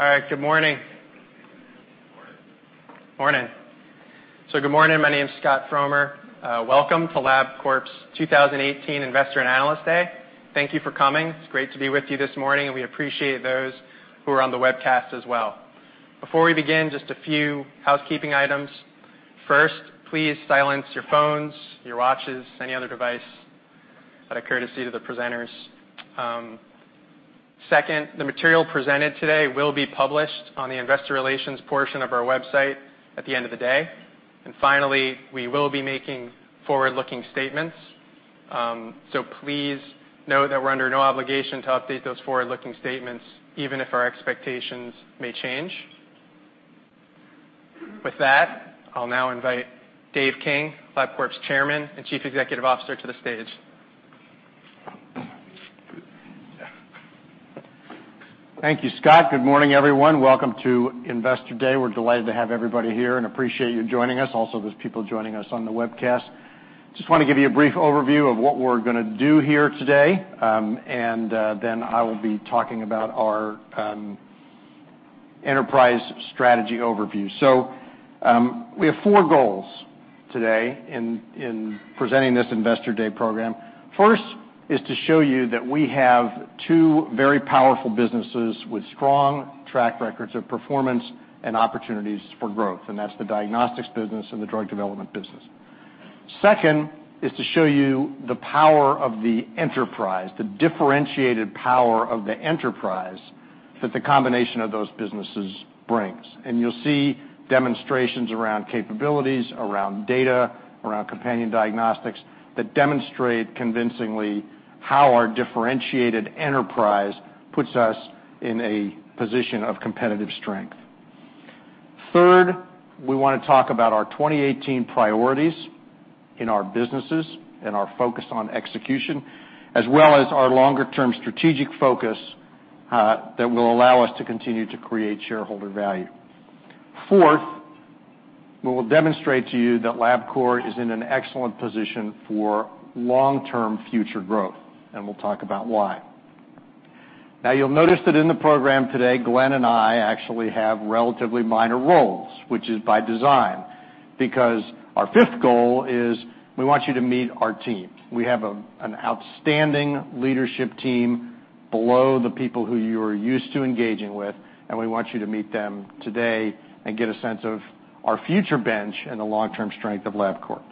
All right. Good morning. Good morning. Morning. Good morning. My name's Scott Fromer. Welcome to Labcorp's 2018 Investor and Analyst Day. Thank you for coming. It's great to be with you this morning, and we appreciate those who are on the webcast as well. Before we begin, just a few housekeeping items. First, please silence your phones, your watches, any other device out of courtesy to the presenters. Second, the material presented today will be published on the Investor Relations portion of our website at the end of the day. Finally, we will be making forward-looking statements. Please note that we're under no obligation to update those forward-looking statements, even if our expectations may change. With that, I'll now invite Dave King, Labcorp's Chairman and Chief Executive Officer, to the stage. Thank you, Scott. Good morning, everyone. Welcome to Investor Day. We're delighted to have everybody here and appreciate you joining us. Also, there's people joining us on the webcast. Just want to give you a brief overview of what we're going to do here today, and then I will be talking about our enterprise strategy overview. We have four goals today in presenting this Investor Day program. First is to show you that we have two very powerful businesses with strong track records of performance and opportunities for growth, and that's the diagnostics business and the drug development business. Second is to show you the power of the enterprise, the differentiated power of the enterprise that the combination of those businesses brings. You'll see demonstrations around capabilities, around data, around companion diagnostics that demonstrate convincingly how our differentiated enterprise puts us in a position of competitive strength. Third, we want to talk about our 2018 priorities in our businesses and our focus on execution, as well as our longer-term strategic focus that will allow us to continue to create shareholder value. Fourth, we will demonstrate to you that Labcorp is in an excellent position for long-term future growth, and we'll talk about why. Now, you'll notice that in the program today, Glenn and I actually have relatively minor roles, which is by design, because our fifth goal is we want you to meet our team. We have an outstanding leadership team below the people who you are used to engaging with, and we want you to meet them today and get a sense of our future bench and the long-term strength of Labcorp.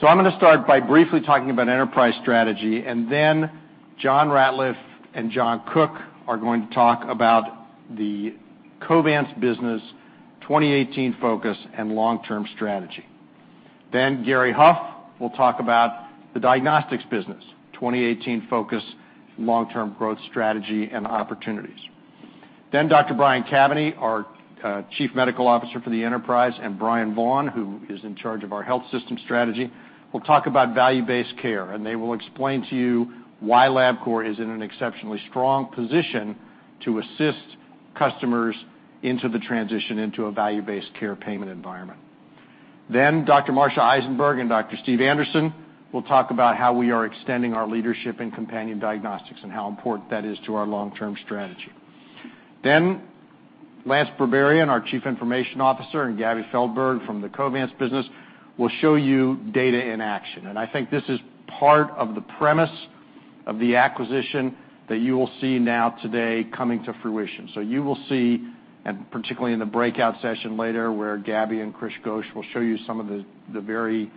I'm going to start by briefly talking about enterprise strategy, and then John Ratliff and John Cook are going to talk about the Covance business, 2018 focus and long-term strategy. Gary Huff will talk about the diagnostics business, 2018 focus, long-term growth strategy and opportunities. Dr. Brian Cavaney, our Chief Medical Officer for the enterprise, and Bryan Vaughn, who is in charge of our health system strategy, will talk about value-based care, and they will explain to you why Labcorp is in an exceptionally strong position to assist customers into the transition into a value-based care payment environment. Dr. Marcia Eisenberg and Dr. Steve Anderson will talk about how we are extending our leadership in companion diagnostics and how important that is to our long-term strategy. Lance Berberian, our Chief Information Officer, and Gabby Feldberg from the Covance business will show you data in action. I think this is part of the premise of the acquisition that you will see now today coming to fruition. You will see, and particularly in the breakout session later, where Gabby and Chris Ghosh will show you some of the very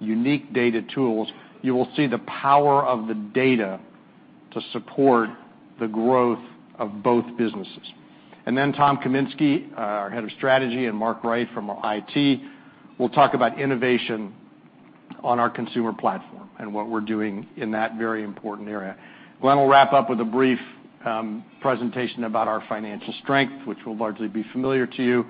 unique data tools, you will see the power of the data to support the growth of both businesses. Tom Kaminski, our Head of Strategy, and Mark Wright from our IT will talk about innovation on our consumer platform and what we are doing in that very important area. Glenn will wrap up with a brief presentation about our financial strength, which will largely be familiar to you.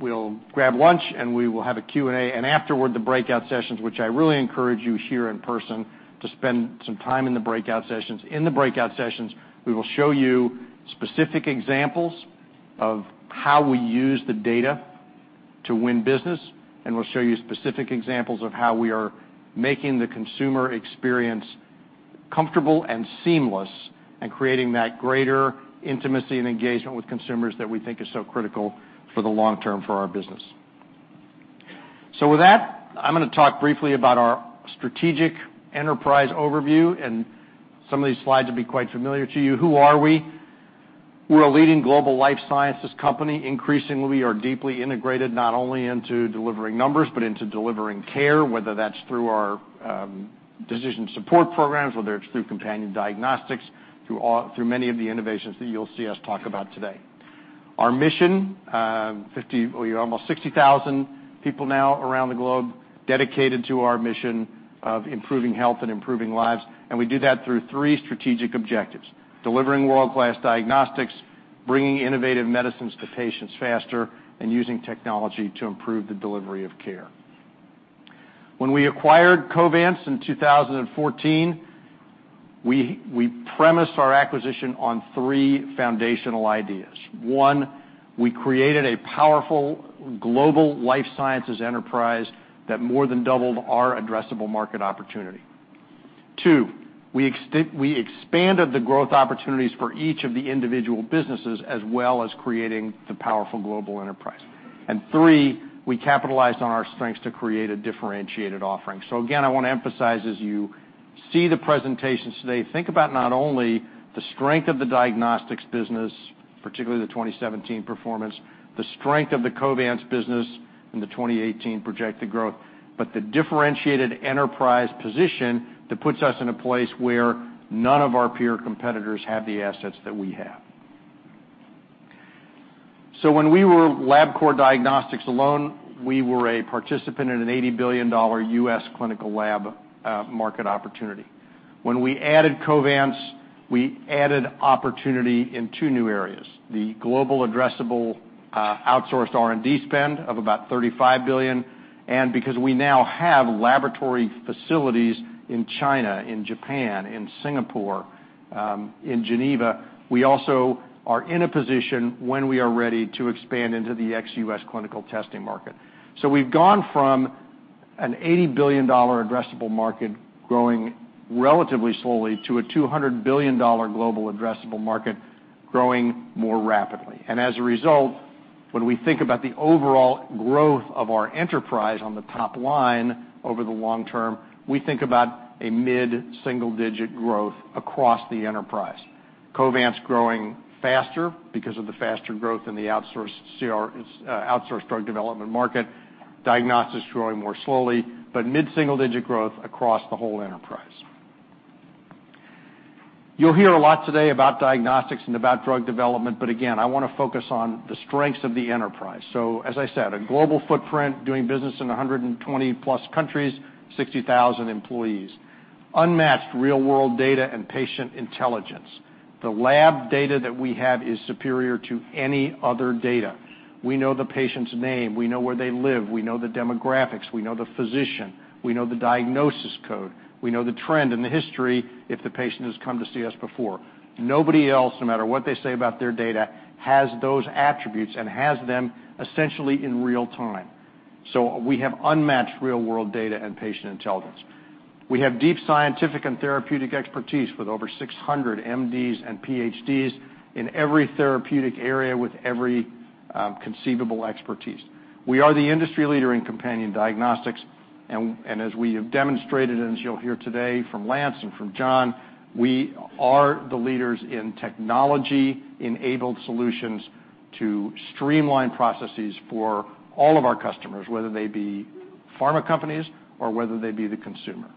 We will grab lunch, and we will have a Q&A and afterward the breakout sessions, which I really encourage you here in person to spend some time in the breakout sessions. In the breakout sessions, we will show you specific examples of how we use the data to win business, and we'll show you specific examples of how we are making the consumer experience comfortable and seamless and creating that greater intimacy and engagement with consumers that we think is so critical for the long term for our business. With that, I'm going to talk briefly about our strategic enterprise overview, and some of these slides will be quite familiar to you. Who are we? We're a leading global life sciences company. Increasingly, we are deeply integrated not only into delivering numbers but into delivering care, whether that's through our decision support programs, whether it's through companion diagnostics, through many of the innovations that you'll see us talk about today. Our mission, we have almost 60,000 people now around the globe dedicated to our mission of improving health and improving lives, and we do that through three strategic objectives: delivering world-class diagnostics, bringing innovative medicines to patients faster, and using technology to improve the delivery of care. When we acquired Covance in 2014, we premised our acquisition on three foundational ideas. One, we created a powerful global life sciences enterprise that more than doubled our addressable market opportunity. Two, we expanded the growth opportunities for each of the individual businesses as well as creating the powerful global enterprise. Three, we capitalized on our strengths to create a differentiated offering. Again, I want to emphasize, as you see the presentations today, think about not only the strength of the diagnostics business, particularly the 2017 performance, the strength of the Covance business in the 2018 projected growth, but the differentiated enterprise position that puts us in a place where none of our peer competitors have the assets that we have. When we were Labcorp Diagnostics alone, we were a participant in an $80 billion US clinical lab market opportunity. When we added Covance, we added opportunity in two new areas: the global addressable outsourced R&D spend of about $35 billion, and because we now have laboratory facilities in China, in Japan, in Singapore, in Geneva, we also are in a position when we are ready to expand into the ex-US clinical testing market. We have gone from an $80 billion addressable market growing relatively slowly to a $200 billion global addressable market growing more rapidly. As a result, when we think about the overall growth of our enterprise on the top line over the long term, we think about a mid-single-digit growth across the enterprise. Covance is growing faster because of the faster growth in the outsourced drug development market. Diagnostics is growing more slowly, but mid-single-digit growth across the whole enterprise. You will hear a lot today about diagnostics and about drug development, but again, I want to focus on the strengths of the enterprise. As I said, a global footprint, doing business in 120-plus countries, 60,000 employees, unmatched real-world data and patient intelligence. The lab data that we have is superior to any other data. We know the patient's name. We know where they live. We know the demographics. We know the physician. We know the diagnosis code. We know the trend and the history if the patient has come to see us before. Nobody else, no matter what they say about their data, has those attributes and has them essentially in real time. We have unmatched real-world data and patient intelligence. We have deep scientific and therapeutic expertise with over 600 MDs and PhDs in every therapeutic area with every conceivable expertise. We are the industry leader in companion diagnostics, and as we have demonstrated, and as you'll hear today from Lance and from John, we are the leaders in technology-enabled solutions to streamline processes for all of our customers, whether they be pharma companies or whether they be the consumer.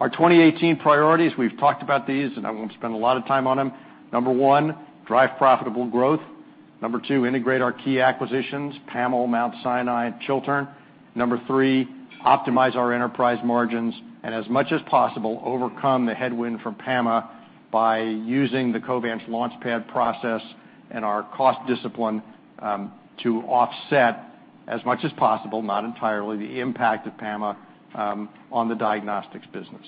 Our 2018 priorities, we've talked about these, and I won't spend a lot of time on them. Number one, drive profitable growth. Number two, integrate our key acquisitions: PAMO, Mount Sinai, and Chiltern. Number three, optimize our enterprise margins and, as much as possible, overcome the headwind from PAMA by using the Covance launchpad process and our cost discipline to offset, as much as possible, not entirely, the impact of PAMA on the diagnostics business.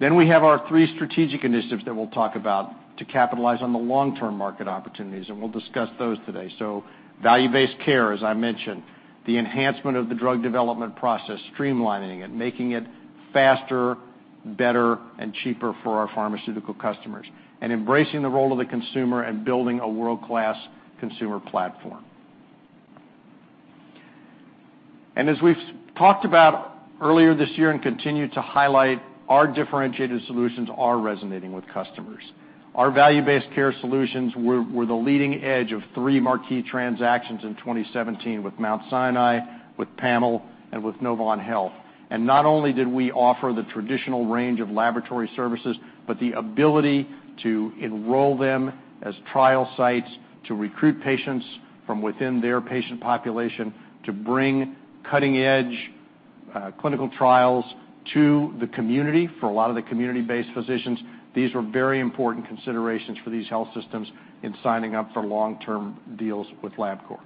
We have our three strategic initiatives that we'll talk about to capitalize on the long-term market opportunities, and we'll discuss those today. Value-based care, as I mentioned, the enhancement of the drug development process, streamlining it, making it faster, better, and cheaper for our pharmaceutical customers, and embracing the role of the consumer and building a world-class consumer platform. As we've talked about earlier this year and continue to highlight, our differentiated solutions are resonating with customers. Our value-based care solutions were the leading edge of three marquee transactions in 2017 with Mount Sinai, with PAMA, and with Novant Health. Not only did we offer the traditional range of laboratory services, but the ability to enroll them as trial sites, to recruit patients from within their patient population, to bring cutting-edge clinical trials to the community for a lot of the community-based physicians. These were very important considerations for these health systems in signing up for long-term deals with Labcorp.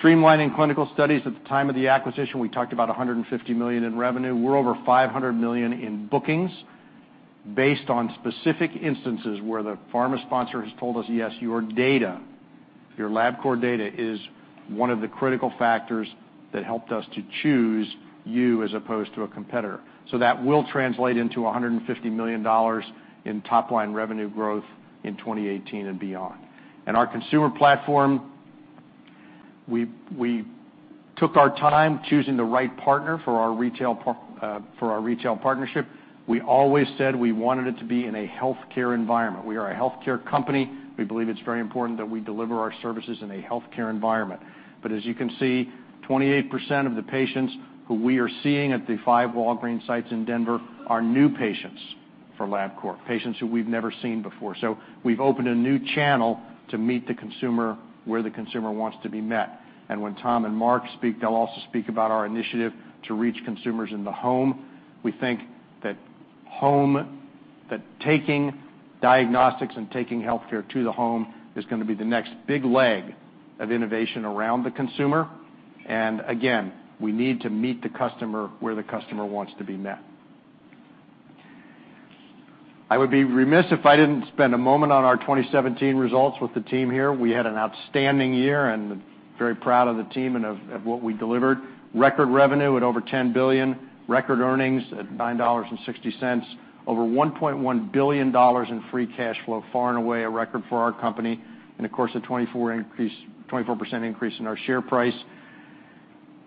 Streamlining clinical studies at the time of the acquisition, we talked about $150 million in revenue. We're over $500 million in bookings based on specific instances where the pharma sponsor has told us, "Yes, your data, your Labcorp data is one of the critical factors that helped us to choose you as opposed to a competitor." That will translate into $150 million in top-line revenue growth in 2018 and beyond. Our consumer platform, we took our time choosing the right partner for our retail partnership. We always said we wanted it to be in a healthcare environment. We are a healthcare company. We believe it's very important that we deliver our services in a healthcare environment. As you can see, 28% of the patients who we are seeing at the five Walgreens sites in Denver are new patients for Labcorp, patients who we've never seen before. We've opened a new channel to meet the consumer where the consumer wants to be met. When Tom and Mark speak, they'll also speak about our initiative to reach consumers in the home. We think that taking diagnostics and taking healthcare to the home is going to be the next big leg of innovation around the consumer. Again, we need to meet the customer where the customer wants to be met. I would be remiss if I didn't spend a moment on our 2017 results with the team here. We had an outstanding year and very proud of the team and of what we delivered. Record revenue at over $10 billion, record earnings at $9.60, over $1.1 billion in free cash flow, far and away a record for our company in the course of a 24% increase in our share price.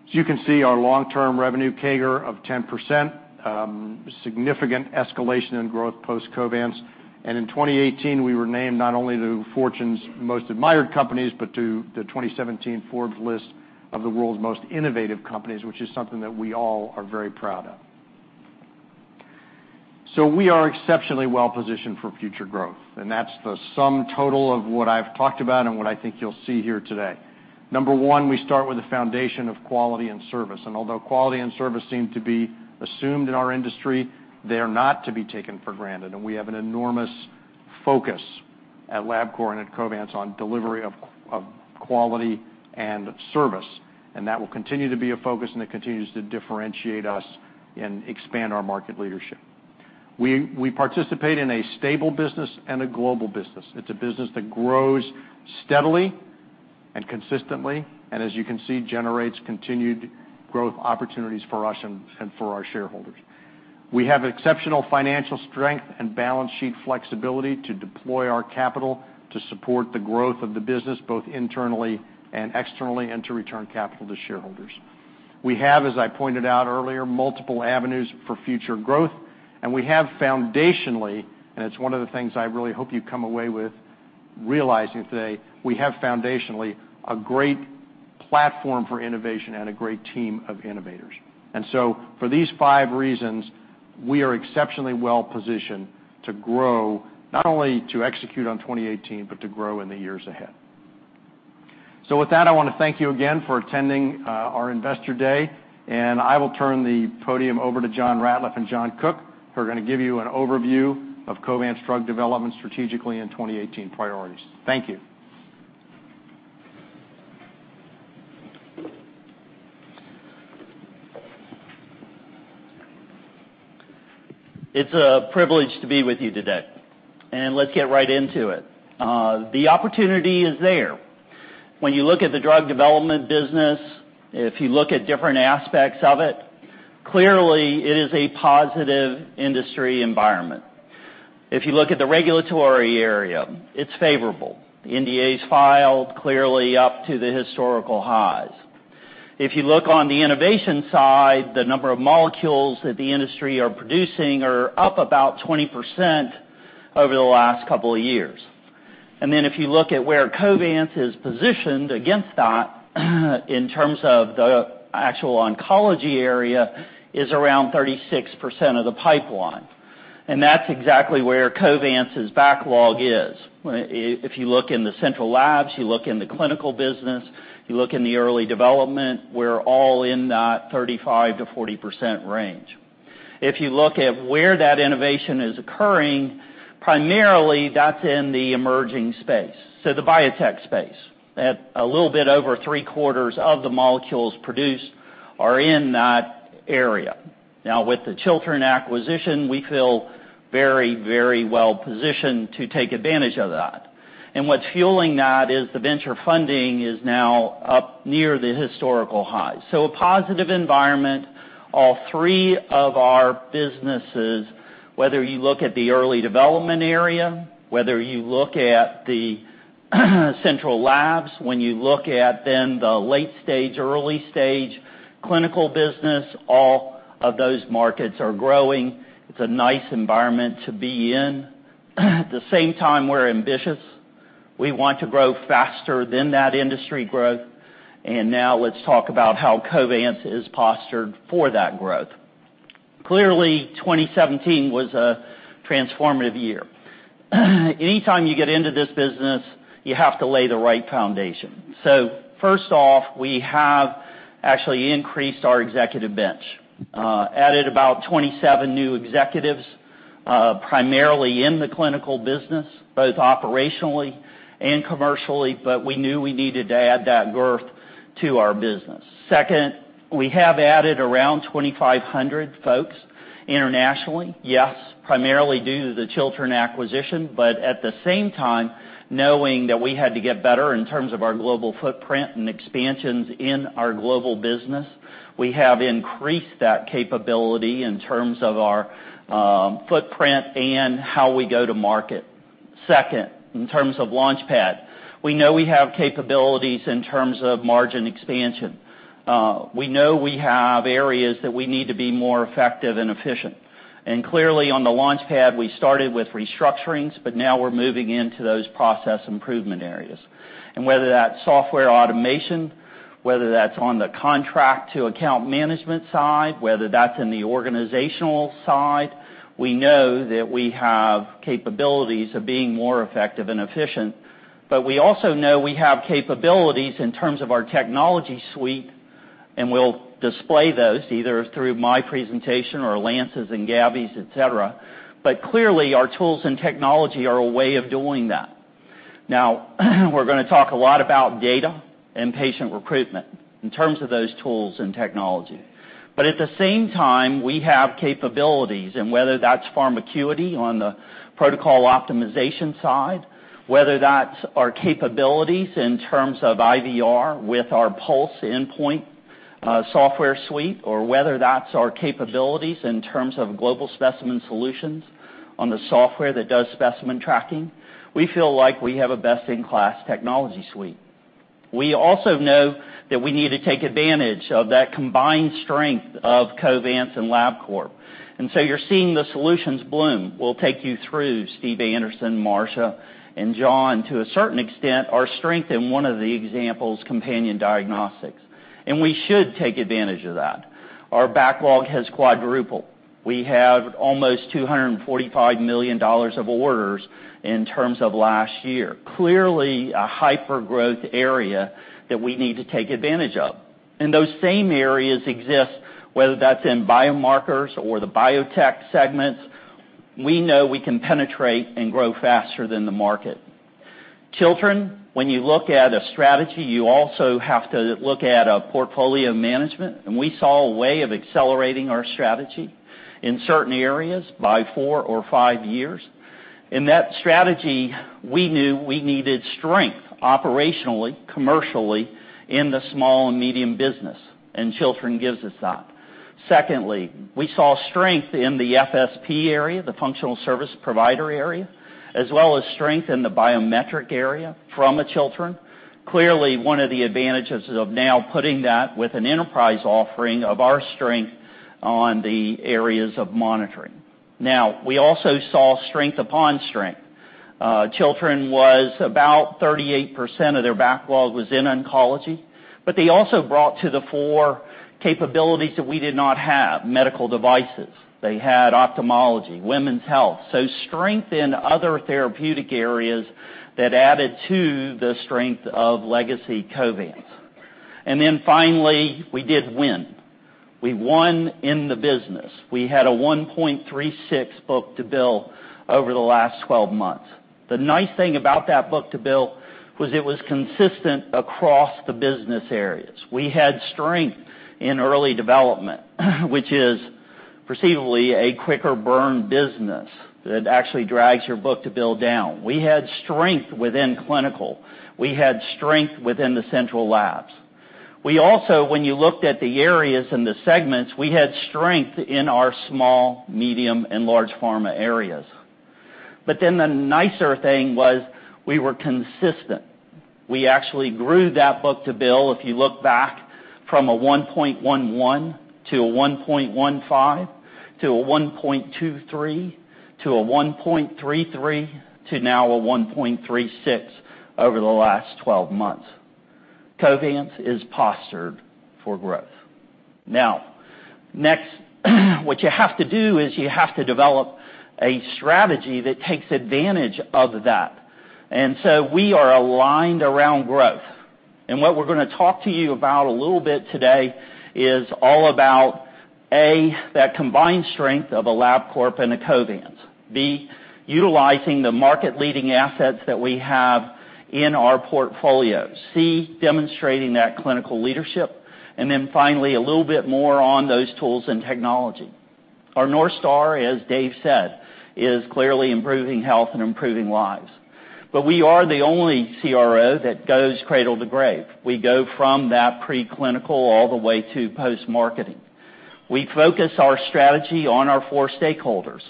As you can see, our long-term revenue CAGR of 10%, significant escalation in growth post-Covance. In 2018, we were named not only to Fortune's most admired companies but to the 2017 Forbes list of the world's most innovative companies, which is something that we all are very proud of. We are exceptionally well-positioned for future growth, and that is the sum total of what I have talked about and what I think you will see here today. Number one, we start with the foundation of quality and service. Although quality and service seem to be assumed in our industry, they are not to be taken for granted. We have an enormous focus at Labcorp and at Covance on delivery of quality and service, and that will continue to be a focus and it continues to differentiate us and expand our market leadership. We participate in a stable business and a global business. is a business that grows steadily and consistently and, as you can see, generates continued growth opportunities for us and for our shareholders. We have exceptional financial strength and balance sheet flexibility to deploy our capital to support the growth of the business both internally and externally and to return capital to shareholders. We have, as I pointed out earlier, multiple avenues for future growth, and we have foundationally—and it is one of the things I really hope you come away with realizing today—we have foundationally a great platform for innovation and a great team of innovators. For these five reasons, we are exceptionally well-positioned to grow not only to execute on 2018 but to grow in the years ahead. With that, I want to thank you again for attending our Investor Day, and I will turn the podium over to John Ratliff and John Cook, who are going to give you an overview of Covance's drug development strategically and 2018 priorities. Thank you. It's a privilege to be with you today, and let's get right into it. The opportunity is there. When you look at the drug development business, if you look at different aspects of it, clearly it is a positive industry environment. If you look at the regulatory area, it's favorable. The NDA is filed clearly up to the historical highs. If you look on the innovation side, the number of molecules that the industry is producing is up about 20% over the last couple of years. If you look at where Covance is positioned against that in terms of the actual oncology area, it is around 36% of the pipeline. That's exactly where Covance's backlog is. If you look in the central labs, you look in the clinical business, you look in the early development, we're all in that 35%-40% range. If you look at where that innovation is occurring, primarily that's in the emerging space, so the biotech space. A little bit over three-quarters of the molecules produced are in that area. Now, with the Chiltern acquisition, we feel very, very well-positioned to take advantage of that. What's fueling that is the venture funding is now up near the historical highs. A positive environment. All three of our businesses, whether you look at the early development area, whether you look at the central labs, when you look at then the late-stage, early-stage clinical business, all of those markets are growing. It's a nice environment to be in. At the same time, we're ambitious. We want to grow faster than that industry growth. Now let's talk about how Covance is postured for that growth. Clearly, 2017 was a transformative year. Anytime you get into this business, you have to lay the right foundation. First off, we have actually increased our executive bench, added about 27 new executives, primarily in the clinical business, both operationally and commercially, but we knew we needed to add that girth to our business. Second, we have added around 2,500 folks internationally, yes, primarily due to the Chiltern acquisition, but at the same time, knowing that we had to get better in terms of our global footprint and expansions in our global business, we have increased that capability in terms of our footprint and how we go to market. Second, in terms of launchpad, we know we have capabilities in terms of margin expansion. We know we have areas that we need to be more effective and efficient. Clearly, on the launchpad, we started with restructurings, but now we're moving into those process improvement areas. Whether that's software automation, whether that's on the contract-to-account management side, whether that's in the organizational side, we know that we have capabilities of being more effective and efficient. We also know we have capabilities in terms of our technology suite, and we'll display those either through my presentation or Lance's and Gabby's, etc. Clearly, our tools and technology are a way of doing that. Now, we're going to talk a lot about data and patient recruitment in terms of those tools and technology. At the same time, we have capabilities, and whether that's Pharma Equity on the protocol optimization side, whether that's our capabilities in terms of IVR with our Pulse Endpoint software suite, or whether that's our capabilities in terms of Global Specimen Solutions on the software that does specimen tracking, we feel like we have a best-in-class technology suite. We also know that we need to take advantage of that combined strength of Covance and Labcorp. You are seeing the solutions bloom. We will take you through Steve Anderson, Marcia, and John to a certain extent our strength in one of the examples, companion diagnostics. We should take advantage of that. Our backlog has quadrupled. We have almost $245 million of orders in terms of last year. Clearly, a hypergrowth area that we need to take advantage of. Those same areas exist, whether that's in biomarkers or the biotech segments. We know we can penetrate and grow faster than the market. Chiltern, when you look at a strategy, you also have to look at portfolio management, and we saw a way of accelerating our strategy in certain areas by four or five years. In that strategy, we knew we needed strength operationally, commercially in the small and medium business, and Chiltern gives us that. Secondly, we saw strength in the FSP area, the functional service provider area, as well as strength in the biometric area from Chiltern. Clearly, one of the advantages of now putting that with an enterprise offering of our strength on the areas of monitoring. We also saw strength upon strength. Chiltern was about 38% of their backlog was in oncology, but they also brought to the fore capabilities that we did not have: medical devices. They had ophthalmology, women's health. Strength in other therapeutic areas that added to the strength of legacy Covance. Finally, we did win. We won in the business. We had a 1.36 book-to-bill over the last 12 months. The nice thing about that book-to-bill was it was consistent across the business areas. We had strength in early development, which is perceivably a quicker-burn business that actually drags your book-to-bill down. We had strength within clinical. We had strength within the central labs. Also, when you looked at the areas and the segments, we had strength in our small, medium, and large pharma areas. The nicer thing was we were consistent. We actually grew that book-to-bill. If you look back from a 1.11 to a 1.15 to a 1.23 to a 1.33 to now a 1.36 over the last 12 months, Covance is postured for growth. Next, what you have to do is you have to develop a strategy that takes advantage of that. We are aligned around growth. What we are going to talk to you about a little bit today is all about, A, that combined strength of a Labcorp and a Covance, B, utilizing the market-leading assets that we have in our portfolio, C, demonstrating that clinical leadership, and then finally, a little bit more on those tools and technology. Our North Star, as Dave said, is clearly improving health and improving lives. We are the only CRO that goes cradle to grave. We go from that preclinical all the way to post-marketing. We focus our strategy on our four stakeholders: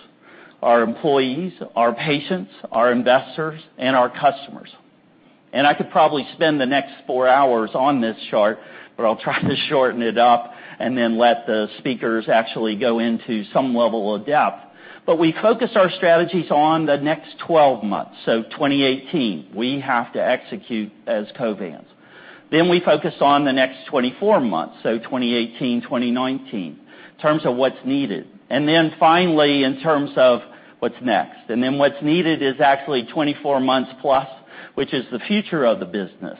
our employees, our patients, our investors, and our customers. I could probably spend the next four hours on this chart, but I'll try to shorten it up and then let the speakers actually go into some level of depth. We focus our strategies on the next 12 months. For 2018, we have to execute as Covance. We then focus on the next 24 months, so 2018, 2019, in terms of what's needed. Finally, in terms of what's next. What's needed is actually 24 months plus, which is the future of the business.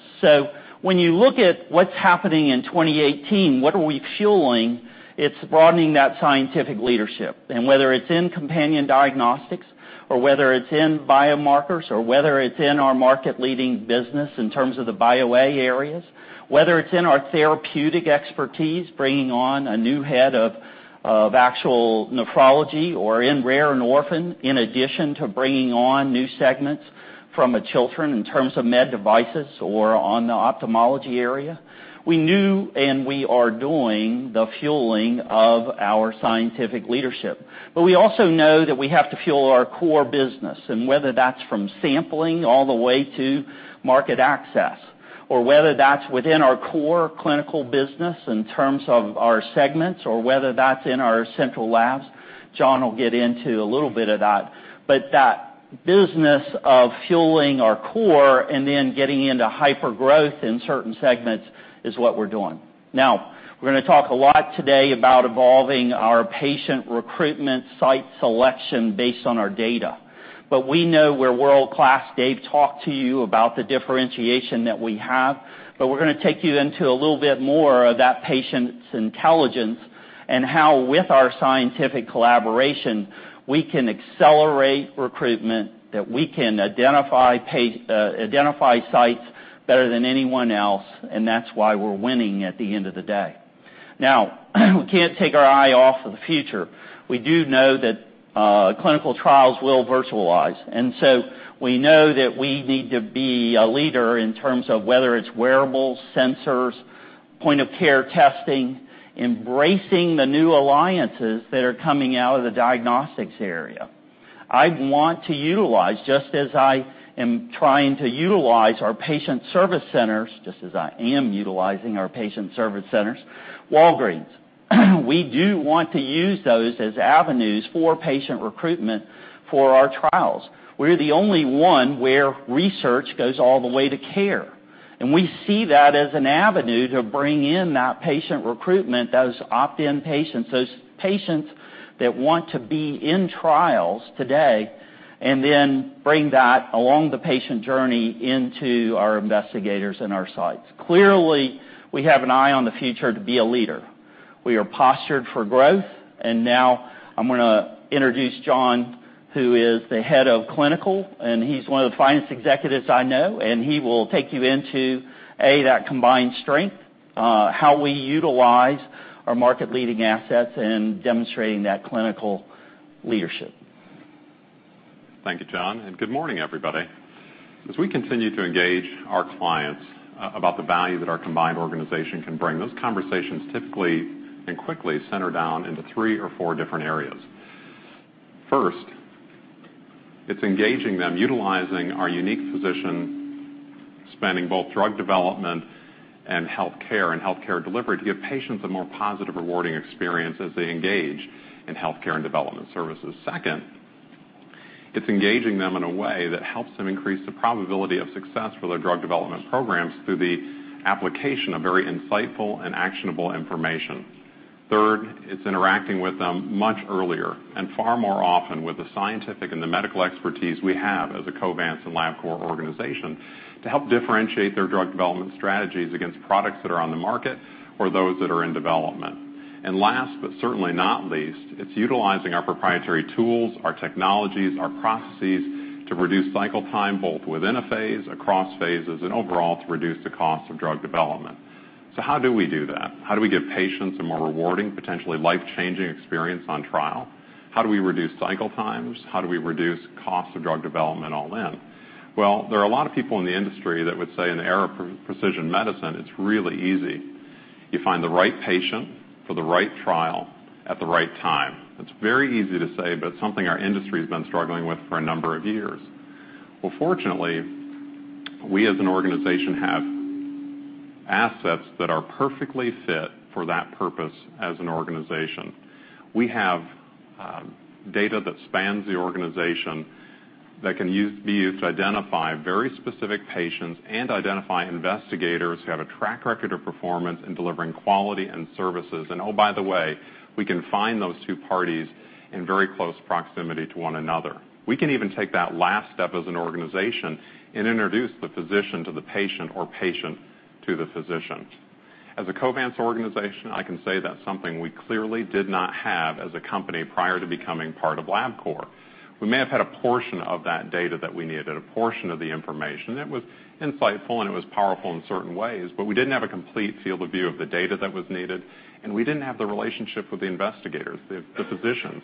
When you look at what's happening in 2018, what are we fueling? It's broadening that scientific leadership. Whether it is in companion diagnostics or whether it is in biomarkers or whether it is in our market-leading business in terms of the BioA areas, whether it is in our therapeutic expertise, bringing on a new head of actual nephrology or in rare endorphin, in addition to bringing on new segments from Chiltern in terms of med devices or on the ophthalmology area, we knew and we are doing the fueling of our scientific leadership. We also know that we have to fuel our core business. Whether that is from sampling all the way to market access, or whether that is within our core clinical business in terms of our segments, or whether that is in our central labs, John will get into a little bit of that. That business of fueling our core and then getting into hypergrowth in certain segments is what we are doing. Now, we're going to talk a lot today about evolving our patient recruitment site selection based on our data. We know we're world-class. Dave talked to you about the differentiation that we have. We're going to take you into a little bit more of that patient's intelligence and how, with our scientific collaboration, we can accelerate recruitment, that we can identify sites better than anyone else, and that's why we're winning at the end of the day. We can't take our eye off of the future. We do know that clinical trials will virtualize. We know that we need to be a leader in terms of whether it's wearables, sensors, point-of-care testing, embracing the new alliances that are coming out of the diagnostics area. I want to utilize, just as I am trying to utilize our patient service centers, just as I am utilizing our patient service centers, Walgreens. We do want to use those as avenues for patient recruitment for our trials. We're the only one where research goes all the way to care. We see that as an avenue to bring in that patient recruitment, those opt-in patients, those patients that want to be in trials today, and then bring that along the patient journey into our investigators and our sites. Clearly, we have an eye on the future to be a leader. We are postured for growth. Now I'm going to introduce John, who is the head of clinical, and he's one of the finest executives I know. He will take you into, A, that combined strength, how we utilize our market-leading assets and demonstrating that clinical leadership. Thank you, John. Good morning, everybody. As we continue to engage our clients about the value that our combined organization can bring, those conversations typically and quickly center down into three or four different areas. First, it is engaging them, utilizing our unique position, spanning both drug development and healthcare and healthcare delivery, to give patients a more positive, rewarding experience as they engage in healthcare and development services. Second, it is engaging them in a way that helps them increase the probability of success for their drug development programs through the application of very insightful and actionable information. Third, it is interacting with them much earlier and far more often with the scientific and the medical expertise we have as a Covance and Labcorp organization to help differentiate their drug development strategies against products that are on the market or those that are in development. Last, but certainly not least, it's utilizing our proprietary tools, our technologies, our processes to reduce cycle time both within a phase, across phases, and overall to reduce the cost of drug development. How do we do that? How do we give patients a more rewarding, potentially life-changing experience on trial? How do we reduce cycle times? How do we reduce cost of drug development all in? There are a lot of people in the industry that would say in the era of precision medicine, it's really easy. You find the right patient for the right trial at the right time. That's very easy to say, but it's something our industry has been struggling with for a number of years. Fortunately, we as an organization have assets that are perfectly fit for that purpose as an organization. We have data that spans the organization that can be used to identify very specific patients and identify investigators who have a track record of performance in delivering quality and services. Oh, by the way, we can find those two parties in very close proximity to one another. We can even take that last step as an organization and introduce the physician to the patient or patient to the physician. As a Covance organization, I can say that's something we clearly did not have as a company prior to becoming part of Labcorp. We may have had a portion of that data that we needed, a portion of the information. It was insightful, and it was powerful in certain ways, but we didn't have a complete field of view of the data that was needed, and we didn't have the relationship with the investigators, the physicians.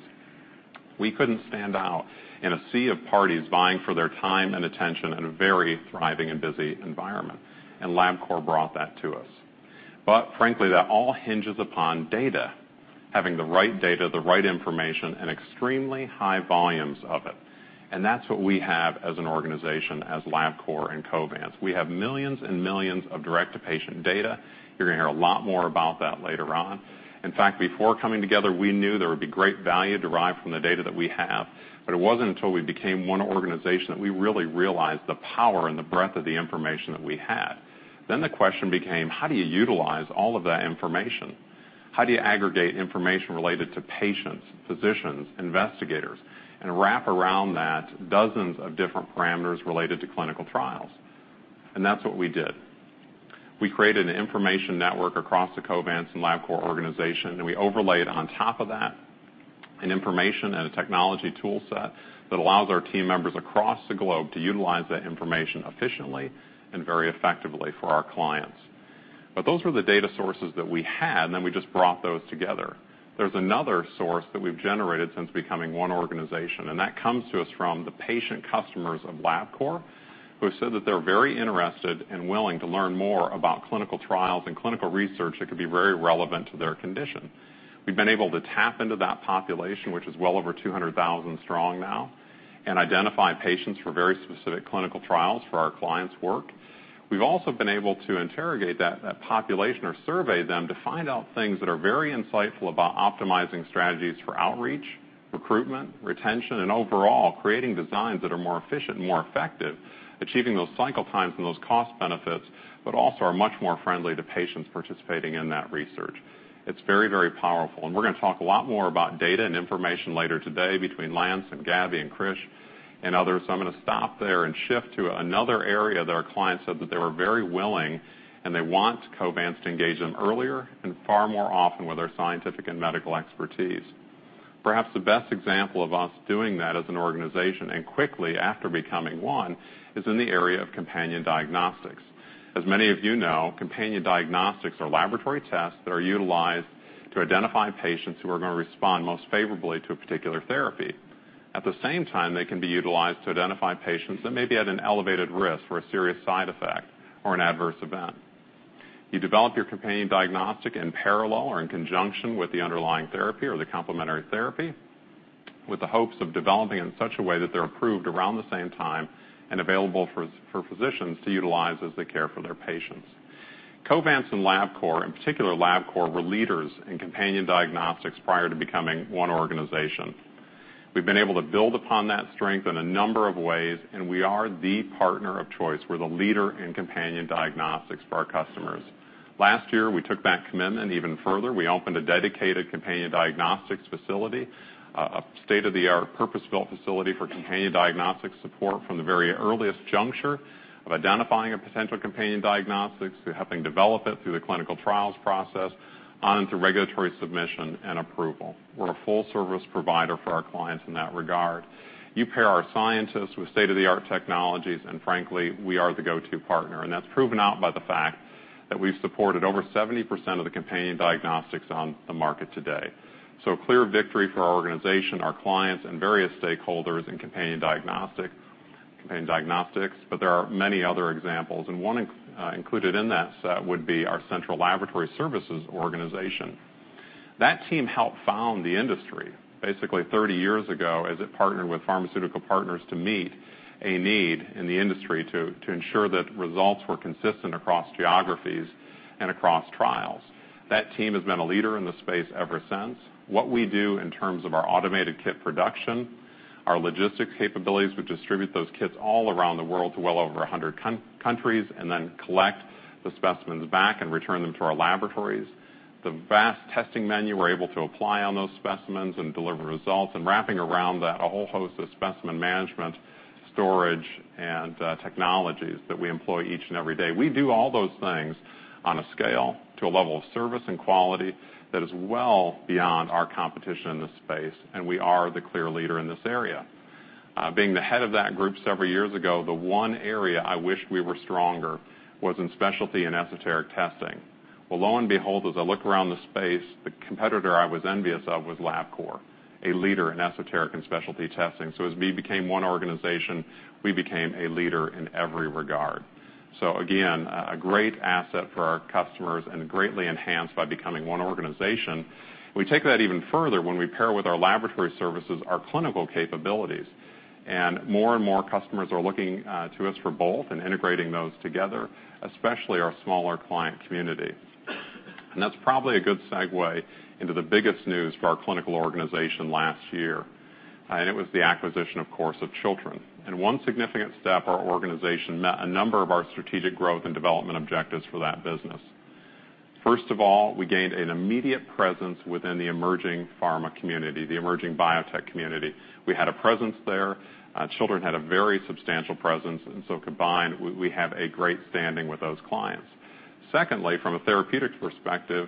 We couldn't stand out in a sea of parties vying for their time and attention in a very thriving and busy environment. Labcorp brought that to us. Frankly, that all hinges upon data, having the right data, the right information, and extremely high volumes of it. That's what we have as an organization, as Labcorp and Covance. We have millions and millions of direct-to-patient data. You're going to hear a lot more about that later on. In fact, before coming together, we knew there would be great value derived from the data that we have, but it wasn't until we became one organization that we really realized the power and the breadth of the information that we had. The question became, how do you utilize all of that information? How do you aggregate information related to patients, physicians, investigators, and wrap around that dozens of different parameters related to clinical trials? That is what we did. We created an information network across the Covance and Labcorp organization, and we overlaid on top of that an information and a technology toolset that allows our team members across the globe to utilize that information efficiently and very effectively for our clients. Those were the data sources that we had, and then we just brought those together. There is another source that we have generated since becoming one organization, and that comes to us from the patient customers of Labcorp, who have said that they are very interested and willing to learn more about clinical trials and clinical research that could be very relevant to their condition. We've been able to tap into that population, which is well over 200,000 strong now, and identify patients for very specific clinical trials for our clients' work. We've also been able to interrogate that population or survey them to find out things that are very insightful about optimizing strategies for outreach, recruitment, retention, and overall creating designs that are more efficient and more effective, achieving those cycle times and those cost benefits, but also are much more friendly to patients participating in that research. It's very, very powerful. We are going to talk a lot more about data and information later today between Lance and Gabby and Chris and others. I'm going to stop there and shift to another area that our clients said that they were very willing and they want Covance to engage them earlier and far more often with our scientific and medical expertise. Perhaps the best example of us doing that as an organization and quickly after becoming one is in the area of companion diagnostics. As many of you know, companion diagnostics are laboratory tests that are utilized to identify patients who are going to respond most favorably to a particular therapy. At the same time, they can be utilized to identify patients that may be at an elevated risk for a serious side effect or an adverse event. You develop your companion diagnostic in parallel or in conjunction with the underlying therapy or the complementary therapy with the hopes of developing in such a way that they're approved around the same time and available for physicians to utilize as they care for their patients. Covance and Labcorp, in particular Labcorp, were leaders in companion diagnostics prior to becoming one organization. We've been able to build upon that strength in a number of ways, and we are the partner of choice. We're the leader in companion diagnostics for our customers. Last year, we took that commitment even further. We opened a dedicated companion diagnostics facility, a state-of-the-art purpose-built facility for companion diagnostics support from the very earliest juncture of identifying a potential companion diagnostics to helping develop it through the clinical trials process onto regulatory submission and approval. We're a full-service provider for our clients in that regard. You pair our scientists with state-of-the-art technologies, and frankly, we are the go-to partner. That is proven out by the fact that we've supported over 70% of the companion diagnostics on the market today. A clear victory for our organization, our clients, and various stakeholders in companion diagnostics, but there are many other examples. One included in that set would be our central laboratory services organization. That team helped found the industry basically 30 years ago as it partnered with pharmaceutical partners to meet a need in the industry to ensure that results were consistent across geographies and across trials. That team has been a leader in the space ever since. What we do in terms of our automated kit production, our logistics capabilities, we distribute those kits all around the world to well over 100 countries and then collect the specimens back and return them to our laboratories. The vast testing menu we're able to apply on those specimens and deliver results and wrapping around that, a whole host of specimen management, storage, and technologies that we employ each and every day. We do all those things on a scale to a level of service and quality that is well beyond our competition in this space, and we are the clear leader in this area. Being the head of that group several years ago, the one area I wished we were stronger was in specialty and esoteric testing. As I look around the space, the competitor I was envious of was Labcorp, a leader in esoteric and specialty testing. As we became one organization, we became a leader in every regard. Again, a great asset for our customers and greatly enhanced by becoming one organization. We take that even further when we pair with our laboratory services, our clinical capabilities. More and more customers are looking to us for both and integrating those together, especially our smaller client community. That is probably a good segue into the biggest news for our clinical organization last year. It was the acquisition, of course, of Chiltern. In one significant step, our organization met a number of our strategic growth and development objectives for that business. First of all, we gained an immediate presence within the emerging pharma community, the emerging biotech community. We had a presence there. Chiltern had a very substantial presence. Combined, we have a great standing with those clients. Secondly, from a therapeutic perspective,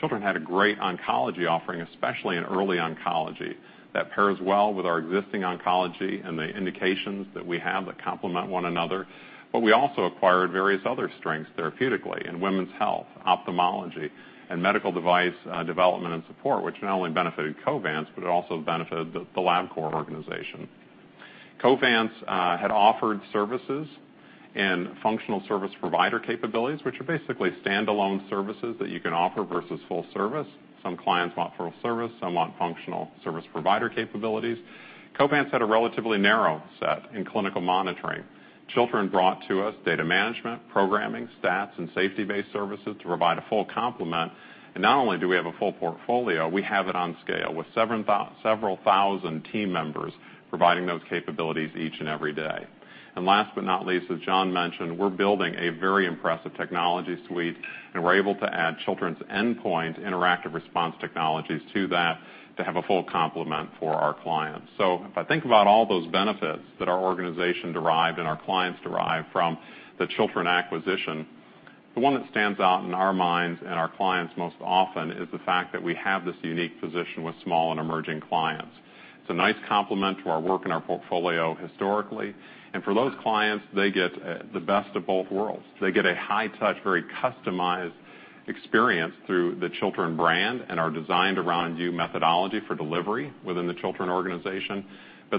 Chiltern had a great oncology offering, especially in early oncology, that pairs well with our existing oncology and the indications that we have that complement one another. We also acquired various other strengths therapeutically in women's health, ophthalmology, and medical device development and support, which not only benefited Covance, but it also benefited the Labcorp organization. Covance had offered services and functional service provider capabilities, which are basically standalone services that you can offer versus full service. Some clients want full service. Some want functional service provider capabilities. Covance had a relatively narrow set in clinical monitoring. Chiltern brought to us data management, programming, stats, and safety-based services to provide a full complement. Not only do we have a full portfolio, we have it on scale with several thousand team members providing those capabilities each and every day. Last but not least, as John mentioned, we're building a very impressive technology suite, and we're able to add Chiltern's Endpoint interactive response technologies to that to have a full complement for our clients. If I think about all those benefits that our organization derived and our clients derived from the Chiltern acquisition, the one that stands out in our minds and our clients most often is the fact that we have this unique position with small and emerging clients. It's a nice complement to our work and our portfolio historically. For those clients, they get the best of both worlds. They get a high-touch, very customized experience through the Chiltern brand and our designed around you methodology for delivery within the Chiltern organization.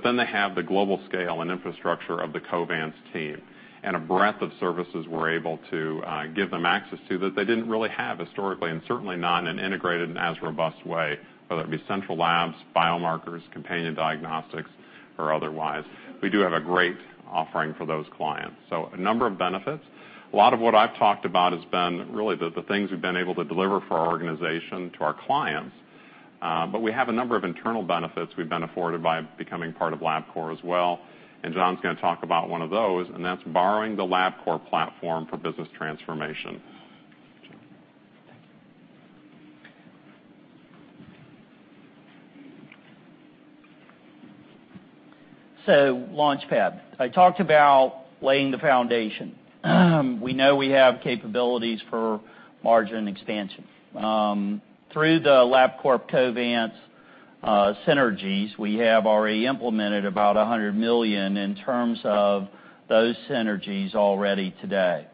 Then they have the global scale and infrastructure of the Covance team and a breadth of services we're able to give them access to that they didn't really have historically and certainly not in an integrated and as robust way, whether it be central labs, biomarkers, companion diagnostics, or otherwise. We do have a great offering for those clients. A number of benefits. A lot of what I've talked about has been really the things we've been able to deliver for our organization to our clients. We have a number of internal benefits we've been afforded by becoming part of Labcorp as well. John's going to talk about one of those, and that's borrowing the Labcorp platform for business transformation. Launchpad, I talked about laying the foundation. We know we have capabilities for margin expansion. Through the Labcorp Covance synergies, we have already implemented about $100 million in terms of those synergies already today.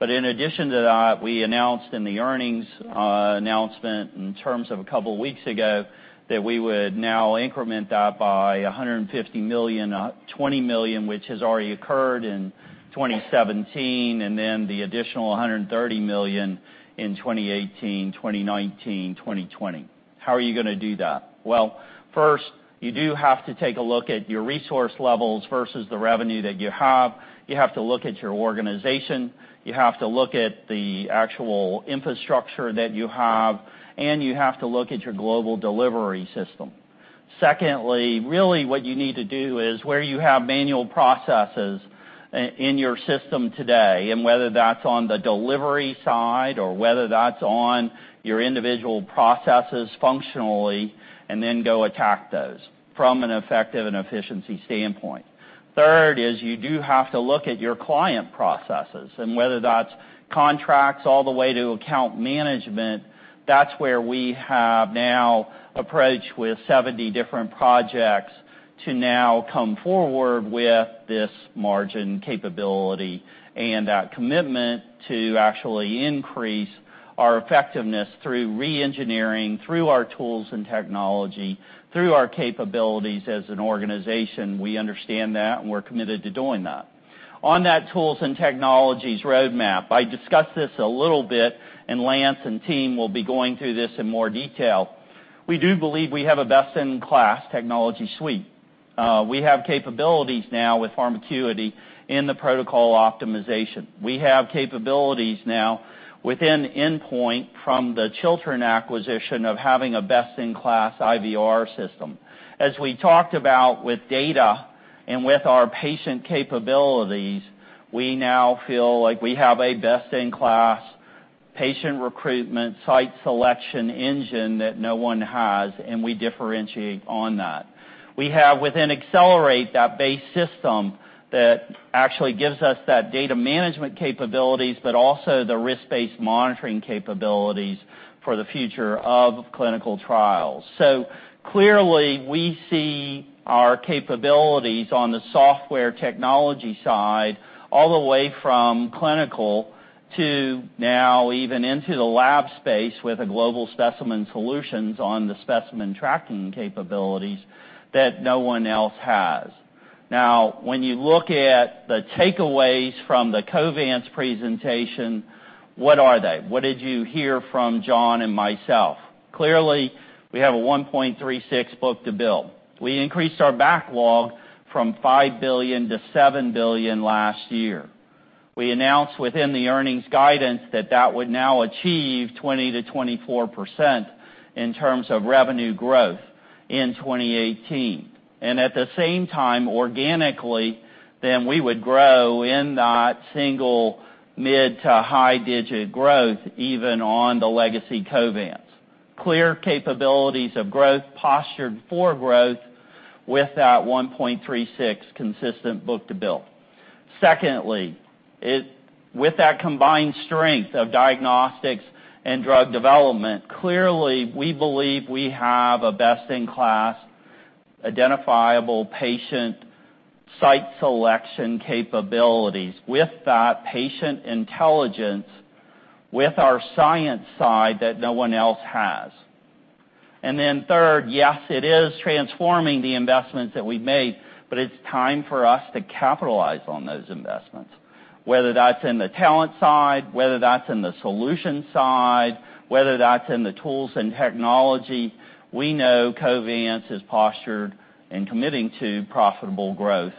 In addition to that, we announced in the earnings announcement in terms of a couple of weeks ago that we would now increment that by $150 million, $20 million, which has already occurred in 2017, and then the additional $130 million in 2018, 2019, 2020. How are you going to do that? First, you do have to take a look at your resource levels versus the revenue that you have. You have to look at your organization. You have to look at the actual infrastructure that you have, and you have to look at your global delivery system. Secondly, really what you need to do is where you have manual processes in your system today and whether that is on the delivery side or whether that is on your individual processes functionally and then go attack those from an effective and efficiency standpoint. Third is you do have to look at your client processes and whether that's contracts all the way to account management. That's where we have now approached with 70 different projects to now come forward with this margin capability and that commitment to actually increase our effectiveness through re-engineering, through our tools and technology, through our capabilities as an organization. We understand that, and we're committed to doing that. On that tools and technologies roadmap, I discussed this a little bit, and Lance and team will be going through this in more detail. We do believe we have a best-in-class technology suite. We have capabilities now with PharmaQuity in the protocol optimization. We have capabilities now within Endpoint from the Chiltern acquisition of having a best-in-class IVR system. As we talked about with data and with our patient capabilities, we now feel like we have a best-in-class patient recruitment site selection engine that no one has, and we differentiate on that. We have within Accelerate that base system that actually gives us that data management capabilities, but also the risk-based monitoring capabilities for the future of clinical trials. Clearly, we see our capabilities on the software technology side all the way from clinical to now even into the lab space with Global Specimen Solutions on the specimen tracking capabilities that no one else has. Now, when you look at the takeaways from the Covance presentation, what are they? What did you hear from John and myself? Clearly, we have a 1.36 book-to-bill. We increased our backlog from $5 billion to $7 billion last year. We announced within the earnings guidance that that would now achieve 20%-24% in terms of revenue growth in 2018. At the same time, organically, then we would grow in that single mid to high digit growth even on the legacy Covance. Clear capabilities of growth postured for growth with that 1.36 consistent book-to-bill. Secondly, with that combined strength of diagnostics and drug development, clearly, we believe we have a best-in-class identifiable patient site selection capabilities with that patient intelligence with our science side that no one else has. Third, yes, it is transforming the investments that we've made, but it's time for us to capitalize on those investments. Whether that's in the talent side, whether that's in the solution side, whether that's in the tools and technology, we know Covance is postured and committing to profitable growth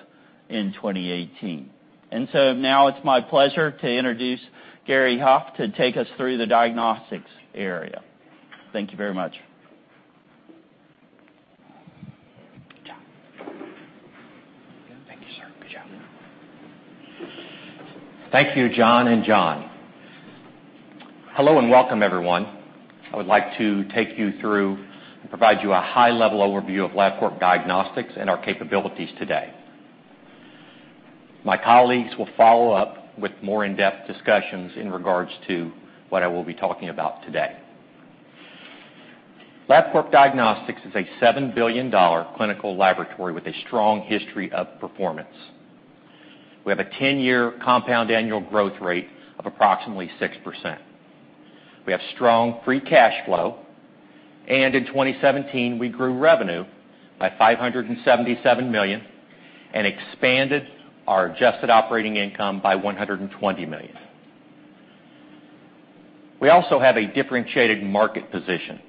in 2018. It is my pleasure to introduce Gary Huff to take us through the diagnostics area. Thank you very much. Good job. Thank you, sir. Good job. Thank you, John and John. Hello and welcome, everyone. I would like to take you through and provide you a high-level overview of Labcorp Diagnostics and our capabilities today. My colleagues will follow up with more in-depth discussions in regards to what I will be talking about today. Labcorp Diagnostics is a $7 billion clinical laboratory with a strong history of performance. We have a 10-year compound annual growth rate of approximately 6%. We have strong free cash flow. In 2017, we grew revenue by $577 million and expanded our adjusted operating income by $120 million. We also have a differentiated market position,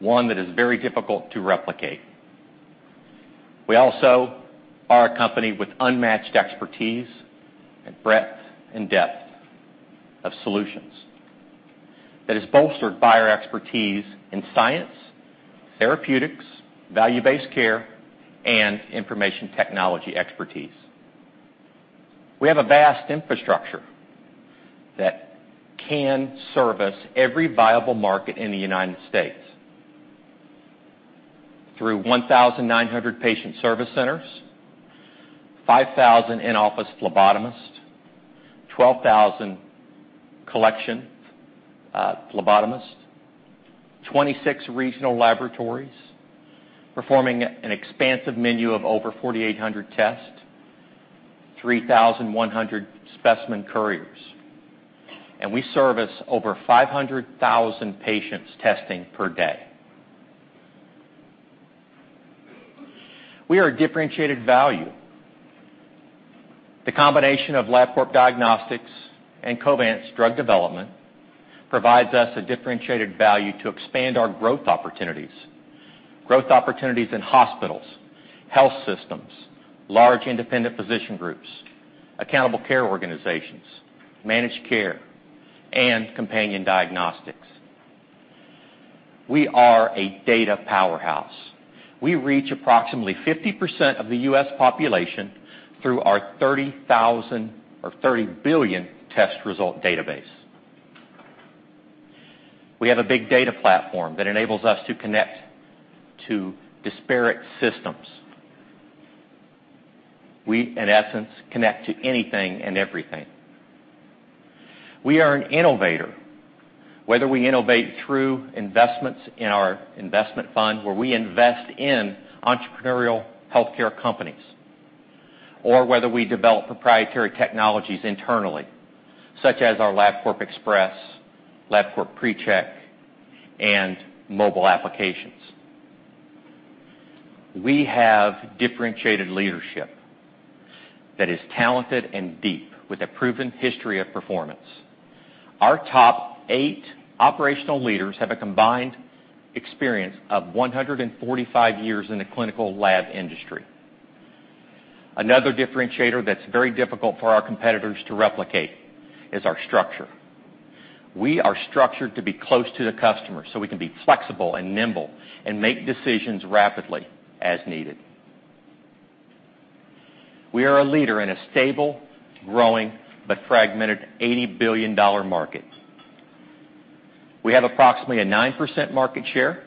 one that is very difficult to replicate. We also are a company with unmatched expertise and breadth and depth of solutions that is bolstered by our expertise in science, therapeutics, value-based care, and information technology expertise. We have a vast infrastructure that can service every viable market in the United States through 1,900 patient service centers, 5,000 in-office phlebotomists, 12,000 collection phlebotomists, 26 regional laboratories performing an expansive menu of over 4,800 tests, 3,100 specimen couriers. We service over 500,000 patients testing per day. We are a differentiated value. The combination of Labcorp Diagnostics and Covance's drug development provides us a differentiated value to expand our growth opportunities, growth opportunities in hospitals, health systems, large independent physician groups, accountable care organizations, managed care, and companion diagnostics. We are a data powerhouse. We reach approximately 50% of the U.S. population through our 30,000 or 30 billion test result database. We have a big data platform that enables us to connect to disparate systems. We, in essence, connect to anything and everything. We are an innovator, whether we innovate through investments in our investment fund where we invest in entrepreneurial healthcare companies or whether we develop proprietary technologies internally, such as our Labcorp Express, Labcorp PreCheck, and mobile applications. We have differentiated leadership that is talented and deep with a proven history of performance. Our top eight operational leaders have a combined experience of 145 years in the clinical lab industry. Another differentiator that's very difficult for our competitors to replicate is our structure. We are structured to be close to the customer so we can be flexible and nimble and make decisions rapidly as needed. We are a leader in a stable, growing, but fragmented $80 billion market. We have approximately a 9% market share.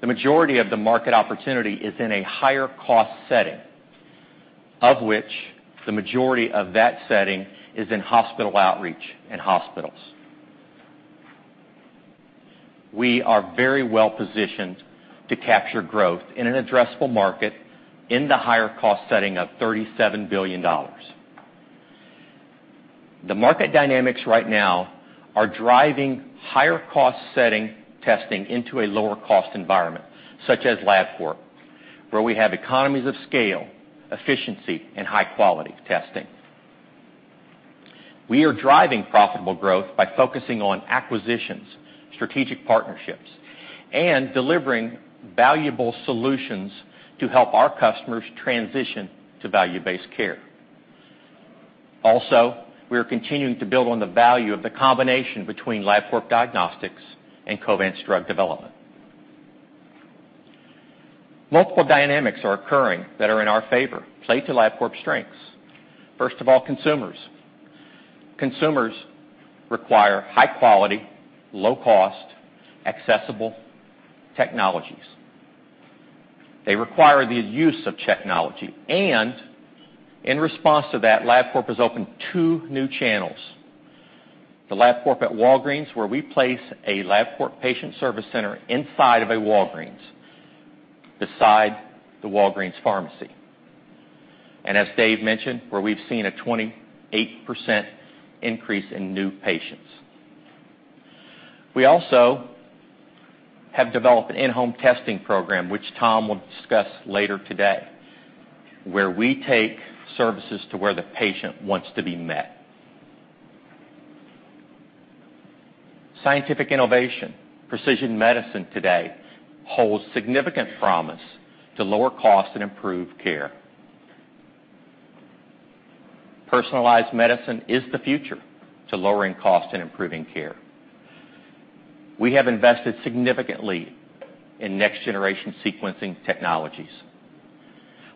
The majority of the market opportunity is in a higher cost setting, of which the majority of that setting is in hospital outreach and hospitals. We are very well positioned to capture growth in an addressable market in the higher cost setting of $37 billion. The market dynamics right now are driving higher cost setting testing into a lower cost environment, such as Labcorp, where we have economies of scale, efficiency, and high-quality testing. We are driving profitable growth by focusing on acquisitions, strategic partnerships, and delivering valuable solutions to help our customers transition to value-based care. Also, we are continuing to build on the value of the combination between Labcorp Diagnostics and Covance's drug development. Multiple dynamics are occurring that are in our favor. Play to Labcorp's strengths. First of all, consumers. Consumers require high-quality, low-cost, accessible technologies. They require the use of technology. In response to that, Labcorp has opened two new channels: the Labcorp at Walgreens, where we place a Labcorp patient service center inside of a Walgreens beside the Walgreens pharmacy. As Dave mentioned, we have seen a 28% increase in new patients. We also have developed an in-home testing program, which Tom will discuss later today, where we take services to where the patient wants to be met. Scientific innovation, precision medicine today holds significant promise to lower cost and improve care. Personalized medicine is the future to lowering cost and improving care. We have invested significantly in next-generation sequencing technologies.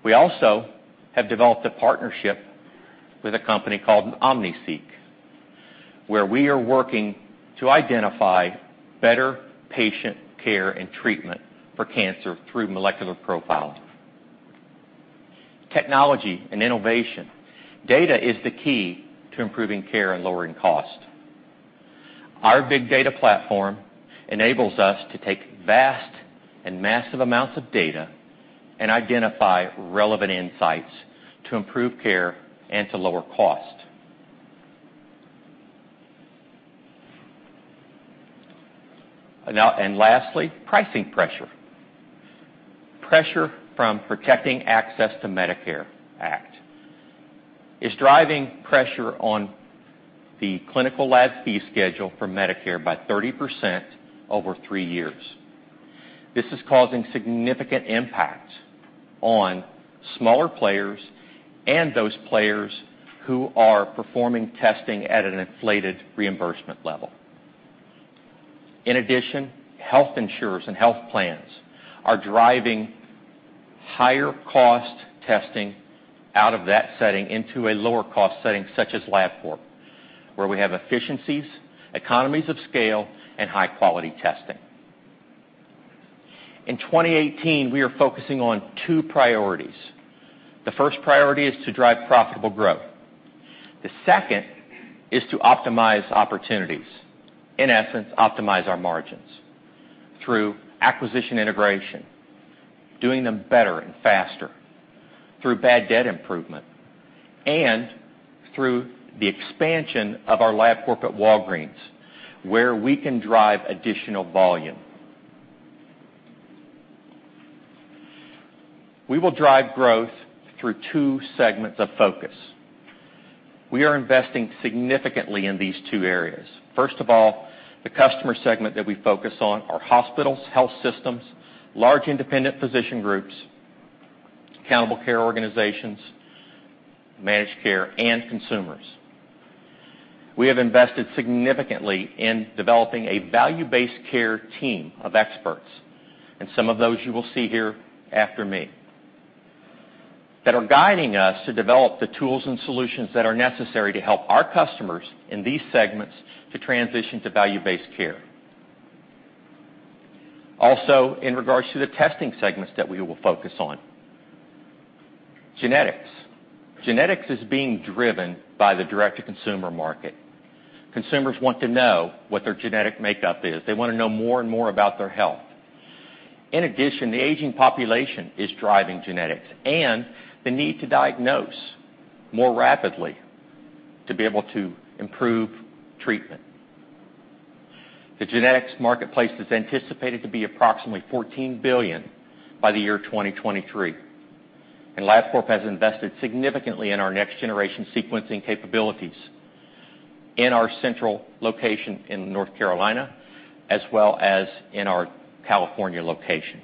We also have developed a partnership with a company called OmniSeek, where we are working to identify better patient care and treatment for cancer through molecular profiling. Technology and innovation. Data is the key to improving care and lowering cost. Our big data platform enables us to take vast and massive amounts of data and identify relevant insights to improve care and to lower cost. Lastly, pricing pressure. Pressure from Protecting Access to Medicare Act is driving pressure on the clinical lab fee schedule for Medicare by 30% over three years. This is causing significant impact on smaller players and those players who are performing testing at an inflated reimbursement level. In addition, health insurers and health plans are driving higher-cost testing out of that setting into a lower-cost setting such as Labcorp, where we have efficiencies, economies of scale, and high-quality testing. In 2018, we are focusing on two priorities. The first priority is to drive profitable growth. The second is to optimize opportunities. In essence, optimize our margins through acquisition integration, doing them better and faster through bad debt improvement, and through the expansion of our Labcorp at Walgreens, where we can drive additional volume. We will drive growth through two segments of focus. We are investing significantly in these two areas. First of all, the customer segment that we focus on are hospitals, health systems, large independent physician groups, accountable care organizations, managed care, and consumers. We have invested significantly in developing a value-based care team of experts, and some of those you will see here after me, that are guiding us to develop the tools and solutions that are necessary to help our customers in these segments to transition to value-based care. Also, in regards to the testing segments that we will focus on, genetics. Genetics is being driven by the direct-to-consumer market. Consumers want to know what their genetic makeup is. They want to know more and more about their health. In addition, the aging population is driving genetics and the need to diagnose more rapidly to be able to improve treatment. The genetics marketplace is anticipated to be approximately $14 billion by the year 2023. Labcorp has invested significantly in our next-generation sequencing capabilities in our central location in North Carolina, as well as in our California location.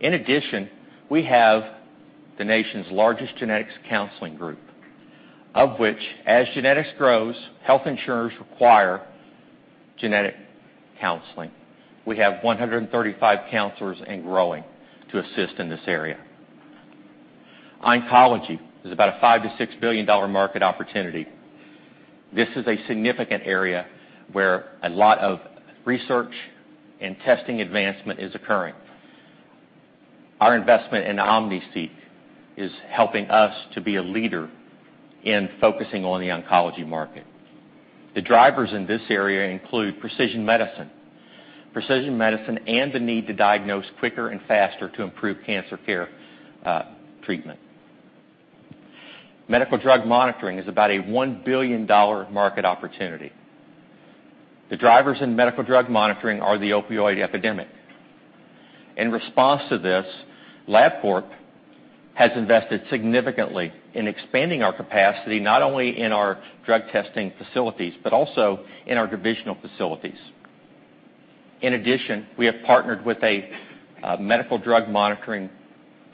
In addition, we have the nation's largest genetics counseling group, of which, as genetics grows, health insurers require genetic counseling. We have 135 counselors and growing to assist in this area. Oncology is about a $5billion-$6 billion market opportunity. This is a significant area where a lot of research and testing advancement is occurring. Our investment in OmniSeek is helping us to be a leader in focusing on the oncology market. The drivers in this area include precision medicine, precision medicine, and the need to diagnose quicker and faster to improve cancer care treatment. Medical drug monitoring is about a $1 billion market opportunity. The drivers in medical drug monitoring are the opioid epidemic. In response to this, Labcorp has invested significantly in expanding our capacity, not only in our drug testing facilities, but also in our divisional facilities. In addition, we have partnered with a medical drug monitoring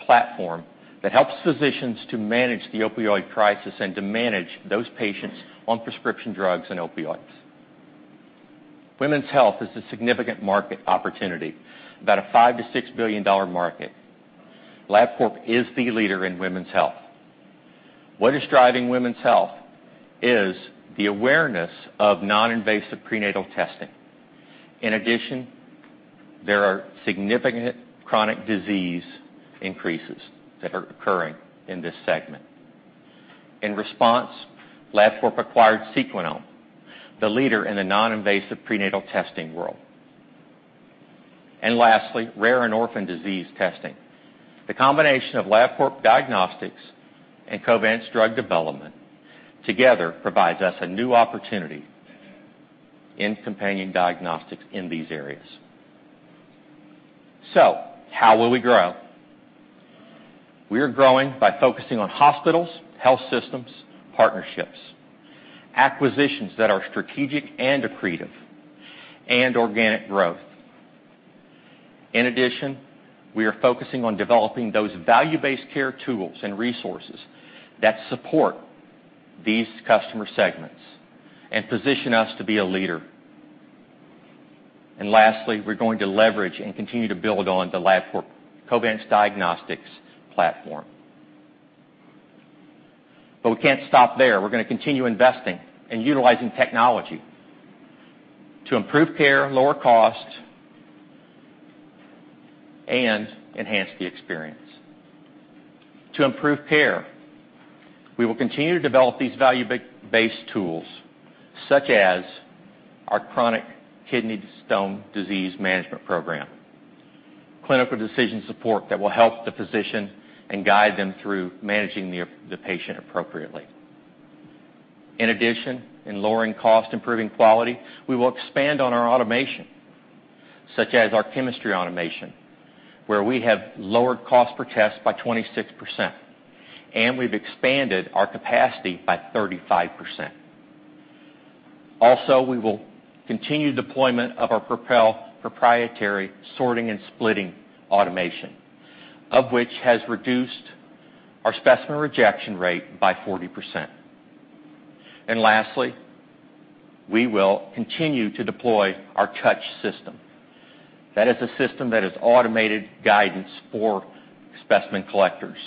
platform that helps physicians to manage the opioid crisis and to manage those patients on prescription drugs and opioids. Women's health is a significant market opportunity, about a $5billion-$6 billion market. Labcorp is the leader in women's health. What is driving women's health is the awareness of non-invasive prenatal testing. In addition, there are significant chronic disease increases that are occurring in this segment. In response, Labcorp acquired Sequinel, the leader in the non-invasive prenatal testing world. Lastly, rare and orphan disease testing. The combination of Labcorp Diagnostics and Covance's drug development together provides us a new opportunity in companion diagnostics in these areas. How will we grow? We are growing by focusing on hospitals, health systems, partnerships, acquisitions that are strategic and accretive, and organic growth. In addition, we are focusing on developing those value-based care tools and resources that support these customer segments and position us to be a leader. Lastly, we're going to leverage and continue to build on the Labcorp Covance diagnostics platform. We can't stop there. We're going to continue investing and utilizing technology to improve care, lower cost, and enhance the experience. To improve care, we will continue to develop these value-based tools, such as our chronic kidney stone disease management program, clinical decision support that will help the physician and guide them through managing the patient appropriately. In addition, in lowering cost, improving quality, we will expand on our automation, such as our chemistry automation, where we have lowered cost per test by 26%, and we have expanded our capacity by 35%. Also, we will continue deployment of our Propel proprietary sorting and splitting automation, which has reduced our specimen rejection rate by 40%. Lastly, we will continue to deploy our Touch System. That is a system that is automated guidance for specimen collectors.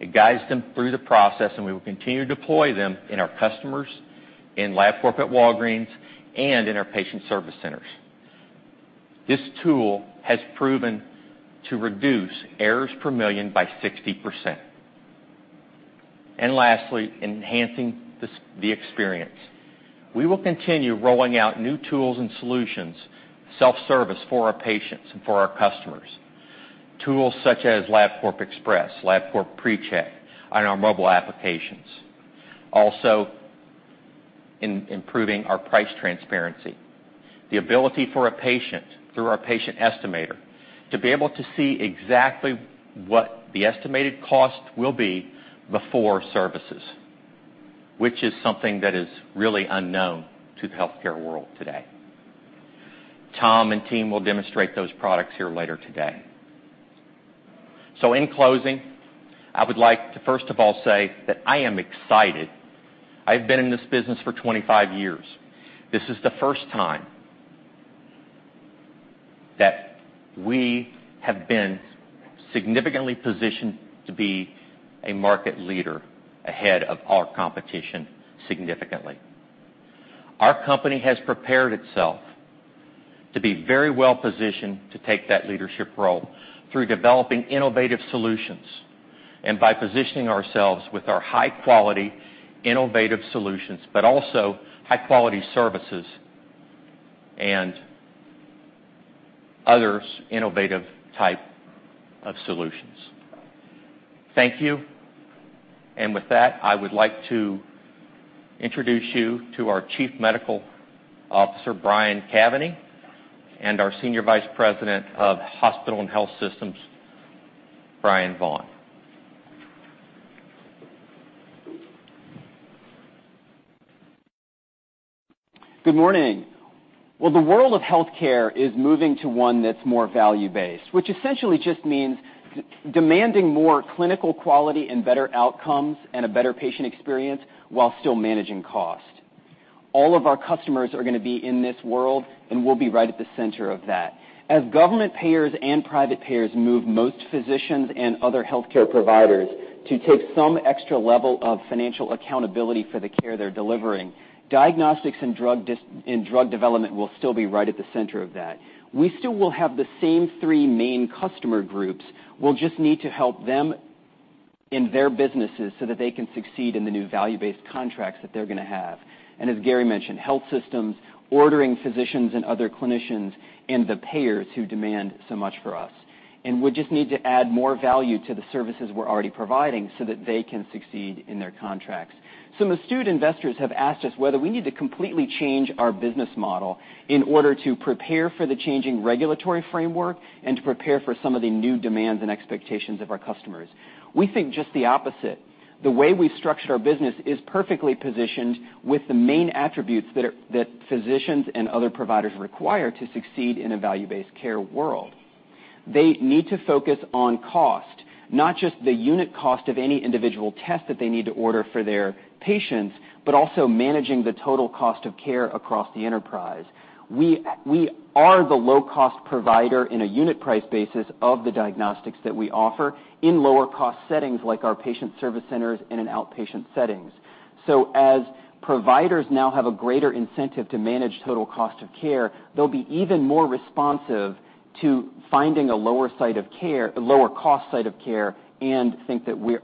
It guides them through the process, and we will continue to deploy them in our customers, in Labcorp at Walgreens, and in our patient service centers. This tool has proven to reduce errors per million by 60%. Lastly, enhancing the experience. We will continue rolling out new tools and solutions, self-service for our patients and for our customers. Tools such as Labcorp Express, Labcorp PreCheck on our mobile applications. Also, improving our price transparency. The ability for a patient through our patient estimator to be able to see exactly what the estimated cost will be before services, which is something that is really unknown to the healthcare world today. Tom and team will demonstrate those products here later today. In closing, I would like to, first of all, say that I am excited. I have been in this business for 25 years. This is the first time that we have been significantly positioned to be a market leader ahead of our competition significantly. Our company has prepared itself to be very well positioned to take that leadership role through developing innovative solutions and by positioning ourselves with our high-quality innovative solutions, but also high-quality services and other innovative types of solutions. Thank you. With that, I would like to introduce you to our Chief Medical Officer, Brian Cavaney, and our Senior Vice President of Hospital and Health Systems, Bryan Vaughn. Good morning. The world of healthcare is moving to one that's more value-based, which essentially just means demanding more clinical quality and better outcomes and a better patient experience while still managing cost. All of our customers are going to be in this world, and we'll be right at the center of that. As government payers and private payers move most physicians and other healthcare providers to take some extra level of financial accountability for the care they're delivering, diagnostics and drug development will still be right at the center of that. We still will have the same three main customer groups. We just need to help them in their businesses so that they can succeed in the new value-based contracts that they're going to have. As Gary mentioned, health systems, ordering physicians and other clinicians, and the payers who demand so much from us. We just need to add more value to the services we're already providing so that they can succeed in their contracts. Some astute investors have asked us whether we need to completely change our business model in order to prepare for the changing regulatory framework and to prepare for some of the new demands and expectations of our customers. We think just the opposite. The way we've structured our business is perfectly positioned with the main attributes that physicians and other providers require to succeed in a value-based care world. They need to focus on cost, not just the unit cost of any individual test that they need to order for their patients, but also managing the total cost of care across the enterprise. We are the low-cost provider in a unit price basis of the diagnostics that we offer in lower-cost settings like our patient service centers and in outpatient settings. As providers now have a greater incentive to manage total cost of care, they'll be even more responsive to finding a lower cost site of care and think that we're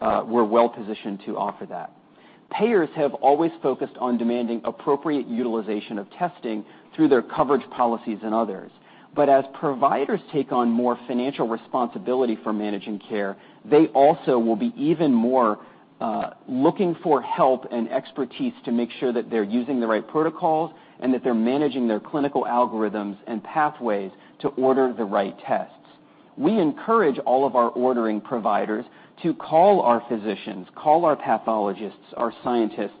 well positioned to offer that. Payers have always focused on demanding appropriate utilization of testing through their coverage policies and others. As providers take on more financial responsibility for managing care, they also will be even more looking for help and expertise to make sure that they're using the right protocols and that they're managing their clinical algorithms and pathways to order the right tests. We encourage all of our ordering providers to call our physicians, call our pathologists, our scientists,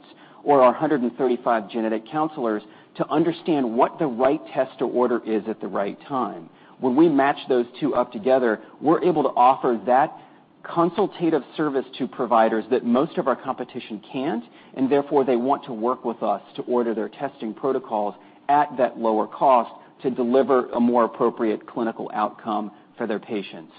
or our 135 genetic counselors to understand what the right test to order is at the right time. When we match those two up together, we're able to offer that consultative service to providers that most of our competition can't, and therefore they want to work with us to order their testing protocols at that lower cost to deliver a more appropriate clinical outcome for their patients.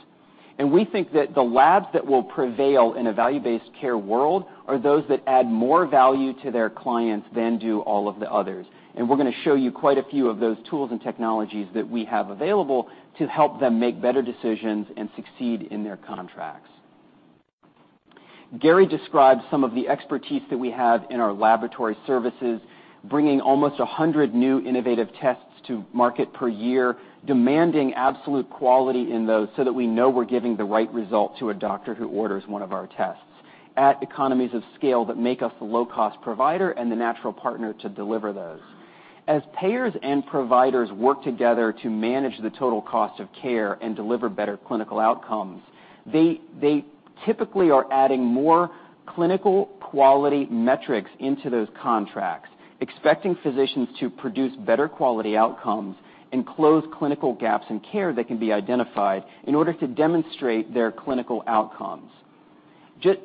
We think that the labs that will prevail in a value-based care world are those that add more value to their clients than do all of the others. We're going to show you quite a few of those tools and technologies that we have available to help them make better decisions and succeed in their contracts. Gary described some of the expertise that we have in our laboratory services, bringing almost 100 new innovative tests to market per year, demanding absolute quality in those so that we know we're giving the right result to a doctor who orders one of our tests at economies of scale that make us the low-cost provider and the natural partner to deliver those. As payers and providers work together to manage the total cost of care and deliver better clinical outcomes, they typically are adding more clinical quality metrics into those contracts, expecting physicians to produce better quality outcomes and close clinical gaps in care that can be identified in order to demonstrate their clinical outcomes.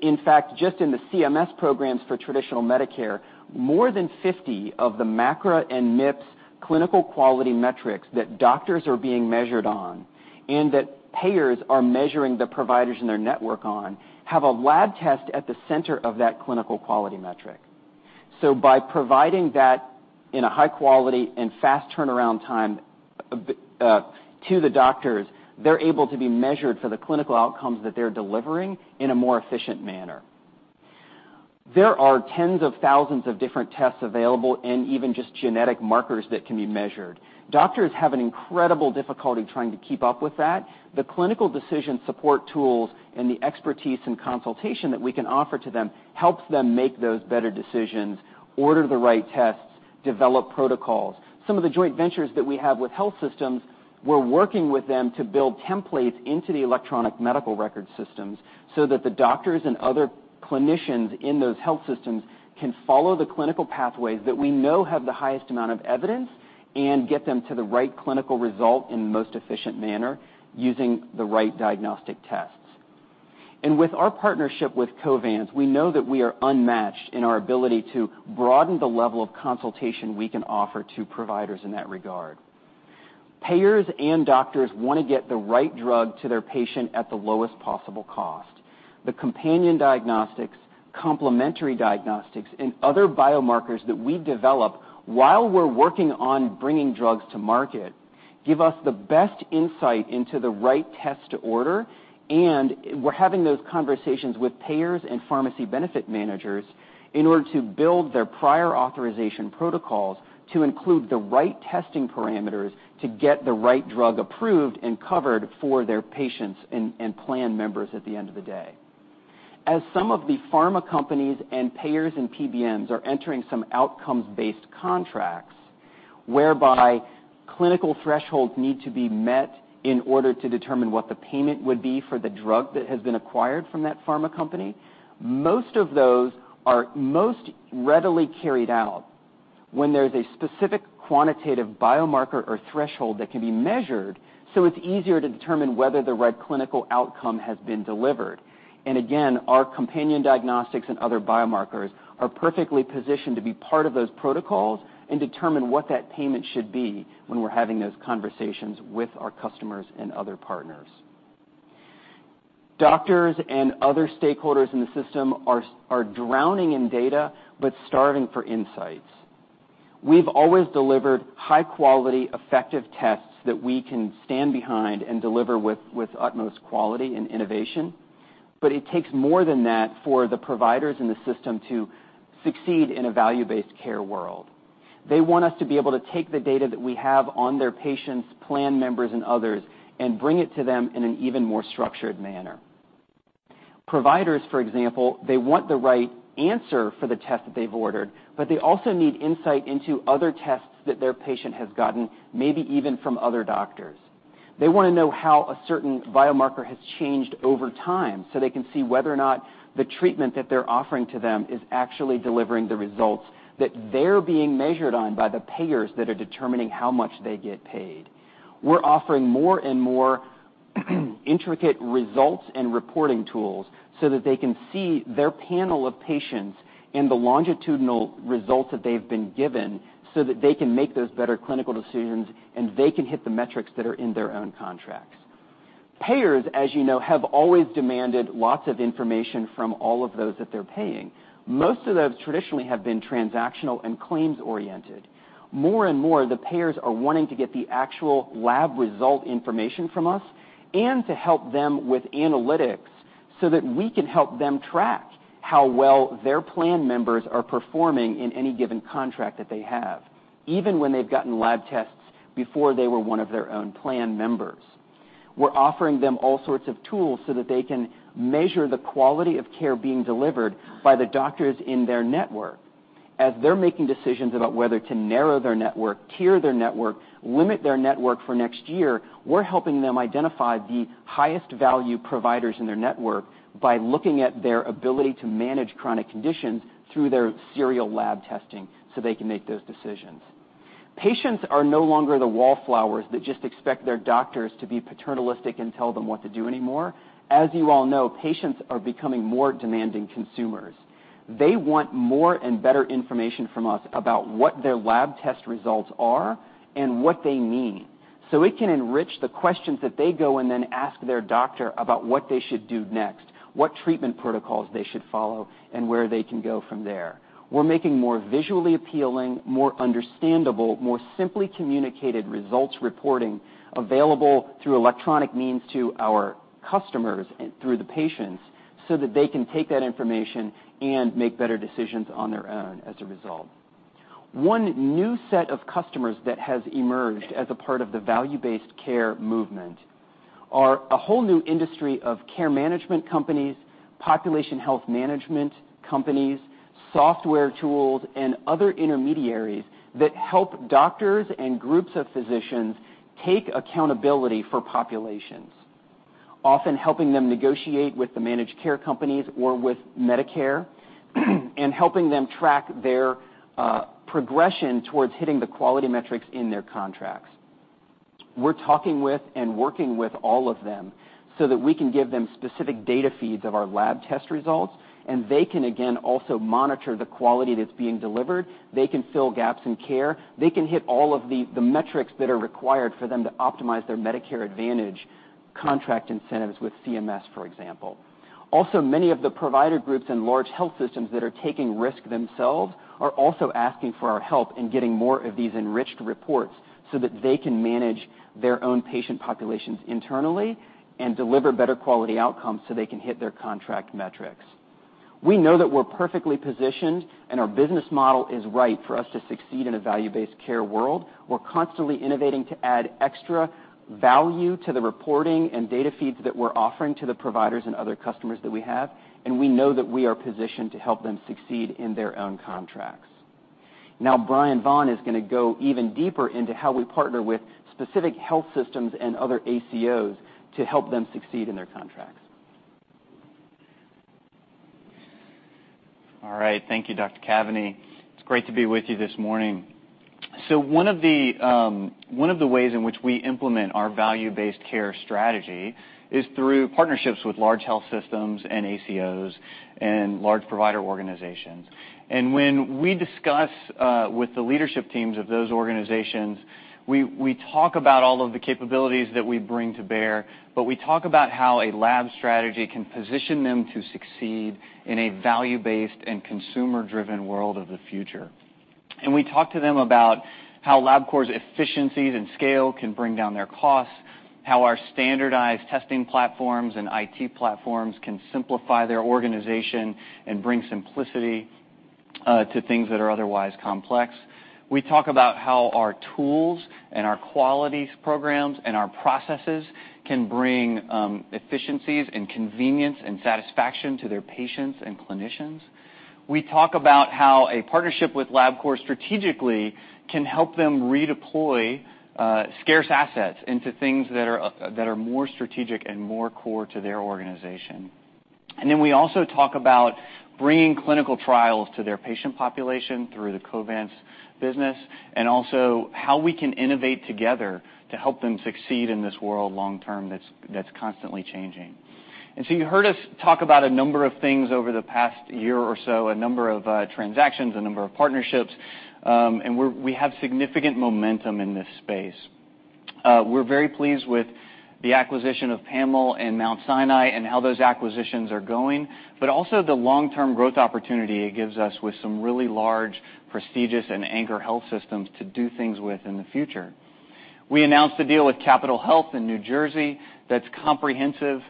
In fact, just in the CMS programs for traditional Medicare, more than 50 of the MACRA and MIPS clinical quality metrics that doctors are being measured on and that payers are measuring the providers in their network on have a lab test at the center of that clinical quality metric. By providing that in a high quality and fast turnaround time to the doctors, they're able to be measured for the clinical outcomes that they're delivering in a more efficient manner. There are tens of thousands of different tests available and even just genetic markers that can be measured. Doctors have an incredible difficulty trying to keep up with that. The clinical decision support tools and the expertise and consultation that we can offer to them helps them make those better decisions, order the right tests, develop protocols. Some of the joint ventures that we have with health systems, we're working with them to build templates into the electronic medical record systems so that the doctors and other clinicians in those health systems can follow the clinical pathways that we know have the highest amount of evidence and get them to the right clinical result in the most efficient manner using the right diagnostic tests. With our partnership with Covance, we know that we are unmatched in our ability to broaden the level of consultation we can offer to providers in that regard. Payers and doctors want to get the right drug to their patient at the lowest possible cost. The companion diagnostics, complementary diagnostics, and other biomarkers that we develop while we're working on bringing drugs to market give us the best insight into the right test to order, and we're having those conversations with payers and pharmacy benefit managers in order to build their prior authorization protocols to include the right testing parameters to get the right drug approved and covered for their patients and plan members at the end of the day. As some of the pharma companies and payers and PBMs are entering some outcomes-based contracts whereby clinical thresholds need to be met in order to determine what the payment would be for the drug that has been acquired from that pharma company, most of those are most readily carried out when there's a specific quantitative biomarker or threshold that can be measured so it's easier to determine whether the right clinical outcome has been delivered. Our companion diagnostics and other biomarkers are perfectly positioned to be part of those protocols and determine what that payment should be when we're having those conversations with our customers and other partners. Doctors and other stakeholders in the system are drowning in data but starving for insights. We've always delivered high-quality, effective tests that we can stand behind and deliver with utmost quality and innovation, but it takes more than that for the providers in the system to succeed in a value-based care world. They want us to be able to take the data that we have on their patients, plan members, and others, and bring it to them in an even more structured manner. Providers, for example, they want the right answer for the test that they've ordered, but they also need insight into other tests that their patient has gotten, maybe even from other doctors. They want to know how a certain biomarker has changed over time so they can see whether or not the treatment that they're offering to them is actually delivering the results that they're being measured on by the payers that are determining how much they get paid. We're offering more and more intricate results and reporting tools so that they can see their panel of patients and the longitudinal results that they've been given so that they can make those better clinical decisions and they can hit the metrics that are in their own contracts. Payers, as you know, have always demanded lots of information from all of those that they're paying. Most of those traditionally have been transactional and claims-oriented. More and more, the payers are wanting to get the actual lab result information from us and to help them with analytics so that we can help them track how well their plan members are performing in any given contract that they have, even when they've gotten lab tests before they were one of their own plan members. We're offering them all sorts of tools so that they can measure the quality of care being delivered by the doctors in their network. As they're making decisions about whether to narrow their network, tier their network, limit their network for next year, we're helping them identify the highest value providers in their network by looking at their ability to manage chronic conditions through their serial lab testing so they can make those decisions. Patients are no longer the wallflowers that just expect their doctors to be paternalistic and tell them what to do anymore. As you all know, patients are becoming more demanding consumers. They want more and better information from us about what their lab test results are and what they mean. It can enrich the questions that they go and then ask their doctor about what they should do next, what treatment protocols they should follow, and where they can go from there. We're making more visually appealing, more understandable, more simply communicated results reporting available through electronic means to our customers and through the patients so that they can take that information and make better decisions on their own as a result. One new set of customers that has emerged as a part of the value-based care movement are a whole new industry of care management companies, population health management companies, software tools, and other intermediaries that help doctors and groups of physicians take accountability for populations, often helping them negotiate with the managed care companies or with Medicare and helping them track their progression towards hitting the quality metrics in their contracts. We're talking with and working with all of them so that we can give them specific data feeds of our lab test results, and they can, again, also monitor the quality that's being delivered. They can fill gaps in care. They can hit all of the metrics that are required for them to optimize their Medicare Advantage contract incentives with CMS, for example. Also, many of the provider groups and large health systems that are taking risk themselves are also asking for our help in getting more of these enriched reports so that they can manage their own patient populations internally and deliver better quality outcomes so they can hit their contract metrics. We know that we're perfectly positioned and our business model is right for us to succeed in a value-based care world. We're constantly innovating to add extra value to the reporting and data feeds that we're offering to the providers and other customers that we have, and we know that we are positioned to help them succeed in their own contracts. Now, Bryan Vaughn is going to go even deeper into how we partner with specific health systems and other ACOs to help them succeed in their contracts. All right. Thank you, Dr. Cavaney. It's great to be with you this morning. One of the ways in which we implement our value-based care strategy is through partnerships with large health systems and ACOs and large provider organizations. When we discuss with the leadership teams of those organizations, we talk about all of the capabilities that we bring to bear, but we talk about how a lab strategy can position them to succeed in a value-based and consumer-driven world of the future. We talk to them about how Labcorp's efficiencies and scale can bring down their costs, how our standardized testing platforms and IT platforms can simplify their organization and bring simplicity to things that are otherwise complex. We talk about how our tools and our quality programs and our processes can bring efficiencies and convenience and satisfaction to their patients and clinicians. We talk about how a partnership with Labcorp strategically can help them redeploy scarce assets into things that are more strategic and more core to their organization. We also talk about bringing clinical trials to their patient population through the Covance business and also how we can innovate together to help them succeed in this world long-term that's constantly changing. You heard us talk about a number of things over the past year or so, a number of transactions, a number of partnerships, and we have significant momentum in this space. We're very pleased with the acquisition of PAML and Mount Sinai and how those acquisitions are going, but also the long-term growth opportunity it gives us with some really large, prestigious, and anchor health systems to do things with in the future. We announced a deal with Capital Health in New Jersey that's comprehensive and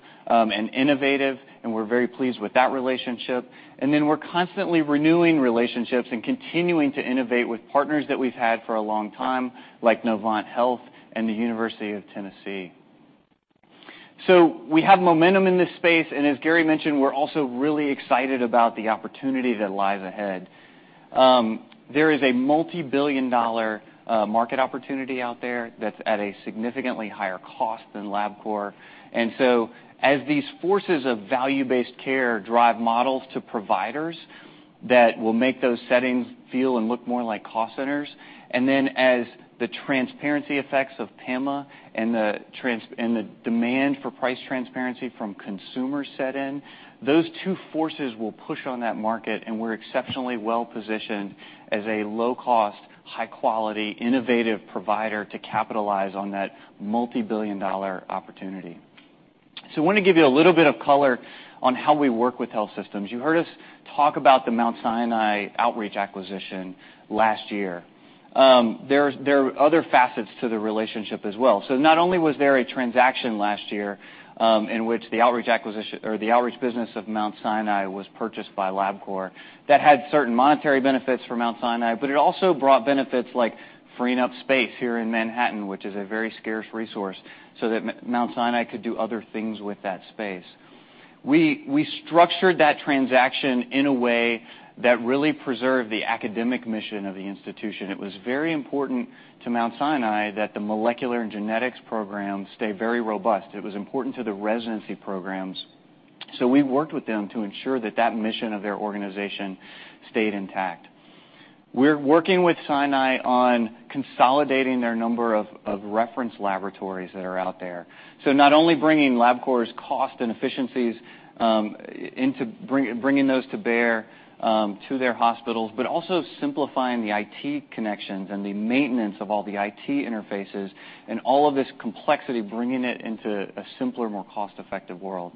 innovative, and we're very pleased with that relationship. We're constantly renewing relationships and continuing to innovate with partners that we've had for a long time, like Novant Health and the University of Tennessee. We have momentum in this space, and as Gary mentioned, we're also really excited about the opportunity that lies ahead. There is a multi-billion dollar market opportunity out there that's at a significantly higher cost than Labcorp, and as these forces of value-based care drive models to providers that will make those settings feel and look more like cost centers, and then as the transparency effects of PAMA and the demand for price transparency from consumers set in, those two forces will push on that market, and we're exceptionally well-positioned as a low-cost, high-quality, innovative provider to capitalize on that multi-billion dollar opportunity. I want to give you a little bit of color on how we work with health systems. You heard us talk about the Mount Sinai outreach acquisition last year. There are other facets to the relationship as well. Not only was there a transaction last year in which the outreach business of Mount Sinai was purchased by Labcorp that had certain monetary benefits for Mount Sinai, but it also brought benefits like freeing up space here in Manhattan, which is a very scarce resource, so that Mount Sinai could do other things with that space. We structured that transaction in a way that really preserved the academic mission of the institution. It was very important to Mount Sinai that the molecular and genetics programs stay very robust. It was important to the residency programs, so we worked with them to ensure that that mission of their organization stayed intact. We're working with Sinai on consolidating their number of reference laboratories that are out there. Not only bringing Labcorp's cost and efficiencies into bringing those to bear to their hospitals, but also simplifying the IT connections and the maintenance of all the IT interfaces and all of this complexity, bringing it into a simpler, more cost-effective world.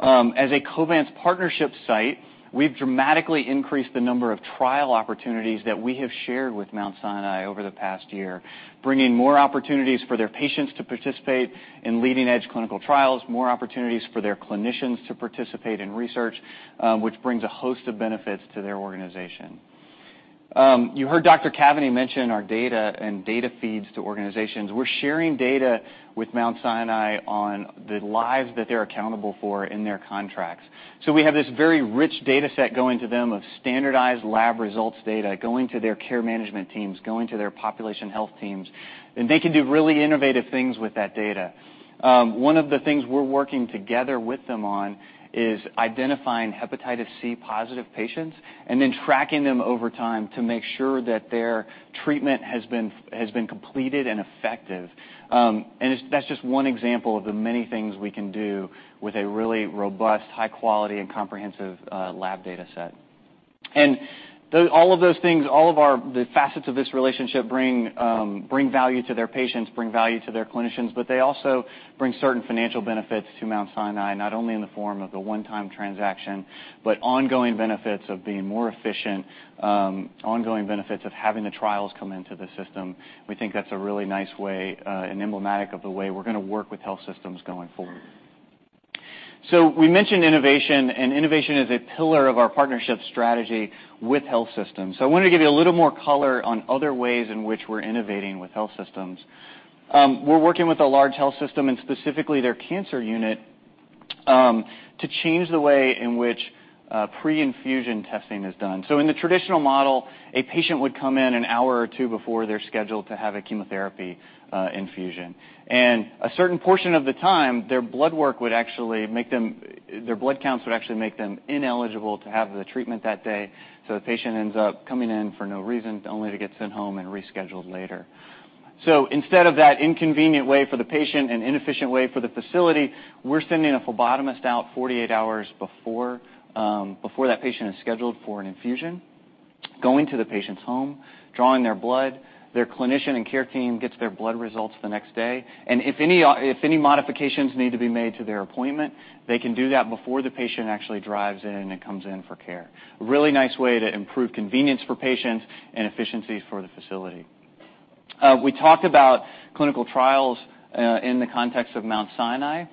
As a Covance partnership site, we've dramatically increased the number of trial opportunities that we have shared with Mount Sinai over the past year, bringing more opportunities for their patients to participate in leading-edge clinical trials, more opportunities for their clinicians to participate in research, which brings a host of benefits to their organization. You heard Dr. Cavaney mention our data and data feeds to organizations. We're sharing data with Mount Sinai on the lives that they're accountable for in their contracts. We have this very rich data set going to them of standardized lab results data going to their care management teams, going to their population health teams, and they can do really innovative things with that data. One of the things we're working together with them on is identifying hepatitis C positive patients and then tracking them over time to make sure that their treatment has been completed and effective. That's just one example of the many things we can do with a really robust, high-quality, and comprehensive lab data set. All of those things, all of the facets of this relationship bring value to their patients, bring value to their clinicians, but they also bring certain financial benefits to Mount Sinai, not only in the form of the one-time transaction, but ongoing benefits of being more efficient, ongoing benefits of having the trials come into the system. We think that's a really nice way and emblematic of the way we're going to work with health systems going forward. We mentioned innovation, and innovation is a pillar of our partnership strategy with health systems. I wanted to give you a little more color on other ways in which we're innovating with health systems. We're working with a large health system and specifically their cancer unit to change the way in which pre-infusion testing is done. In the traditional model, a patient would come in an hour or two before they're scheduled to have a chemotherapy infusion. A certain portion of the time, their blood work would actually make them, their blood counts would actually make them ineligible to have the treatment that day. The patient ends up coming in for no reason, only to get sent home and rescheduled later. Instead of that inconvenient way for the patient and inefficient way for the facility, we're sending a phlebotomist out 48 hours before that patient is scheduled for an infusion, going to the patient's home, drawing their blood. Their clinician and care team gets their blood results the next day. If any modifications need to be made to their appointment, they can do that before the patient actually drives in and comes in for care. A really nice way to improve convenience for patients and efficiencies for the facility. We talked about clinical trials in the context of Mount Sinai.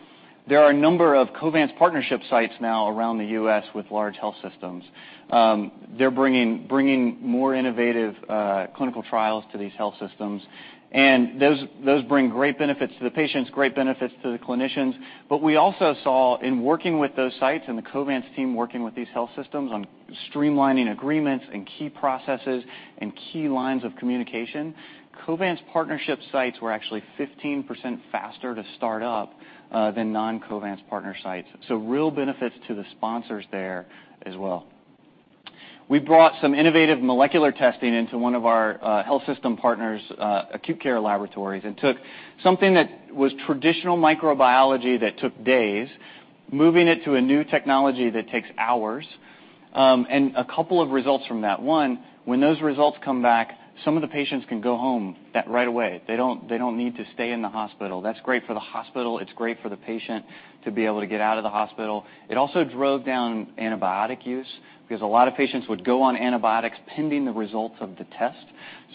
There are a number of Covance partnership sites now around the U.S. with large health systems. They're bringing more innovative clinical trials to these health systems, and those bring great benefits to the patients, great benefits to the clinicians. We also saw in working with those sites and the Covance team working with these health systems on streamlining agreements and key processes and key lines of communication, Covance partnership sites were actually 15% faster to start up than non-Covance partner sites. Real benefits to the sponsors there as well. We brought some innovative molecular testing into one of our health system partners' acute care laboratories and took something that was traditional microbiology that took days, moving it to a new technology that takes hours and a couple of results from that. One, when those results come back, some of the patients can go home right away. They do not need to stay in the hospital. That is great for the hospital. It is great for the patient to be able to get out of the hospital. It also drove down antibiotic use because a lot of patients would go on antibiotics pending the results of the test.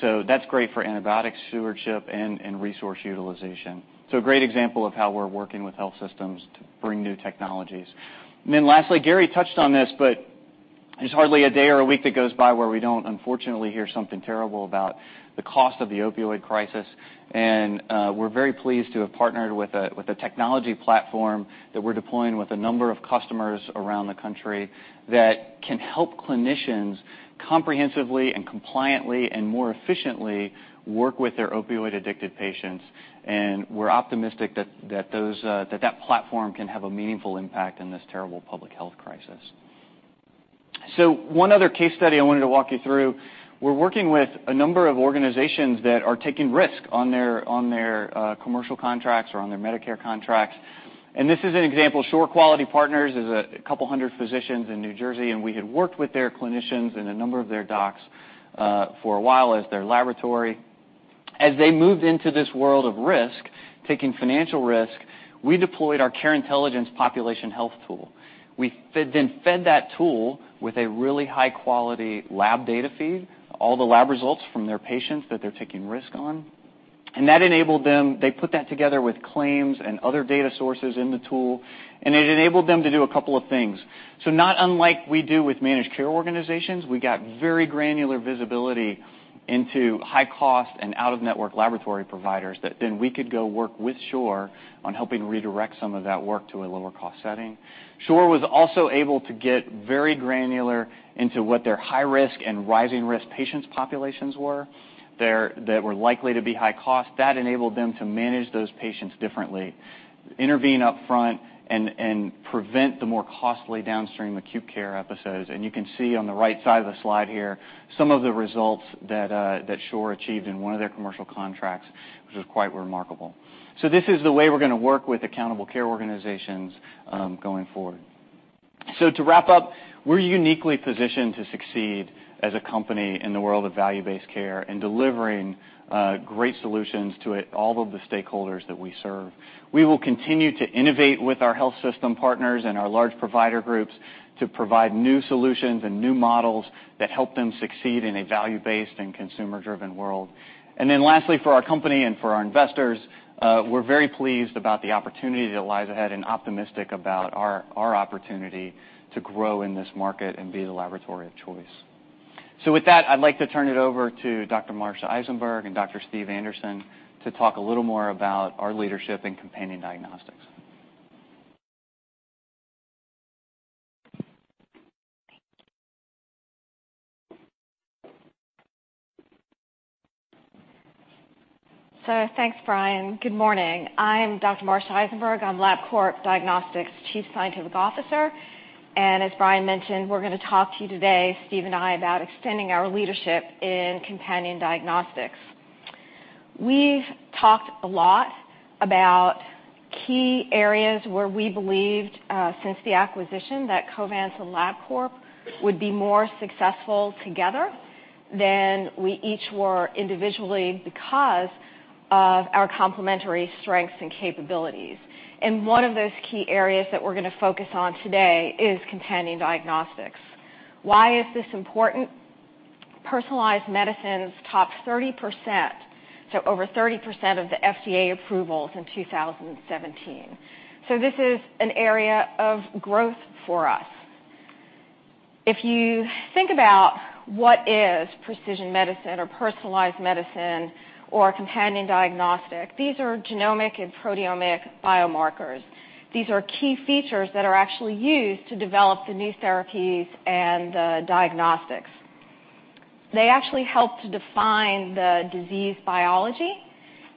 That is great for antibiotic stewardship and resource utilization. A great example of how we are working with health systems to bring new technologies. Lastly, Gary touched on this, but there is hardly a day or a week that goes by where we do not, unfortunately, hear something terrible about the cost of the opioid crisis. We are very pleased to have partnered with a technology platform that we are deploying with a number of customers around the country that can help clinicians comprehensively and compliantly and more efficiently work with their opioid-addicted patients. We are optimistic that that platform can have a meaningful impact in this terrible public health crisis. One other case study I wanted to walk you through. We are working with a number of organizations that are taking risk on their commercial contracts or on their Medicare contracts. This is an example. Shore Quality Partners is a couple hundred physicians in New Jersey, and we had worked with their clinicians and a number of their docs for a while as their laboratory. As they moved into this world of risk, taking financial risk, we deployed our care intelligence population health tool. We then fed that tool with a really high-quality lab data feed, all the lab results from their patients that they're taking risk on. That enabled them; they put that together with claims and other data sources in the tool, and it enabled them to do a couple of things. Not unlike we do with managed care organizations, we got very granular visibility into high-cost and out-of-network laboratory providers that then we could go work with Shore on helping redirect some of that work to a lower-cost setting. Shore was also able to get very granular into what their high-risk and rising-risk patients' populations were that were likely to be high cost. That enabled them to manage those patients differently, intervene upfront, and prevent the more costly downstream acute care episodes. You can see on the right side of the slide here some of the results that Shore achieved in one of their commercial contracts, which was quite remarkable. This is the way we are going to work with accountable care organizations going forward. To wrap up, we are uniquely positioned to succeed as a company in the world of value-based care and delivering great solutions to all of the stakeholders that we serve. We will continue to innovate with our health system partners and our large provider groups to provide new solutions and new models that help them succeed in a value-based and consumer-driven world. Lastly, for our company and for our investors, we're very pleased about the opportunity that lies ahead and optimistic about our opportunity to grow in this market and be the laboratory of choice. With that, I'd like to turn it over to Dr. Marcia Eisenberg and Dr. Steve Anderson to talk a little more about our leadership in companion diagnostics. Thank you. Thanks, Brian. Good morning. I'm Dr. Marcia Eisenberg. I'm Labcorp Diagnostics' Chief Scientific Officer. As Brian mentioned, we're going to talk to you today, Steve and I, about extending our leadership in companion diagnostics. We've talked a lot about key areas where we believed since the acquisition that Covance and Labcorp would be more successful together than we each were individually because of our complementary strengths and capabilities. One of those key areas that we're going to focus on today is companion diagnostics. Why is this important? Personalized medicines topped 30%, so over 30% of the FDA approvals in 2017. This is an area of growth for us. If you think about what is precision medicine or personalized medicine or companion diagnostic, these are genomic and proteomic biomarkers. These are key features that are actually used to develop the new therapies and the diagnostics. They actually help to define the disease biology,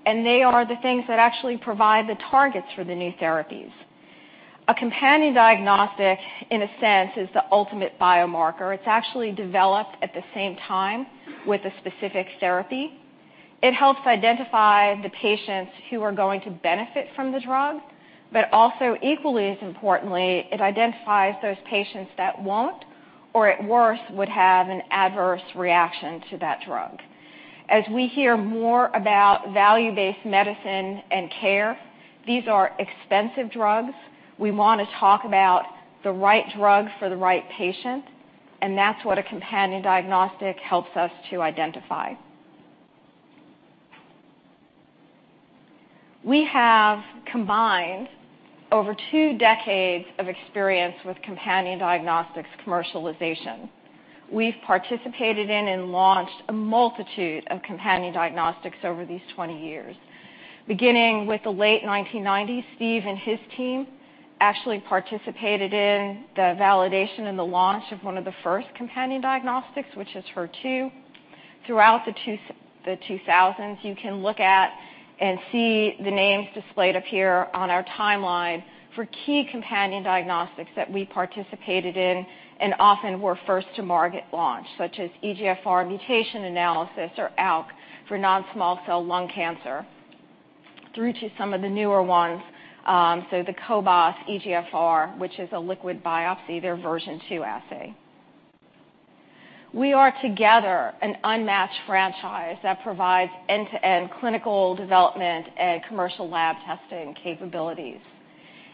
and they are the things that actually provide the targets for the new therapies. A companion diagnostic, in a sense, is the ultimate biomarker. It's actually developed at the same time with a specific therapy. It helps identify the patients who are going to benefit from the drug, but also, equally as importantly, it identifies those patients that won't or, at worst, would have an adverse reaction to that drug. As we hear more about value-based medicine and care, these are expensive drugs. We want to talk about the right drug for the right patient, and that's what a companion diagnostic helps us to identify. We have combined over two decades of experience with companion diagnostics commercialization. We've participated in and launched a multitude of companion diagnostics over these 20 years. Beginning with the late 1990s, Steve and his team actually participated in the validation and the launch of one of the first companion diagnostics, which is HER2. Throughout the 2000s, you can look at and see the names displayed up here on our timeline for key companion diagnostics that we participated in and often were first to market launch, such as EGFR mutation analysis or ALK for non-small cell lung cancer, through to some of the newer ones, so the Cobas EGFR, which is a liquid biopsy, their version two assay. We are together an unmatched franchise that provides end-to-end clinical development and commercial lab testing capabilities.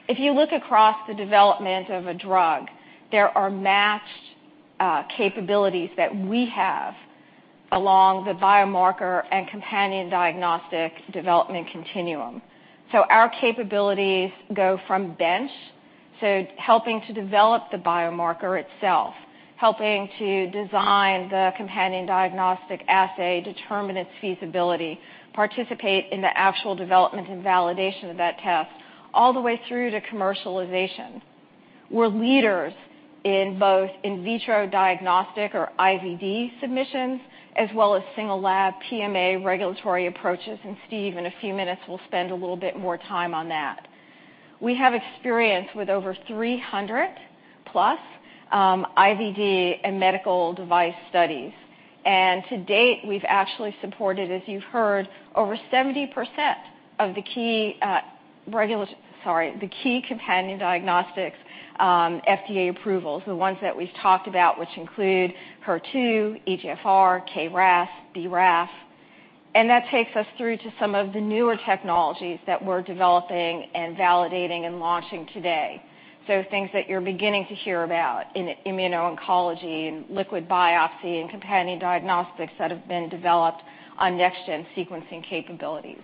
If you look across the development of a drug, there are matched capabilities that we have along the biomarker and companion diagnostic development continuum. Our capabilities go from bench, so helping to develop the biomarker itself, helping to design the companion diagnostic assay, determine its feasibility, participate in the actual development and validation of that test, all the way through to commercialization. We are leaders in both in vitro diagnostic or IVD submissions as well as single lab PMA regulatory approaches. Steve, in a few minutes, will spend a little bit more time on that. We have experience with over 300 IVD and medical device studies. To date, we have actually supported, as you have heard, over 70% of the key companion diagnostics FDA approvals, the ones that we have talked about, which include HER2, EGFR, KRAS, BRAF. That takes us through to some of the newer technologies that we are developing and validating and launching today. Things that you're beginning to hear about in immuno-oncology and liquid biopsy and companion diagnostics that have been developed on next-gen sequencing capabilities.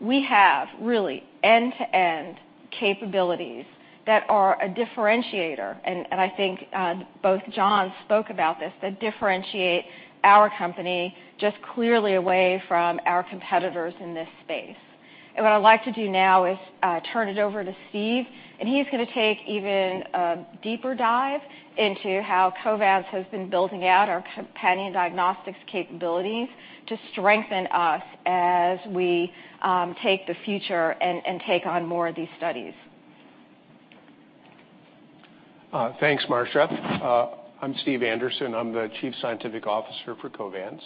We have really end-to-end capabilities that are a differentiator, and I think both John spoke about this, that differentiate our company just clearly away from our competitors in this space. What I'd like to do now is turn it over to Steve, and he's going to take even a deeper dive into how Covance has been building out our companion diagnostics capabilities to strengthen us as we take the future and take on more of these studies. Thanks, Marcia. I'm Steve Anderson. I'm the Chief Scientific Officer for Covance.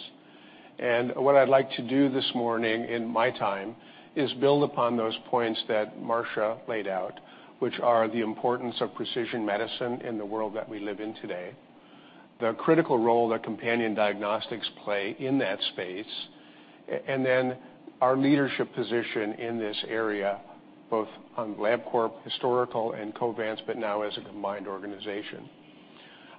What I'd like to do this morning in my time is build upon those points that Marcia laid out, which are the importance of precision medicine in the world that we live in today, the critical role that companion diagnostics play in that space, and then our leadership position in this area, both on Labcorp historical and Covance, but now as a combined organization.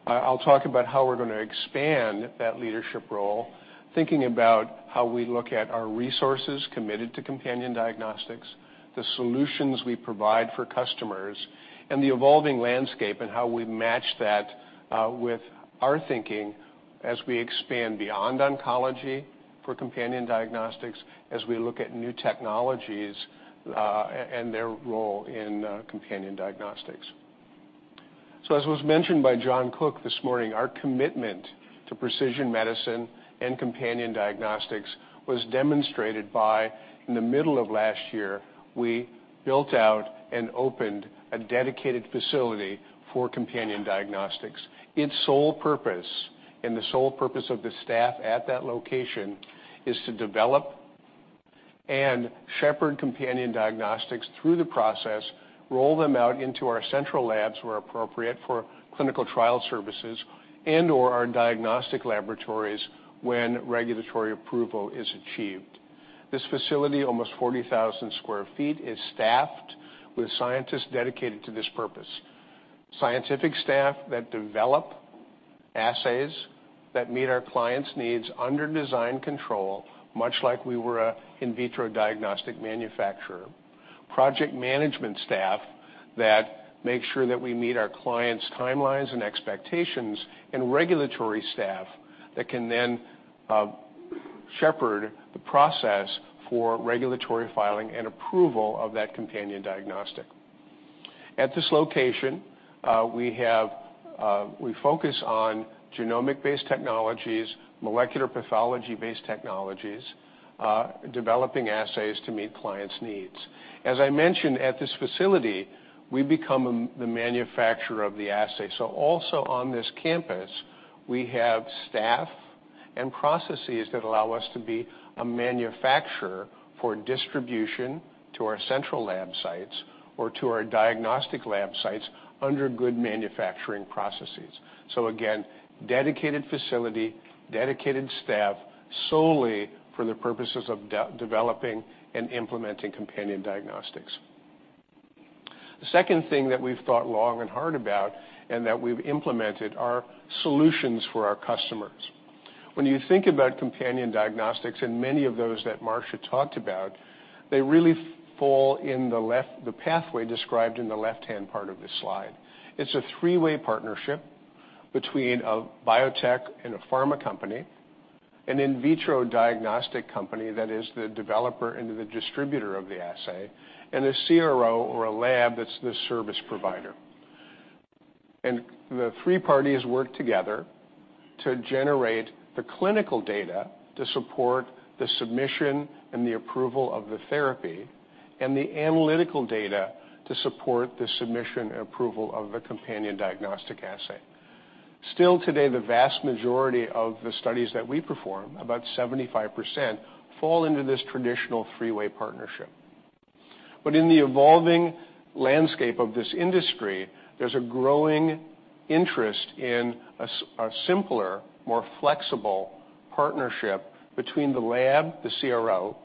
I'll talk about how we're going to expand that leadership role, thinking about how we look at our resources committed to companion diagnostics, the solutions we provide for customers, and the evolving landscape and how we match that with our thinking as we expand beyond oncology for companion diagnostics, as we look at new technologies and their role in companion diagnostics. As was mentioned by John Cook this morning, our commitment to precision medicine and companion diagnostics was demonstrated by, in the middle of last year, we built out and opened a dedicated facility for companion diagnostics. Its sole purpose and the sole purpose of the staff at that location is to develop and shepherd companion diagnostics through the process, roll them out into our central labs where appropriate for clinical trial services and/or our diagnostic laboratories when regulatory approval is achieved. This facility, almost 40,000 sq ft, is staffed with scientists dedicated to this purpose: scientific staff that develop assays that meet our clients' needs under design control, much like we were an in vitro diagnostic manufacturer, project management staff that make sure that we meet our clients' timelines and expectations, and regulatory staff that can then shepherd the process for regulatory filing and approval of that companion diagnostic. At this location, we focus on genomic-based technologies, molecular pathology-based technologies, developing assays to meet clients' needs. As I mentioned, at this facility, we become the manufacturer of the assay. Also on this campus, we have staff and processes that allow us to be a manufacturer for distribution to our central lab sites or to our diagnostic lab sites under good manufacturing processes. Again, dedicated facility, dedicated staff solely for the purposes of developing and implementing companion diagnostics. The second thing that we've thought long and hard about and that we've implemented are solutions for our customers. When you think about companion diagnostics, and many of those that Marcia talked about, they really fall in the pathway described in the left-hand part of this slide. It's a three-way partnership between a biotech and a pharma company, an in vitro diagnostic company that is the developer and the distributor of the assay, and a CRO or a lab that's the service provider. The three parties work together to generate the clinical data to support the submission and the approval of the therapy and the analytical data to support the submission and approval of the companion diagnostic assay. Still today, the vast majority of the studies that we perform, about 75%, fall into this traditional three-way partnership. In the evolving landscape of this industry, there's a growing interest in a simpler, more flexible partnership between the lab, the CRO,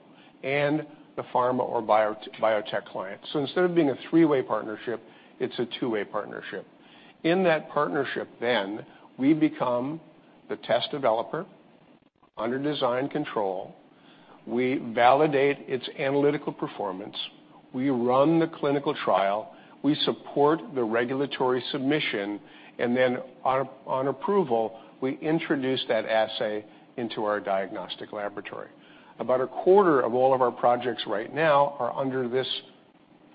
and the pharma or biotech client. Instead of being a three-way partnership, it's a two-way partnership. In that partnership, then we become the test developer under design control. We validate its analytical performance. We run the clinical trial. We support the regulatory submission. On approval, we introduce that assay into our diagnostic laboratory. About a quarter of all of our projects right now are under this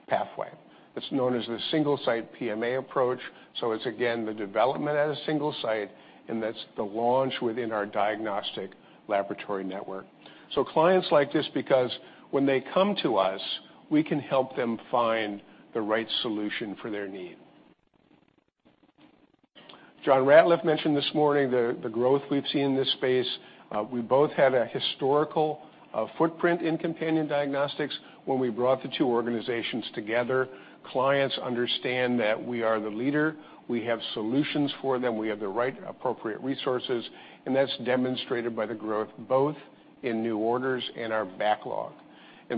pathway. It is known as the single-site PMA approach. It is, again, the development at a single site, and that is the launch within our diagnostic laboratory network. Clients like this because when they come to us, we can help them find the right solution for their need. John Ratliff mentioned this morning the growth we have seen in this space. We both had a historical footprint in companion diagnostics. When we brought the two organizations together, clients understand that we are the leader. We have solutions for them. We have the right appropriate resources. That is demonstrated by the growth both in new orders and our backlog.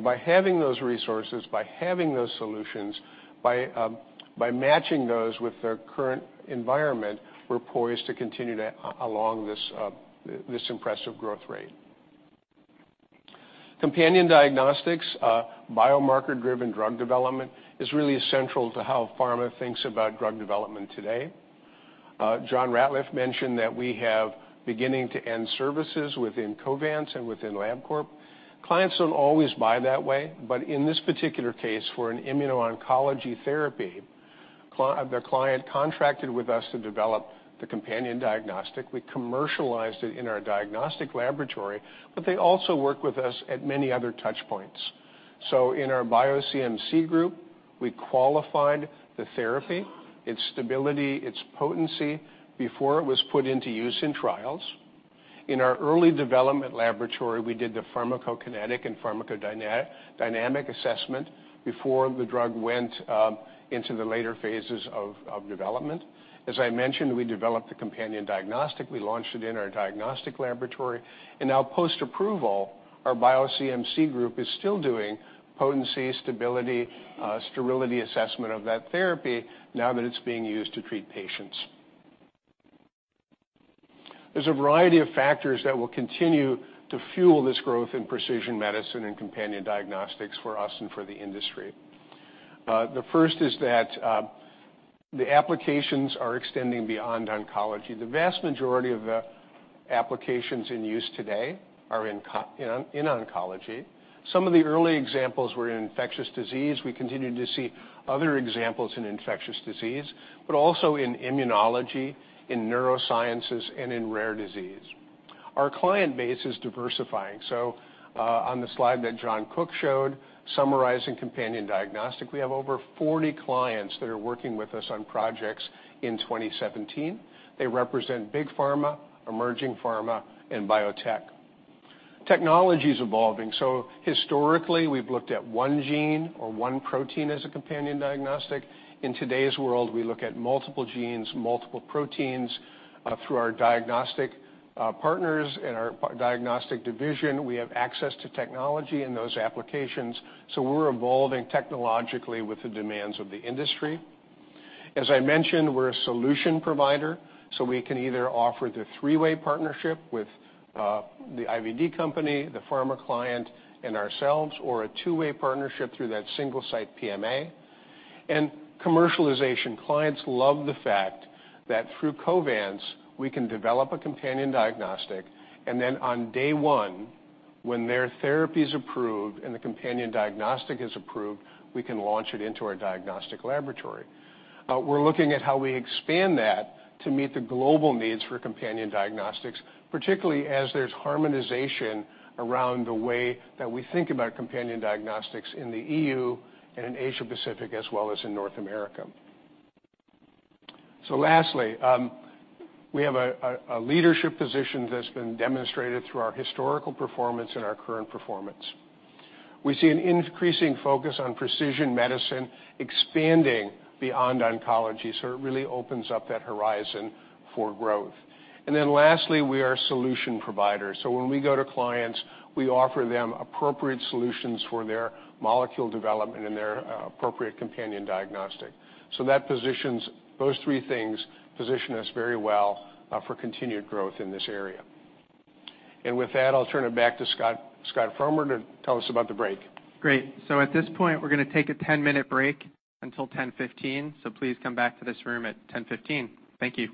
By having those resources, by having those solutions, by matching those with the current environment, we're poised to continue along this impressive growth rate. Companion diagnostics, biomarker-driven drug development, is really essential to how pharma thinks about drug development today. John Ratliff mentioned that we have beginning-to-end services within Covance and within Labcorp. Clients do not always buy that way. In this particular case, for an immuno-oncology therapy, the client contracted with us to develop the companion diagnostic. We commercialized it in our diagnostic laboratory, but they also work with us at many other touchpoints. In our bio CMC group, we qualified the therapy, its stability, its potency before it was put into use in trials. In our early development laboratory, we did the pharmacokinetic and pharmacodynamic assessment before the drug went into the later phases of development. As I mentioned, we developed the companion diagnostic. We launched it in our diagnostic laboratory. Now post-approval, our bio CMC group is still doing potency, stability, sterility assessment of that therapy now that it's being used to treat patients. There's a variety of factors that will continue to fuel this growth in precision medicine and companion diagnostics for us and for the industry. The first is that the applications are extending beyond oncology. The vast majority of the applications in use today are in oncology. Some of the early examples were in infectious disease. We continue to see other examples in infectious disease, but also in immunology, in neurosciences, and in rare disease. Our client base is diversifying. On the slide that John Cook showed, summarizing companion diagnostic, we have over 40 clients that are working with us on projects in 2017. They represent big pharma, emerging pharma, and biotech. Technology is evolving. Historically, we've looked at one gene or one protein as a companion diagnostic. In today's world, we look at multiple genes, multiple proteins through our diagnostic partners and our diagnostic division. We have access to technology in those applications. We're evolving technologically with the demands of the industry. As I mentioned, we're a solution provider. We can either offer the three-way partnership with the IVD company, the pharma client, and ourselves, or a two-way partnership through that single-site PMA. Commercialization clients love the fact that through Covance, we can develop a companion diagnostic. Then on day one, when their therapy is approved and the companion diagnostic is approved, we can launch it into our diagnostic laboratory. We're looking at how we expand that to meet the global needs for companion diagnostics, particularly as there's harmonization around the way that we think about companion diagnostics in the EU and in Asia-Pacific as well as in North America. Lastly, we have a leadership position that's been demonstrated through our historical performance and our current performance. We see an increasing focus on precision medicine expanding beyond oncology. It really opens up that horizon for growth. Lastly, we are solution providers. When we go to clients, we offer them appropriate solutions for their molecule development and their appropriate companion diagnostic. Those three things position us very well for continued growth in this area. With that, I'll turn it back to Scott Fromer to tell us about the break. Great. At this point, we're going to take a 10-minute break until 10:15. Please come back to this room at 10:15. Thank you.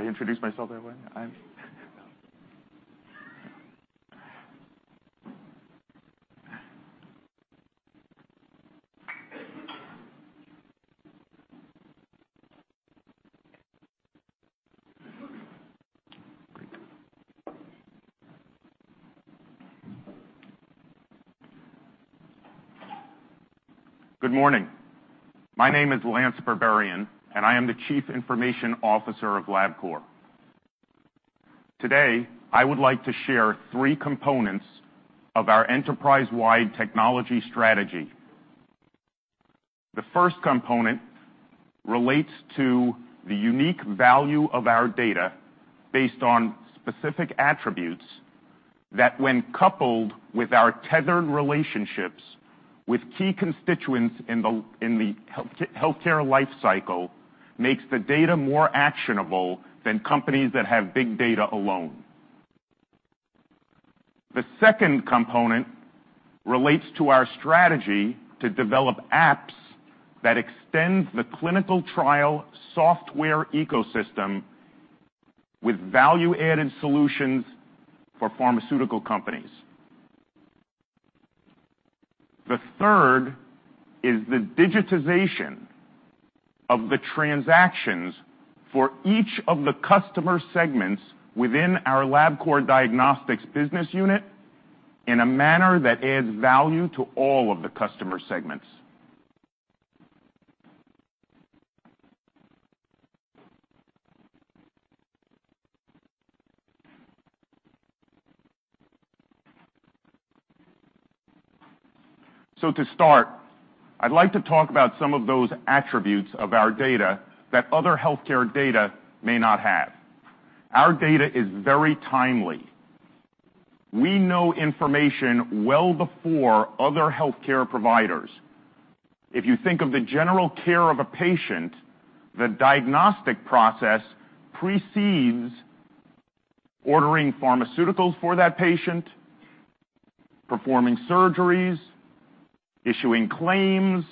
Should I introduce myself that way? Good morning. My name is Lance Berberian, and I am the Chief Information Officer of Labcorp. Today, I would like to share three components of our enterprise-wide technology strategy. The first component relates to the unique value of our data based on specific attributes that, when coupled with our tethered relationships with key constituents in the healthcare lifecycle, makes the data more actionable than companies that have big data alone. The second component relates to our strategy to develop apps that extend the clinical trial software ecosystem with value-added solutions for pharmaceutical companies. The third is the digitization of the transactions for each of the customer segments within our Labcorp Diagnostics business unit in a manner that adds value to all of the customer segments. To start, I'd like to talk about some of those attributes of our data that other healthcare data may not have. Our data is very timely. We know information well before other healthcare providers. If you think of the general care of a patient, the diagnostic process precedes ordering pharmaceuticals for that patient, performing surgeries, issuing claims.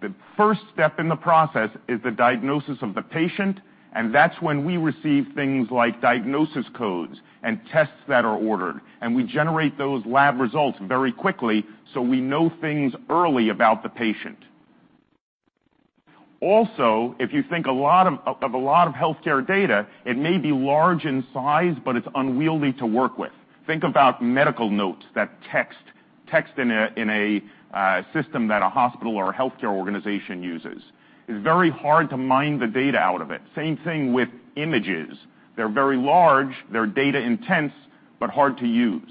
The first step in the process is the diagnosis of the patient, and that's when we receive things like diagnosis codes and tests that are ordered. We generate those lab results very quickly so we know things early about the patient. Also, if you think of a lot of healthcare data, it may be large in size, but it's unwieldy to work with. Think about medical notes, that text in a system that a hospital or a healthcare organization uses. It's very hard to mine the data out of it. Same thing with images. They're very large. They're data-intense, but hard to use.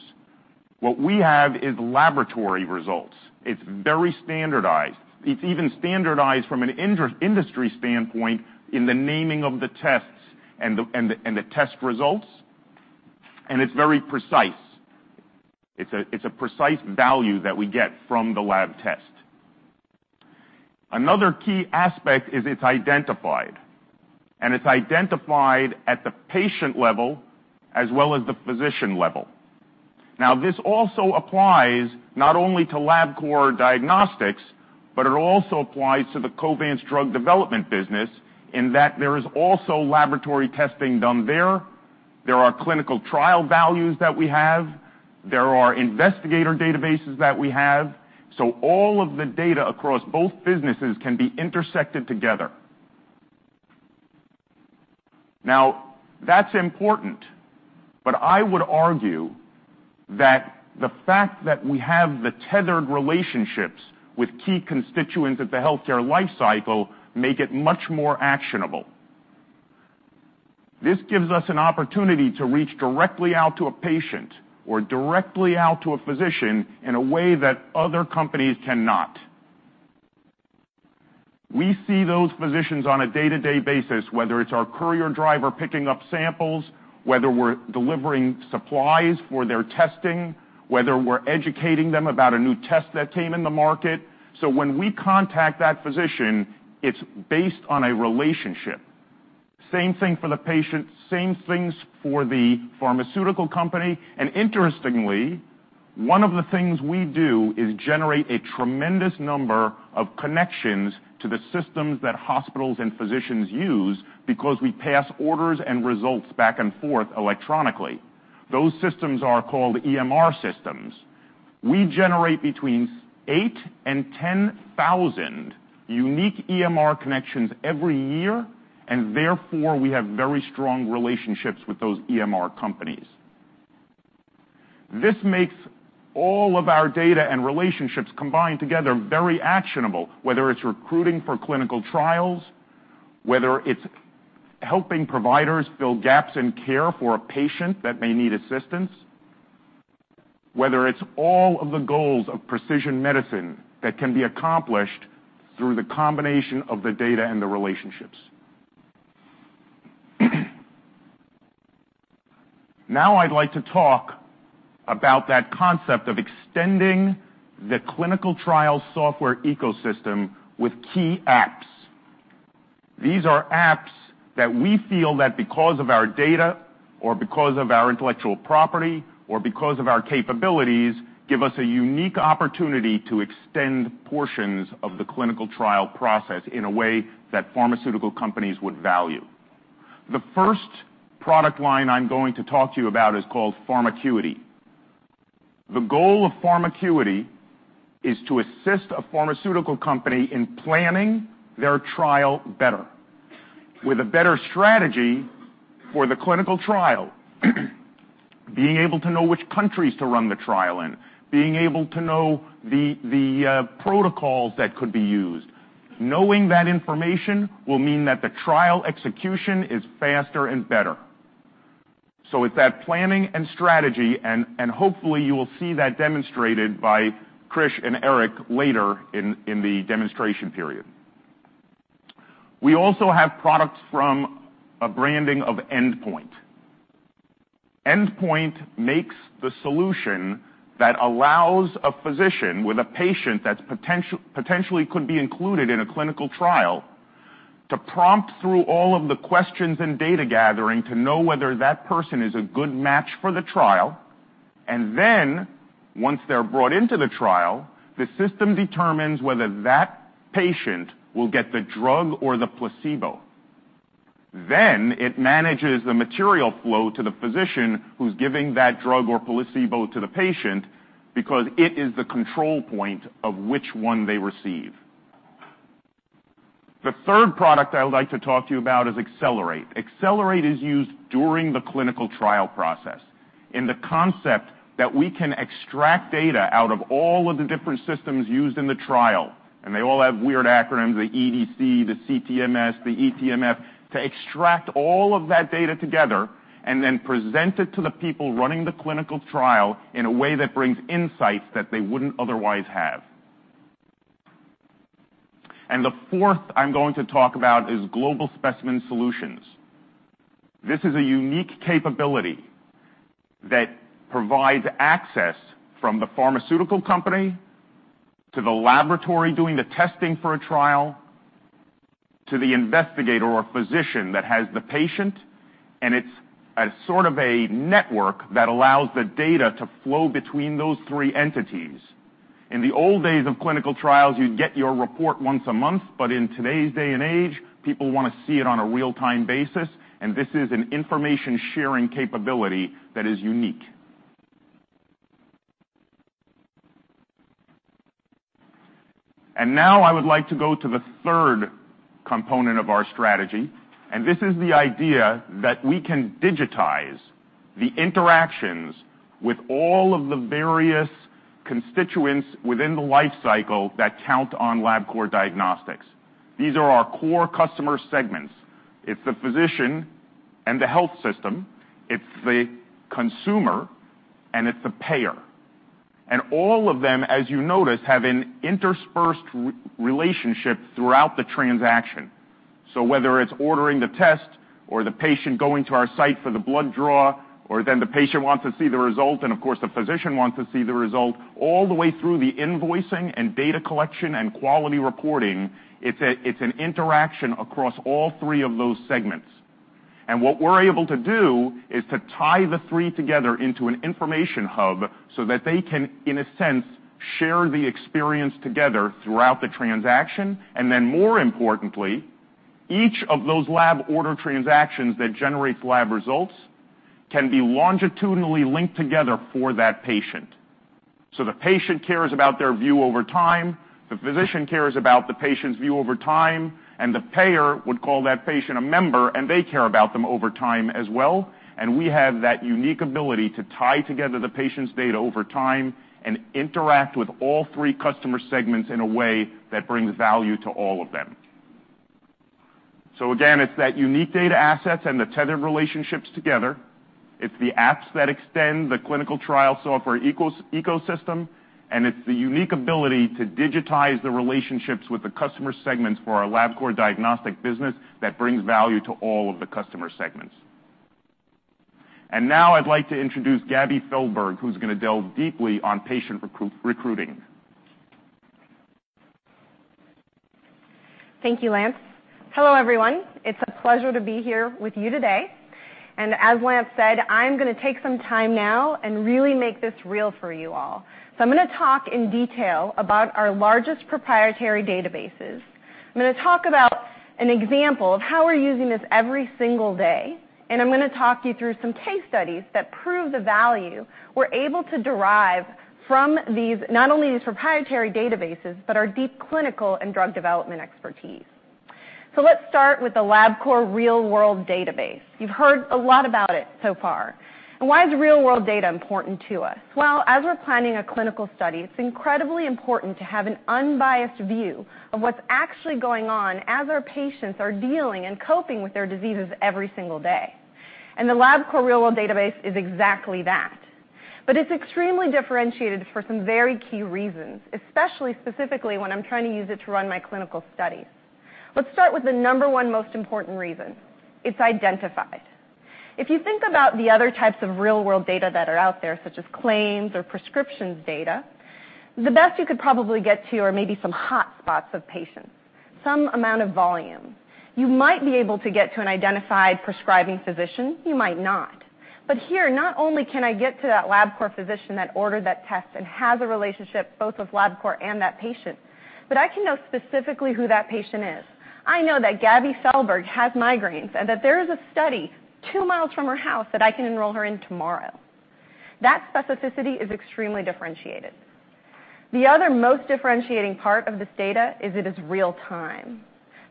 What we have is laboratory results. It's very standardized. It's even standardized from an industry standpoint in the naming of the tests and the test results. It's very precise. It's a precise value that we get from the lab test. Another key aspect is it's identified. It's identified at the patient level as well as the physician level. This also applies not only to Labcorp Diagnostics, but it also applies to the Covance drug development business in that there is also laboratory testing done there. There are clinical trial values that we have. There are investigator databases that we have. All of the data across both businesses can be intersected together. Now, that's important, but I would argue that the fact that we have the tethered relationships with key constituents of the healthcare lifecycle makes it much more actionable. This gives us an opportunity to reach directly out to a patient or directly out to a physician in a way that other companies cannot. We see those physicians on a day-to-day basis, whether it's our courier driver picking up samples, whether we're delivering supplies for their testing, whether we're educating them about a new test that came in the market. When we contact that physician, it's based on a relationship. Same thing for the patient, same things for the pharmaceutical company. Interestingly, one of the things we do is generate a tremendous number of connections to the systems that hospitals and physicians use because we pass orders and results back and forth electronically. Those systems are called EMR systems. We generate between 8,000 and 10,000 unique EMR connections every year, and therefore we have very strong relationships with those EMR companies. This makes all of our data and relationships combined together very actionable, whether it's recruiting for clinical trials, whether it's helping providers fill gaps in care for a patient that may need assistance, whether it's all of the goals of precision medicine that can be accomplished through the combination of the data and the relationships. Now, I'd like to talk about that concept of extending the clinical trial software ecosystem with key apps. These are apps that we feel that because of our data or because of our intellectual property or because of our capabilities give us a unique opportunity to extend portions of the clinical trial process in a way that pharmaceutical companies would value. The first product line I'm going to talk to you about is called PharmaQuity. The goal of PharmaQuity is to assist a pharmaceutical company in planning their trial better, with a better strategy for the clinical trial, being able to know which countries to run the trial in, being able to know the protocols that could be used. Knowing that information will mean that the trial execution is faster and better. It is that planning and strategy, and hopefully you will see that demonstrated by Krish and Eric later in the demonstration period. We also have products from a branding of Endpoint. Endpoint makes the solution that allows a physician with a patient that potentially could be included in a clinical trial to prompt through all of the questions and data gathering to know whether that person is a good match for the trial. Then, once they're brought into the trial, the system determines whether that patient will get the drug or the placebo. Then it manages the material flow to the physician who's giving that drug or placebo to the patient because it is the control point of which one they receive. The third product I'd like to talk to you about is Accelerate. Accelerate is used during the clinical trial process in the concept that we can extract data out of all of the different systems used in the trial. They all have weird acronyms, the EDC, the CTMS, the ETMF, to extract all of that data together and then present it to the people running the clinical trial in a way that brings insights that they wouldn't otherwise have. The fourth I'm going to talk about is Global Specimen Solutions. This is a unique capability that provides access from the pharmaceutical company to the laboratory doing the testing for a trial to the investigator or physician that has the patient. It is sort of a network that allows the data to flow between those three entities. In the old days of clinical trials, you'd get your report once a month, but in today's day and age, people want to see it on a real-time basis. This is an information-sharing capability that is unique. Now I would like to go to the third component of our strategy. This is the idea that we can digitize the interactions with all of the various constituents within the lifecycle that count on Labcorp Diagnostics. These are our core customer segments. It's the physician and the health system. It's the consumer, and it's the payer. All of them, as you notice, have an interspersed relationship throughout the transaction. Whether it is ordering the test or the patient going to our site for the blood draw, or the patient wants to see the result, and of course, the physician wants to see the result, all the way through the invoicing and data collection and quality reporting, it is an interaction across all three of those segments. What we are able to do is to tie the three together into an information hub so that they can, in a sense, share the experience together throughout the transaction. More importantly, each of those lab order transactions that generates lab results can be longitudinally linked together for that patient. The patient cares about their view over time. The physician cares about the patient's view over time. The payer would call that patient a member, and they care about them over time as well. We have that unique ability to tie together the patient's data over time and interact with all three customer segments in a way that brings value to all of them. Again, it's that unique data assets and the tethered relationships together. It's the apps that extend the clinical trial software ecosystem. It's the unique ability to digitize the relationships with the customer segments for our Labcorp Diagnostic business that brings value to all of the customer segments. Now I'd like to introduce Gabby Feldberg, who's going to delve deeply on patient recruiting. Thank you, Lance. Hello, everyone. It's a pleasure to be here with you today. As Lance said, I'm going to take some time now and really make this real for you all. I'm going to talk in detail about our largest proprietary databases. I'm going to talk about an example of how we're using this every single day. I'm going to talk you through some case studies that prove the value we're able to derive from not only these proprietary databases, but our deep clinical and drug development expertise. Let's start with the Labcorp Real World database. You've heard a lot about it so far. Why is real-world data important to us? As we're planning a clinical study, it's incredibly important to have an unbiased view of what's actually going on as our patients are dealing and coping with their diseases every single day. The Labcorp Real World database is exactly that. It is extremely differentiated for some very key reasons, especially specifically when I am trying to use it to run my clinical studies. Let's start with the number one most important reason. It is identified. If you think about the other types of real-world data that are out there, such as claims or prescriptions data, the best you could probably get to are maybe some hotspots of patients, some amount of volume. You might be able to get to an identified prescribing physician. You might not. Here, not only can I get to that Labcorp physician that ordered that test and has a relationship both with Labcorp and that patient, but I can know specifically who that patient is. I know that Gabby Feldberg has migraines and that there is a study two miles from her house that I can enroll her in tomorrow. That specificity is extremely differentiated. The other most differentiating part of this data is it is real-time.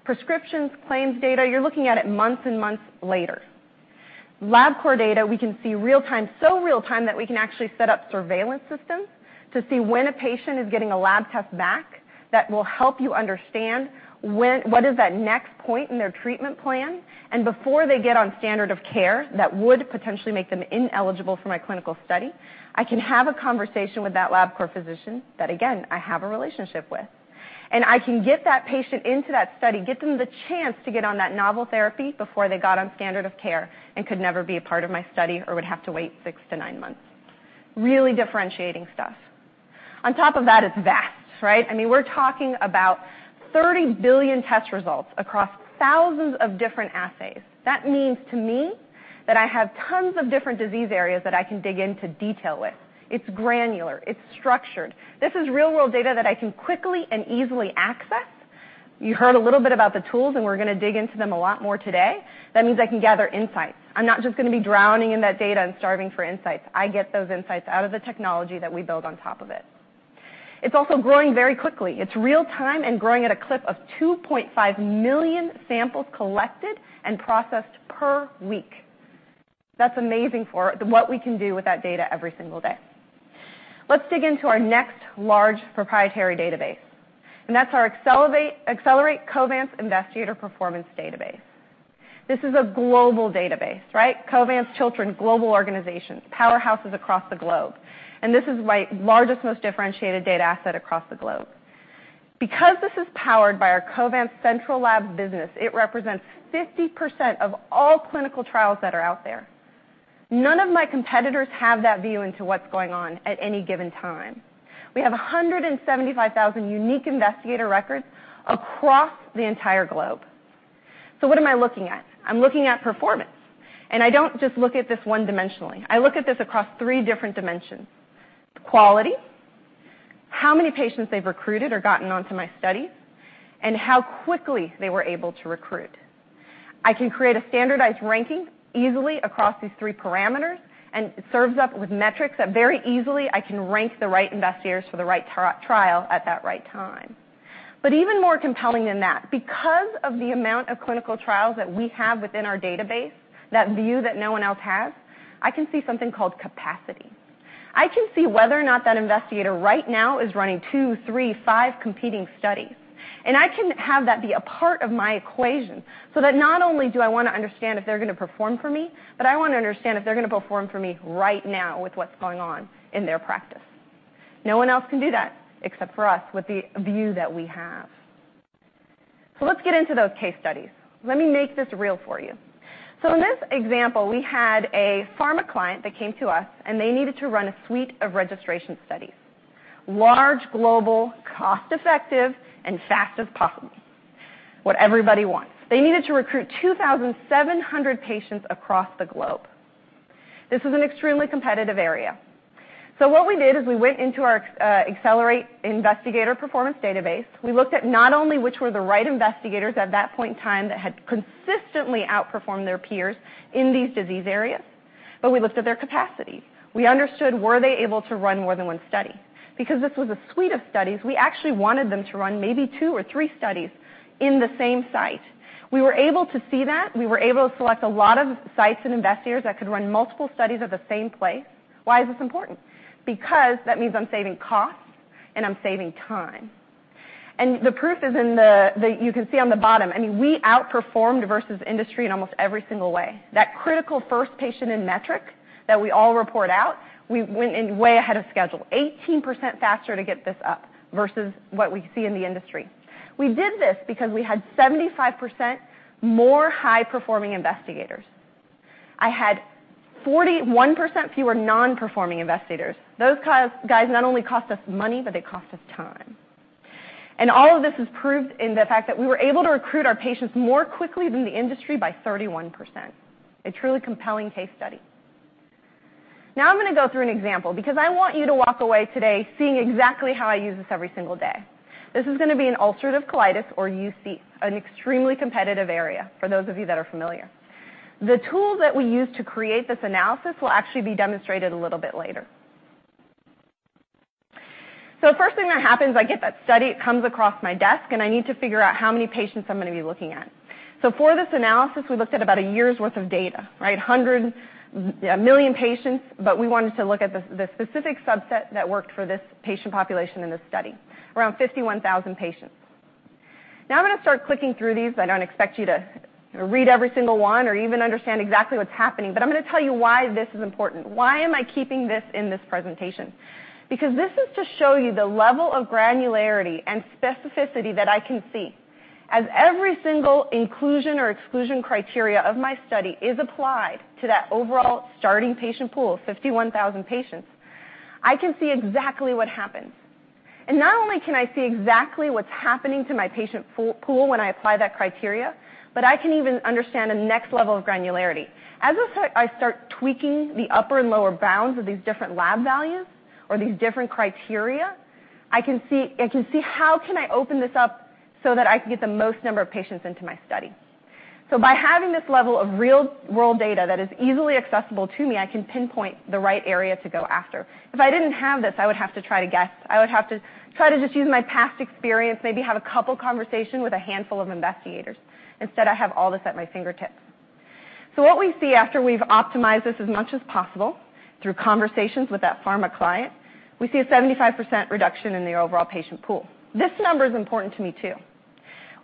Prescriptions, claims data, you're looking at it months and months later. Labcorp data, we can see real-time, so real-time that we can actually set up surveillance systems to see when a patient is getting a lab test back that will help you understand what is that next point in their treatment plan. Before they get on standard of care that would potentially make them ineligible for my clinical study, I can have a conversation with that Labcorp physician that, again, I have a relationship with. I can get that patient into that study, get them the chance to get on that novel therapy before they got on standard of care and could never be a part of my study or would have to wait six to nine months. Really differentiating stuff. On top of that, it's vast, right? I mean, we're talking about $30 billion test results across thousands of different assays. That means to me that I have tons of different disease areas that I can dig into detail with. It's granular. It's structured. This is real-world data that I can quickly and easily access. You heard a little bit about the tools, and we're going to dig into them a lot more today. That means I can gather insights. I'm not just going to be drowning in that data and starving for insights. I get those insights out of the technology that we build on top of it. It's also growing very quickly. It's real-time and growing at a clip of 2.5 million samples collected and processed per week. That's amazing for what we can do with that data every single day. Let's dig into our next large proprietary database. That's our Accelerate Covance Investigator Performance database. This is a global database, right? Covance Chiltern Global Organization, powerhouses across the globe. This is my largest, most differentiated data asset across the globe. Because this is powered by our Covance Central Lab business, it represents 50% of all clinical trials that are out there. None of my competitors have that view into what's going on at any given time. We have 175,000 unique investigator records across the entire globe. So what am I looking at? I'm looking at performance. I don't just look at this one-dimensionally. I look at this across three different dimensions: quality, how many patients they've recruited or gotten onto my studies, and how quickly they were able to recruit. I can create a standardized ranking easily across these three parameters, and it serves up with metrics that very easily I can rank the right investigators for the right trial at that right time. Even more compelling than that, because of the amount of clinical trials that we have within our database, that view that no one else has, I can see something called capacity. I can see whether or not that investigator right now is running two, three, five competing studies. I can have that be a part of my equation so that not only do I want to understand if they're going to perform for me, but I want to understand if they're going to perform for me right now with what's going on in their practice. No one else can do that except for us with the view that we have. Let's get into those case studies. Let me make this real for you. In this example, we had a pharma client that came to us, and they needed to run a suite of registration studies: large, global, cost-effective, and fast as possible, what everybody wants. They needed to recruit 2,700 patients across the globe. This was an extremely competitive area. What we did is we went into our Accelerate Investigator Performance database. We looked at not only which were the right investigators at that point in time that had consistently outperformed their peers in these disease areas, but we looked at their capacity. We understood, were they able to run more than one study? Because this was a suite of studies, we actually wanted them to run maybe two or three studies in the same site. We were able to see that. We were able to select a lot of sites and investigators that could run multiple studies at the same place. Why is this important? That means I'm saving costs and I'm saving time. The proof is in the—you can see on the bottom. I mean, we outperformed versus industry in almost every single way. That critical first patient in metric that we all report out, we went way ahead of schedule, 18% faster to get this up versus what we see in the industry. We did this because we had 75% more high-performing investigators. I had 41% fewer non-performing investigators. Those guys not only cost us money, but they cost us time. All of this is proved in the fact that we were able to recruit our patients more quickly than the industry by 31%. A truly compelling case study. Now I'm going to go through an example because I want you to walk away today seeing exactly how I use this every single day. This is going to be an ulcerative colitis or UC, an extremely competitive area for those of you that are familiar. The tools that we use to create this analysis will actually be demonstrated a little bit later. The first thing that happens, I get that study. It comes across my desk, and I need to figure out how many patients I'm going to be looking at. For this analysis, we looked at about a year's worth of data, right? One hundred million patients, but we wanted to look at the specific subset that worked for this patient population in this study, around 51,000 patients. Now I'm going to start clicking through these. I don't expect you to read every single one or even understand exactly what's happening, but I'm going to tell you why this is important. Why am I keeping this in this presentation? Because this is to show you the level of granularity and specificity that I can see. As every single inclusion or exclusion criteria of my study is applied to that overall starting patient pool of 51,000 patients, I can see exactly what happens. Not only can I see exactly what's happening to my patient pool when I apply that criteria, but I can even understand a next level of granularity. As I start tweaking the upper and lower bounds of these different lab values or these different criteria, I can see how can I open this up so that I can get the most number of patients into my study. By having this level of real-world data that is easily accessible to me, I can pinpoint the right area to go after. If I didn't have this, I would have to try to guess. I would have to try to just use my past experience, maybe have a couple conversations with a handful of investigators. Instead, I have all this at my fingertips. What we see after we've optimized this as much as possible through conversations with that pharma client, we see a 75% reduction in the overall patient pool. This number is important to me too.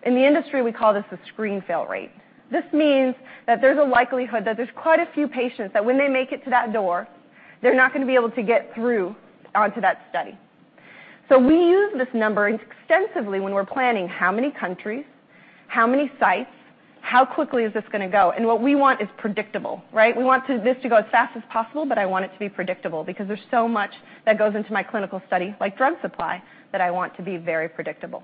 In the industry, we call this the screen fail rate. This means that there's a likelihood that there's quite a few patients that when they make it to that door, they're not going to be able to get through onto that study. We use this number extensively when we're planning how many countries, how many sites, how quickly is this going to go. What we want is predictable, right? We want this to go as fast as possible, but I want it to be predictable because there's so much that goes into my clinical study, like drug supply, that I want to be very predictable.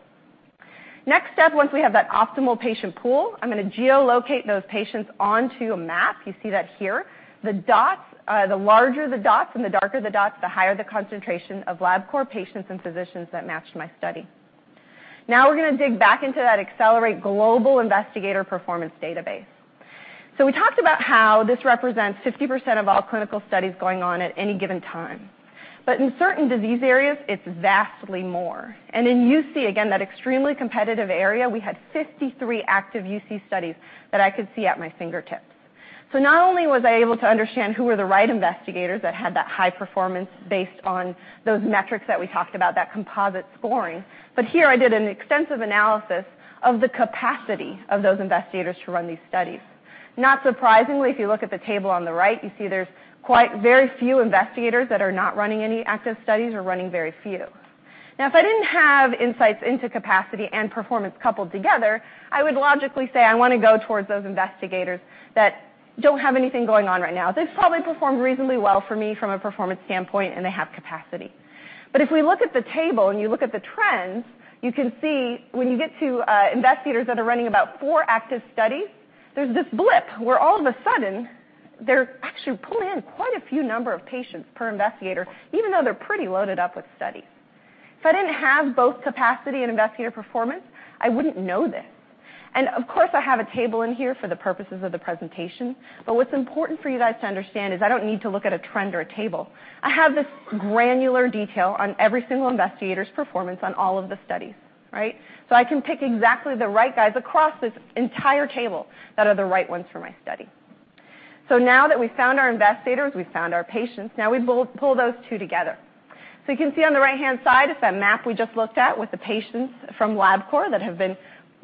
Next step, once we have that optimal patient pool, I'm going to geolocate those patients onto a map. You see that here. The larger the dots and the darker the dots, the higher the concentration of Labcorp patients and physicians that matched my study. Now we're going to dig back into that Accelerate Global Investigator Performance database. We talked about how this represents 50% of all clinical studies going on at any given time. In certain disease areas, it's vastly more. In UC, again, that extremely competitive area, we had 53 active UC studies that I could see at my fingertips. Not only was I able to understand who were the right investigators that had that high performance based on those metrics that we talked about, that composite scoring, but here I did an extensive analysis of the capacity of those investigators to run these studies. Not surprisingly, if you look at the table on the right, you see there's quite very few investigators that are not running any active studies or running very few. Now, if I didn't have insights into capacity and performance coupled together, I would logically say I want to go towards those investigators that don't have anything going on right now. They've probably performed reasonably well for me from a performance standpoint, and they have capacity. If we look at the table and you look at the trends, you can see when you get to investigators that are running about four active studies, there's this blip where all of a sudden they're actually pulling in quite a few number of patients per investigator, even though they're pretty loaded up with studies. If I didn't have both capacity and investigator performance, I wouldn't know this. Of course, I have a table in here for the purposes of the presentation. What's important for you guys to understand is I don't need to look at a trend or a table. I have this granular detail on every single investigator's performance on all of the studies, right? I can pick exactly the right guys across this entire table that are the right ones for my study. Now that we found our investigators, we found our patients, now we pull those two together. You can see on the right-hand side is that map we just looked at with the patients from Labcorp that have been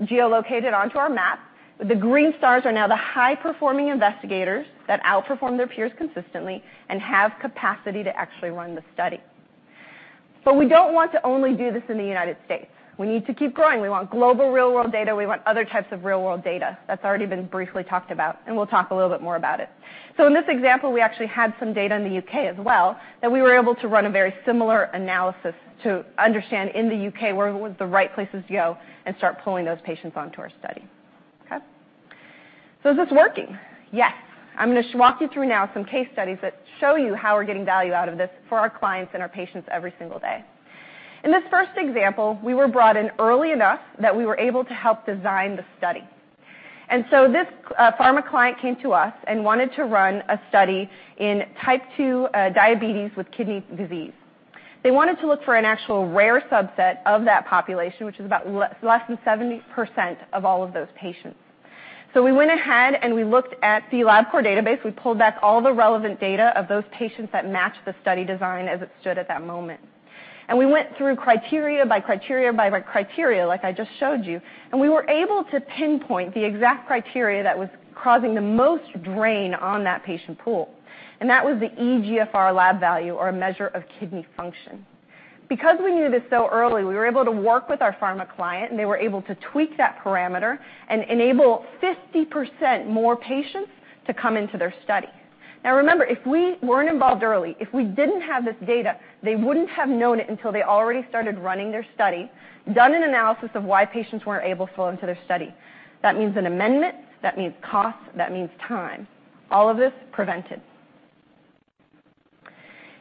geolocated onto our map. The green stars are now the high-performing investigators that outperform their peers consistently and have capacity to actually run the study. We do not want to only do this in the United States. We need to keep growing. We want global real-world data. We want other types of real-world data that have already been briefly talked about, and we will talk a little bit more about it. In this example, we actually had some data in the U.K. as well that we were able to run a very similar analysis to understand in the U.K. where was the right places to go and start pulling those patients onto our study. Okay? Is this working? Yes. I'm going to walk you through now some case studies that show you how we're getting value out of this for our clients and our patients every single day. In this first example, we were brought in early enough that we were able to help design the study. This pharma client came to us and wanted to run a study in type 2 diabetes with kidney disease. They wanted to look for an actual rare subset of that population, which is about less than 7% of all of those patients. We went ahead and we looked at the Labcorp database. We pulled back all the relevant data of those patients that matched the study design as it stood at that moment. We went through criteria by criteria by criteria, like I just showed you, and we were able to pinpoint the exact criteria that was causing the most drain on that patient pool. That was the eGFR lab value or a measure of kidney function. Because we knew this so early, we were able to work with our pharma client, and they were able to tweak that parameter and enable 50% more patients to come into their study. Now, remember, if we were not involved early, if we did not have this data, they would not have known it until they already started running their study, done an analysis of why patients were not able to go into their study. That means an amendment. That means costs. That means time. All of this prevented.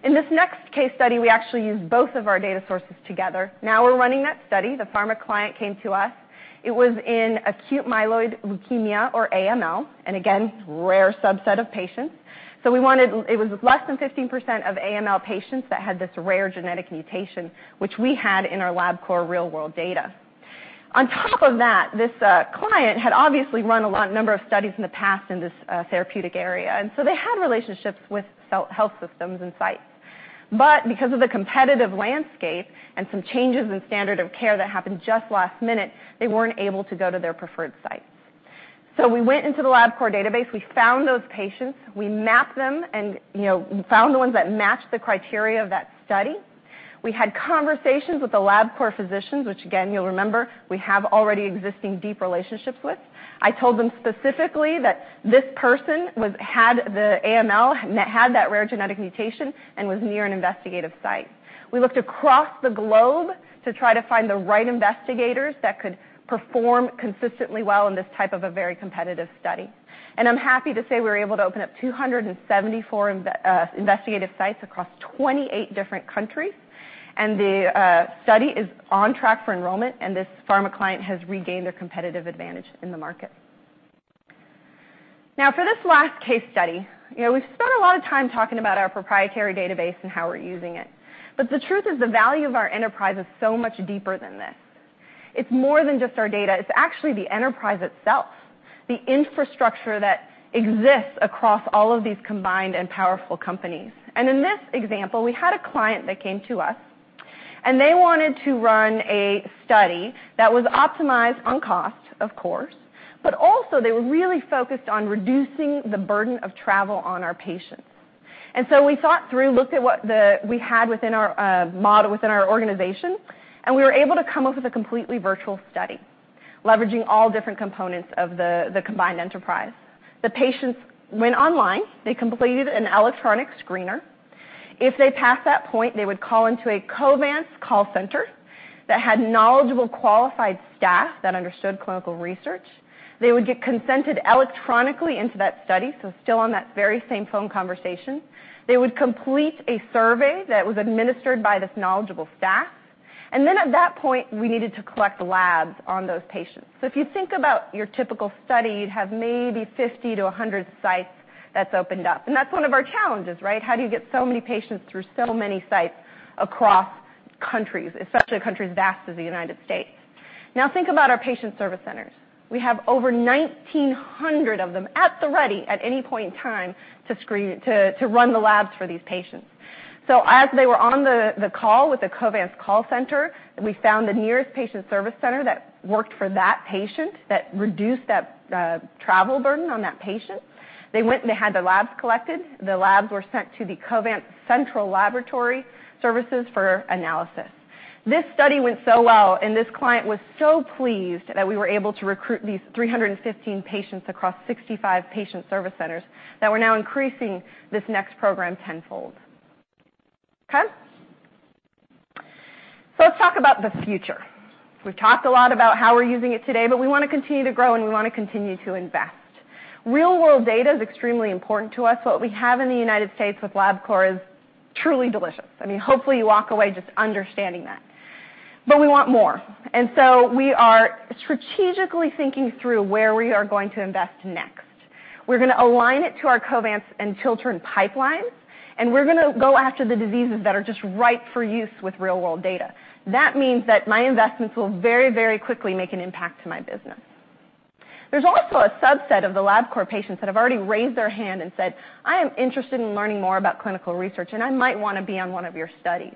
In this next case study, we actually used both of our data sources together. Now we're running that study. The pharma client came to us. It was in acute myeloid leukemia or AML, and again, rare subset of patients. It was less than 15% of AML patients that had this rare genetic mutation, which we had in our Labcorp real-world data. On top of that, this client had obviously run a number of studies in the past in this therapeutic area, and they had relationships with health systems and sites. Because of the competitive landscape and some changes in standard of care that happened just last minute, they weren't able to go to their preferred sites. We went into the Labcorp database. We found those patients. We mapped them and found the ones that matched the criteria of that study. We had conversations with the Labcorp physicians, which, again, you'll remember, we have already existing deep relationships with. I told them specifically that this person had the AML, had that rare genetic mutation, and was near an investigative site. We looked across the globe to try to find the right investigators that could perform consistently well in this type of a very competitive study. I'm happy to say we were able to open up 274 investigative sites across 28 different countries, and the study is on track for enrollment, and this pharma client has regained their competitive advantage in the market. Now, for this last case study, we've spent a lot of time talking about our proprietary database and how we're using it. The truth is the value of our enterprise is so much deeper than this. It's more than just our data. It's actually the enterprise itself, the infrastructure that exists across all of these combined and powerful companies. In this example, we had a client that came to us, and they wanted to run a study that was optimized on cost, of course, but also they were really focused on reducing the burden of travel on our patients. We thought through, looked at what we had within our organization, and we were able to come up with a completely virtual study, leveraging all different components of the combined enterprise. The patients went online. They completed an electronic screener. If they passed that point, they would call into a Covance call center that had knowledgeable qualified staff that understood clinical research. They would get consented electronically into that study, so still on that very same phone conversation. They would complete a survey that was administered by this knowledgeable staff. At that point, we needed to collect labs on those patients. If you think about your typical study, you'd have maybe 50-100 sites that's opened up. That's one of our challenges, right? How do you get so many patients through so many sites across countries, especially countries as vast as the United States? Now think about our patient service centers. We have over 1,900 of them at the ready at any point in time to run the labs for these patients. As they were on the call with the Covance call center, we found the nearest patient service center that worked for that patient that reduced that travel burden on that patient. They went and they had the labs collected. The labs were sent to the Covance Central Laboratory Services for analysis. This study went so well, and this client was so pleased that we were able to recruit these 315 patients across 65 patient service centers that we're now increasing this next program tenfold. Okay? Let's talk about the future. We've talked a lot about how we're using it today, but we want to continue to grow, and we want to continue to invest. Real-world data is extremely important to us. What we have in the United States with Labcorp is truly delicious. I mean, hopefully, you walk away just understanding that. We want more. We are strategically thinking through where we are going to invest next. We're going to align it to our Covance and Chiltern pipelines, and we're going to go after the diseases that are just right for use with real-world data. That means that my investments will very, very quickly make an impact to my business. There's also a subset of the Labcorp patients that have already raised their hand and said, "I am interested in learning more about clinical research, and I might want to be on one of your studies."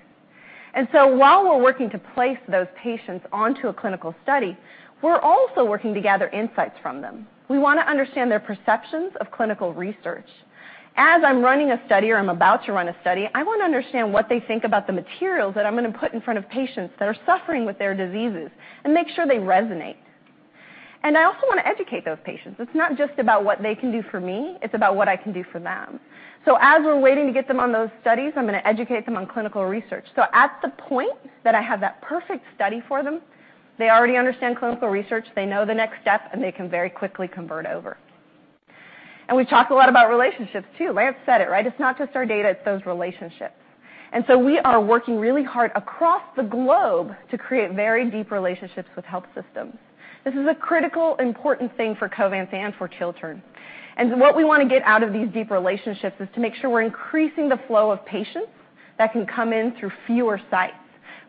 While we're working to place those patients onto a clinical study, we're also working to gather insights from them. We want to understand their perceptions of clinical research. As I'm running a study or I'm about to run a study, I want to understand what they think about the materials that I'm going to put in front of patients that are suffering with their diseases and make sure they resonate. I also want to educate those patients. It's not just about what they can do for me. It's about what I can do for them. As we're waiting to get them on those studies, I'm going to educate them on clinical research. At the point that I have that perfect study for them, they already understand clinical research. They know the next step, and they can very quickly convert over. We've talked a lot about relationships too. Lance said it, right? It's not just our data. It's those relationships. We are working really hard across the globe to create very deep relationships with health systems. This is a critical, important thing for Covance and for Chiltern. What we want to get out of these deep relationships is to make sure we're increasing the flow of patients that can come in through fewer sites.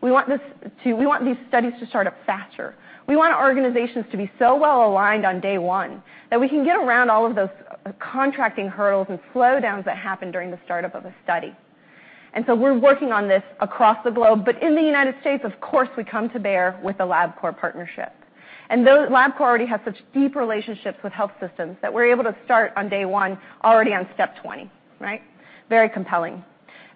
We want these studies to start up faster. We want our organizations to be so well aligned on day one that we can get around all of those contracting hurdles and slowdowns that happen during the startup of a study. We are working on this across the globe. In the United States, of course, we come to bear with the Labcorp partnership. Labcorp already has such deep relationships with health systems that we're able to start on day one already on step 20, right? Very compelling.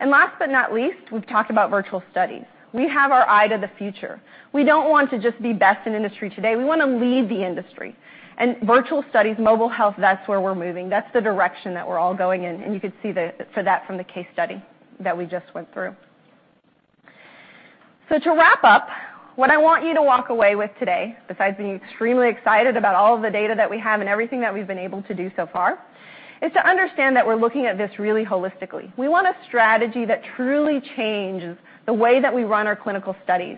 Last but not least, we've talked about virtual studies. We have our eye to the future. We don't want to just be best in industry today. We want to lead the industry. Virtual studies, mobile health, that's where we're moving. That's the direction that we're all going in. You could see that from the case study that we just went through. To wrap up, what I want you to walk away with today, besides being extremely excited about all of the data that we have and everything that we've been able to do so far, is to understand that we're looking at this really holistically. We want a strategy that truly changes the way that we run our clinical studies.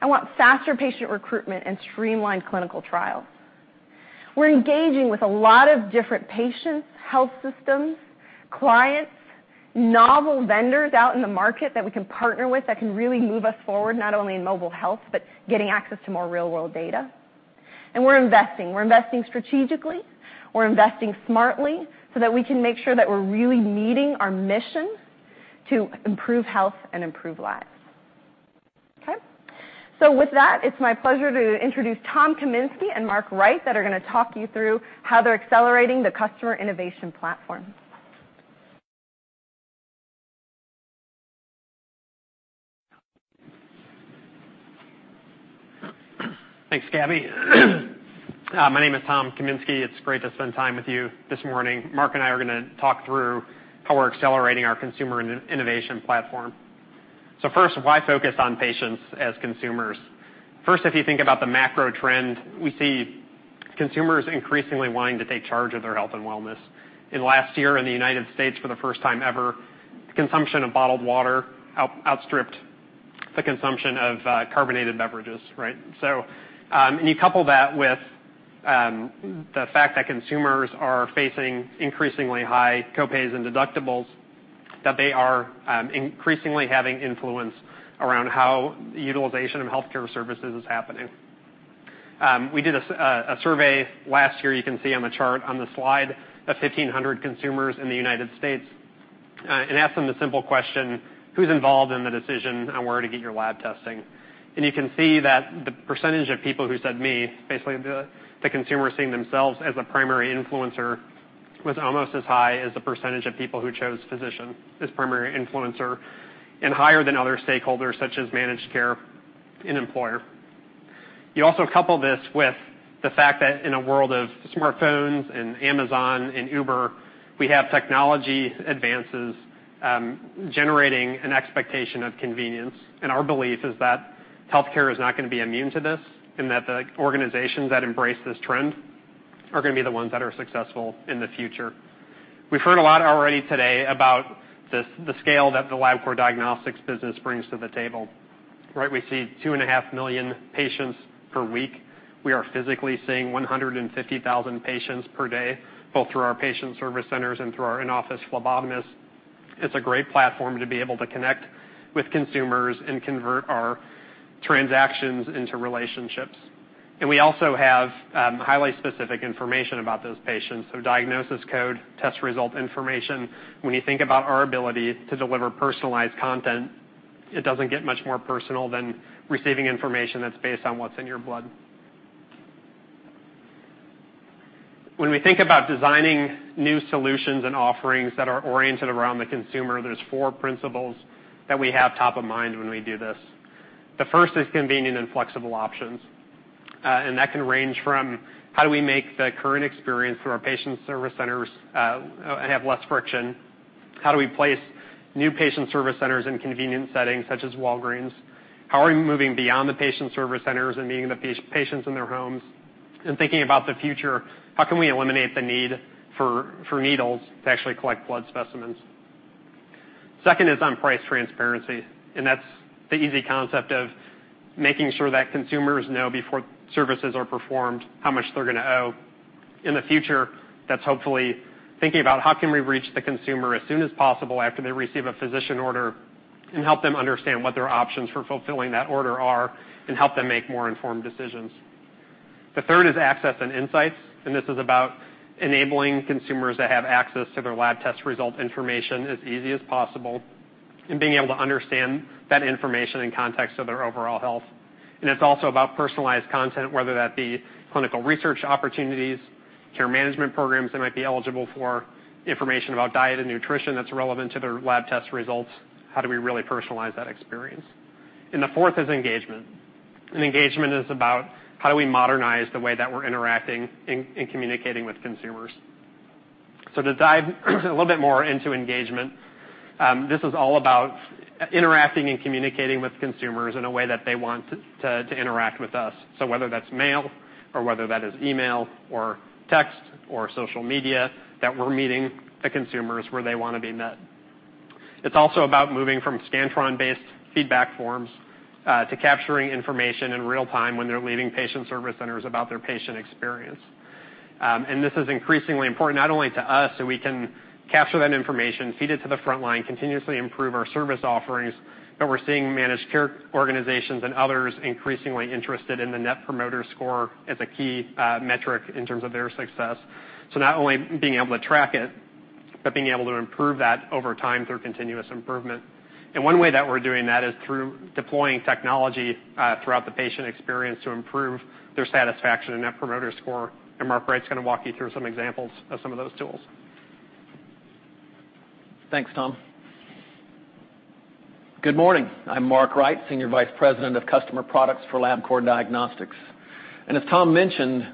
I want faster patient recruitment and streamlined clinical trials. We're engaging with a lot of different patients, health systems, clients, novel vendors out in the market that we can partner with that can really move us forward, not only in mobile health, but getting access to more real-world data. We're investing. We're investing strategically. We're investing smartly so that we can make sure that we're really meeting our mission to improve health and improve lives. Okay? With that, it's my pleasure to introduce Tom Kaminski and Mark Wright that are going to talk you through how they're accelerating the customer innovation platform. Thanks, Gabby. My name is Tom Kaminski. It's great to spend time with you this morning. Mark and I are going to talk through how we're accelerating our consumer innovation platform. First, why focus on patients as consumers? If you think about the macro trend, we see consumers increasingly wanting to take charge of their health and wellness. In last year, in the United States, for the first time ever, the consumption of bottled water outstripped the consumption of carbonated beverages, right? You couple that with the fact that consumers are facing increasingly high copays and deductibles, that they are increasingly having influence around how the utilization of healthcare services is happening. We did a survey last year. You can see on the chart on the slide of 1,500 consumers in the United States and asked them the simple question, "Who's involved in the decision on where to get your lab testing?" You can see that the % of people who said me, basically the consumer seeing themselves as a primary influencer, was almost as high as the % of people who chose physician as primary influencer and higher than other stakeholders such as managed care and employer. You also couple this with the fact that in a world of smartphones and Amazon and Uber, we have technology advances generating an expectation of convenience. Our belief is that healthcare is not going to be immune to this and that the organizations that embrace this trend are going to be the ones that are successful in the future. We've heard a lot already today about the scale that the Labcorp diagnostics business brings to the table, right? We see two and a half million patients per week. We are physically seeing 150,000 patients per day, both through our patient service centers and through our in-office phlebotomist. It's a great platform to be able to connect with consumers and convert our transactions into relationships. We also have highly specific information about those patients, so diagnosis code, test result information. When you think about our ability to deliver personalized content, it doesn't get much more personal than receiving information that's based on what's in your blood. When we think about designing new solutions and offerings that are oriented around the consumer, there's four principles that we have top of mind when we do this. The first is convenient and flexible options. That can range from how do we make the current experience through our patient service centers have less friction? How do we place new patient service centers in convenient settings such as Walgreens? How are we moving beyond the patient service centers and meeting the patients in their homes? Thinking about the future, how can we eliminate the need for needles to actually collect blood specimens? Second is on price transparency. That is the easy concept of making sure that consumers know before services are performed how much they're going to owe. In the future, that's hopefully thinking about how can we reach the consumer as soon as possible after they receive a physician order and help them understand what their options for fulfilling that order are and help them make more informed decisions. The third is access and insights. This is about enabling consumers to have access to their lab test result information as easy as possible and being able to understand that information in context of their overall health. It is also about personalized content, whether that be clinical research opportunities, care management programs they might be eligible for, information about diet and nutrition that is relevant to their lab test results. How do we really personalize that experience? The fourth is engagement. Engagement is about how do we modernize the way that we are interacting and communicating with consumers. To dive a little bit more into engagement, this is all about interacting and communicating with consumers in a way that they want to interact with us. Whether that is mail or whether that is email or text or social media, we are meeting the consumers where they want to be met. It's also about moving from Scantron-based feedback forms to capturing information in real time when they're leaving patient service centers about their patient experience. This is increasingly important not only to us so we can capture that information, feed it to the front line, continuously improve our service offerings, but we're seeing managed care organizations and others increasingly interested in the Net Promoter Score as a key metric in terms of their success. Not only being able to track it, but being able to improve that over time through continuous improvement. One way that we're doing that is through deploying technology throughout the patient experience to improve their satisfaction and Net Promoter Score. Mark Wright's going to walk you through some examples of some of those tools. Thanks, Tom. Good morning. I'm Mark Wright, Senior Vice President of Customer Products for Labcorp Diagnostics. As Tom mentioned,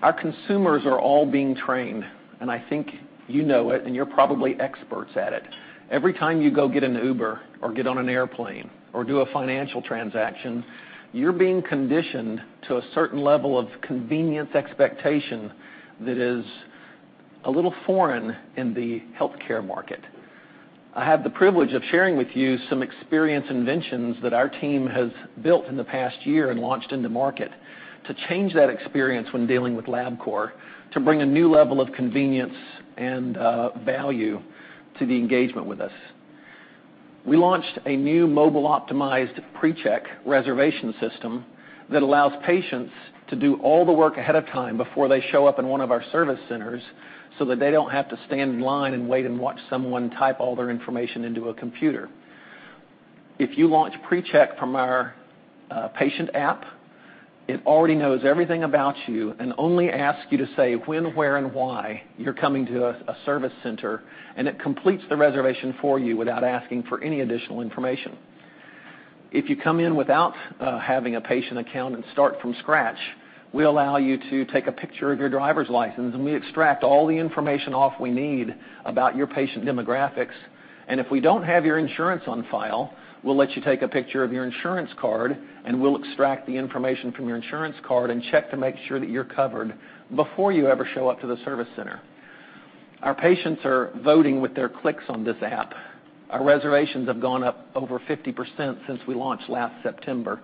our consumers are all being trained. I think you know it, and you're probably experts at it. Every time you go get an Uber or get on an airplane or do a financial transaction, you're being conditioned to a certain level of convenience expectation that is a little foreign in the healthcare market. I have the privilege of sharing with you some experience inventions that our team has built in the past year and launched into market to change that experience when dealing with Labcorp, to bring a new level of convenience and value to the engagement with us. We launched a new mobile-optimized pre-check reservation system that allows patients to do all the work ahead of time before they show up in one of our service centers so that they do not have to stand in line and wait and watch someone type all their information into a computer. If you launch pre-check from our patient app, it already knows everything about you and only asks you to say when, where, and why you are coming to a service center, and it completes the reservation for you without asking for any additional information. If you come in without having a patient account and start from scratch, we allow you to take a picture of your driver's license, and we extract all the information off we need about your patient demographics. If we don't have your insurance on file, we'll let you take a picture of your insurance card, and we'll extract the information from your insurance card and check to make sure that you're covered before you ever show up to the service center. Our patients are voting with their clicks on this app. Our reservations have gone up over 50% since we launched last September.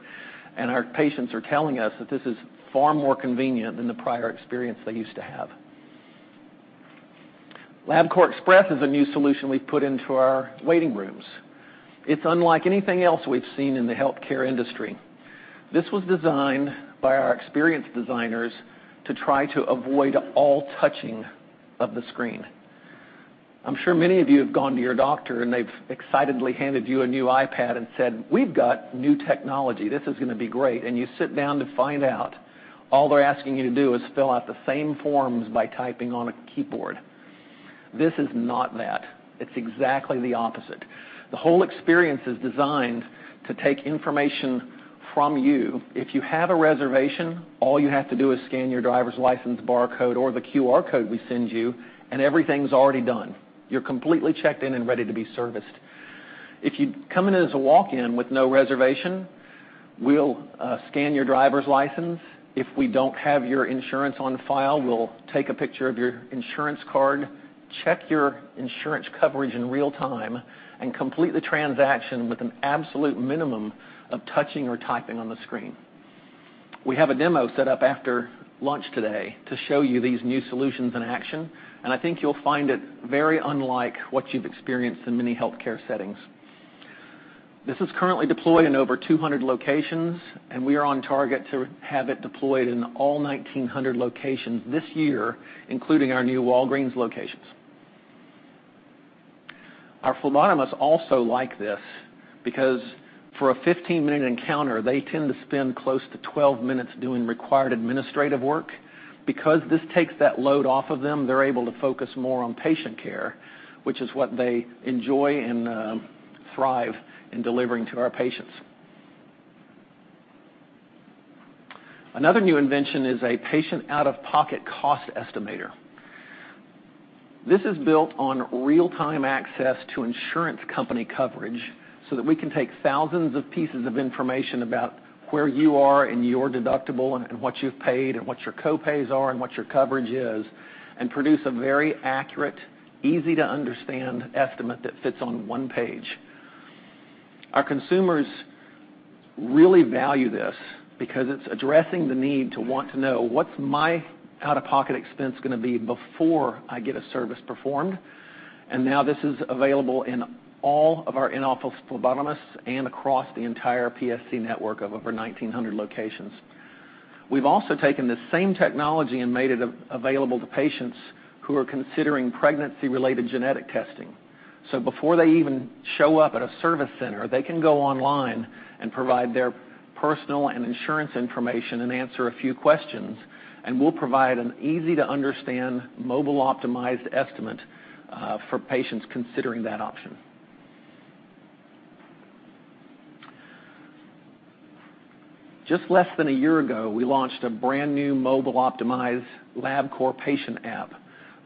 Our patients are telling us that this is far more convenient than the prior experience they used to have. Labcorp Express is a new solution we've put into our waiting rooms. It's unlike anything else we've seen in the healthcare industry. This was designed by our experience designers to try to avoid all touching of the screen. I'm sure many of you have gone to your doctor, and they've excitedly handed you a new iPad and said, "We've got new technology. This is going to be great. You sit down to find out all they're asking you to do is fill out the same forms by typing on a keyboard. This is not that. It's exactly the opposite. The whole experience is designed to take information from you. If you have a reservation, all you have to do is scan your driver's license barcode or the QR code we send you, and everything's already done. You're completely checked in and ready to be serviced. If you come in as a walk-in with no reservation, we'll scan your driver's license. If we don't have your insurance on file, we'll take a picture of your insurance card, check your insurance coverage in real time, and complete the transaction with an absolute minimum of touching or typing on the screen. We have a demo set up after lunch today to show you these new solutions in action. I think you'll find it very unlike what you've experienced in many healthcare settings. This is currently deployed in over 200 locations, and we are on target to have it deployed in all 1,900 locations this year, including our new Walgreens locations. Our phlebotomists also like this because for a 15-minute encounter, they tend to spend close to 12 minutes doing required administrative work. Because this takes that load off of them, they're able to focus more on patient care, which is what they enjoy and thrive in delivering to our patients. Another new invention is a patient out-of-pocket cost estimator. This is built on real-time access to insurance company coverage so that we can take thousands of pieces of information about where you are and your deductible and what you've paid and what your copays are and what your coverage is and produce a very accurate, easy-to-understand estimate that fits on one page. Our consumers really value this because it's addressing the need to want to know what's my out-of-pocket expense going to be before I get a service performed. Now this is available in all of our in-office phlebotomists and across the entire PSC network of over 1,900 locations. We've also taken the same technology and made it available to patients who are considering pregnancy-related genetic testing. Before they even show up at a service center, they can go online and provide their personal and insurance information and answer a few questions, and we'll provide an easy-to-understand mobile-optimized estimate for patients considering that option. Just less than a year ago, we launched a brand new mobile-optimized Labcorp Patient App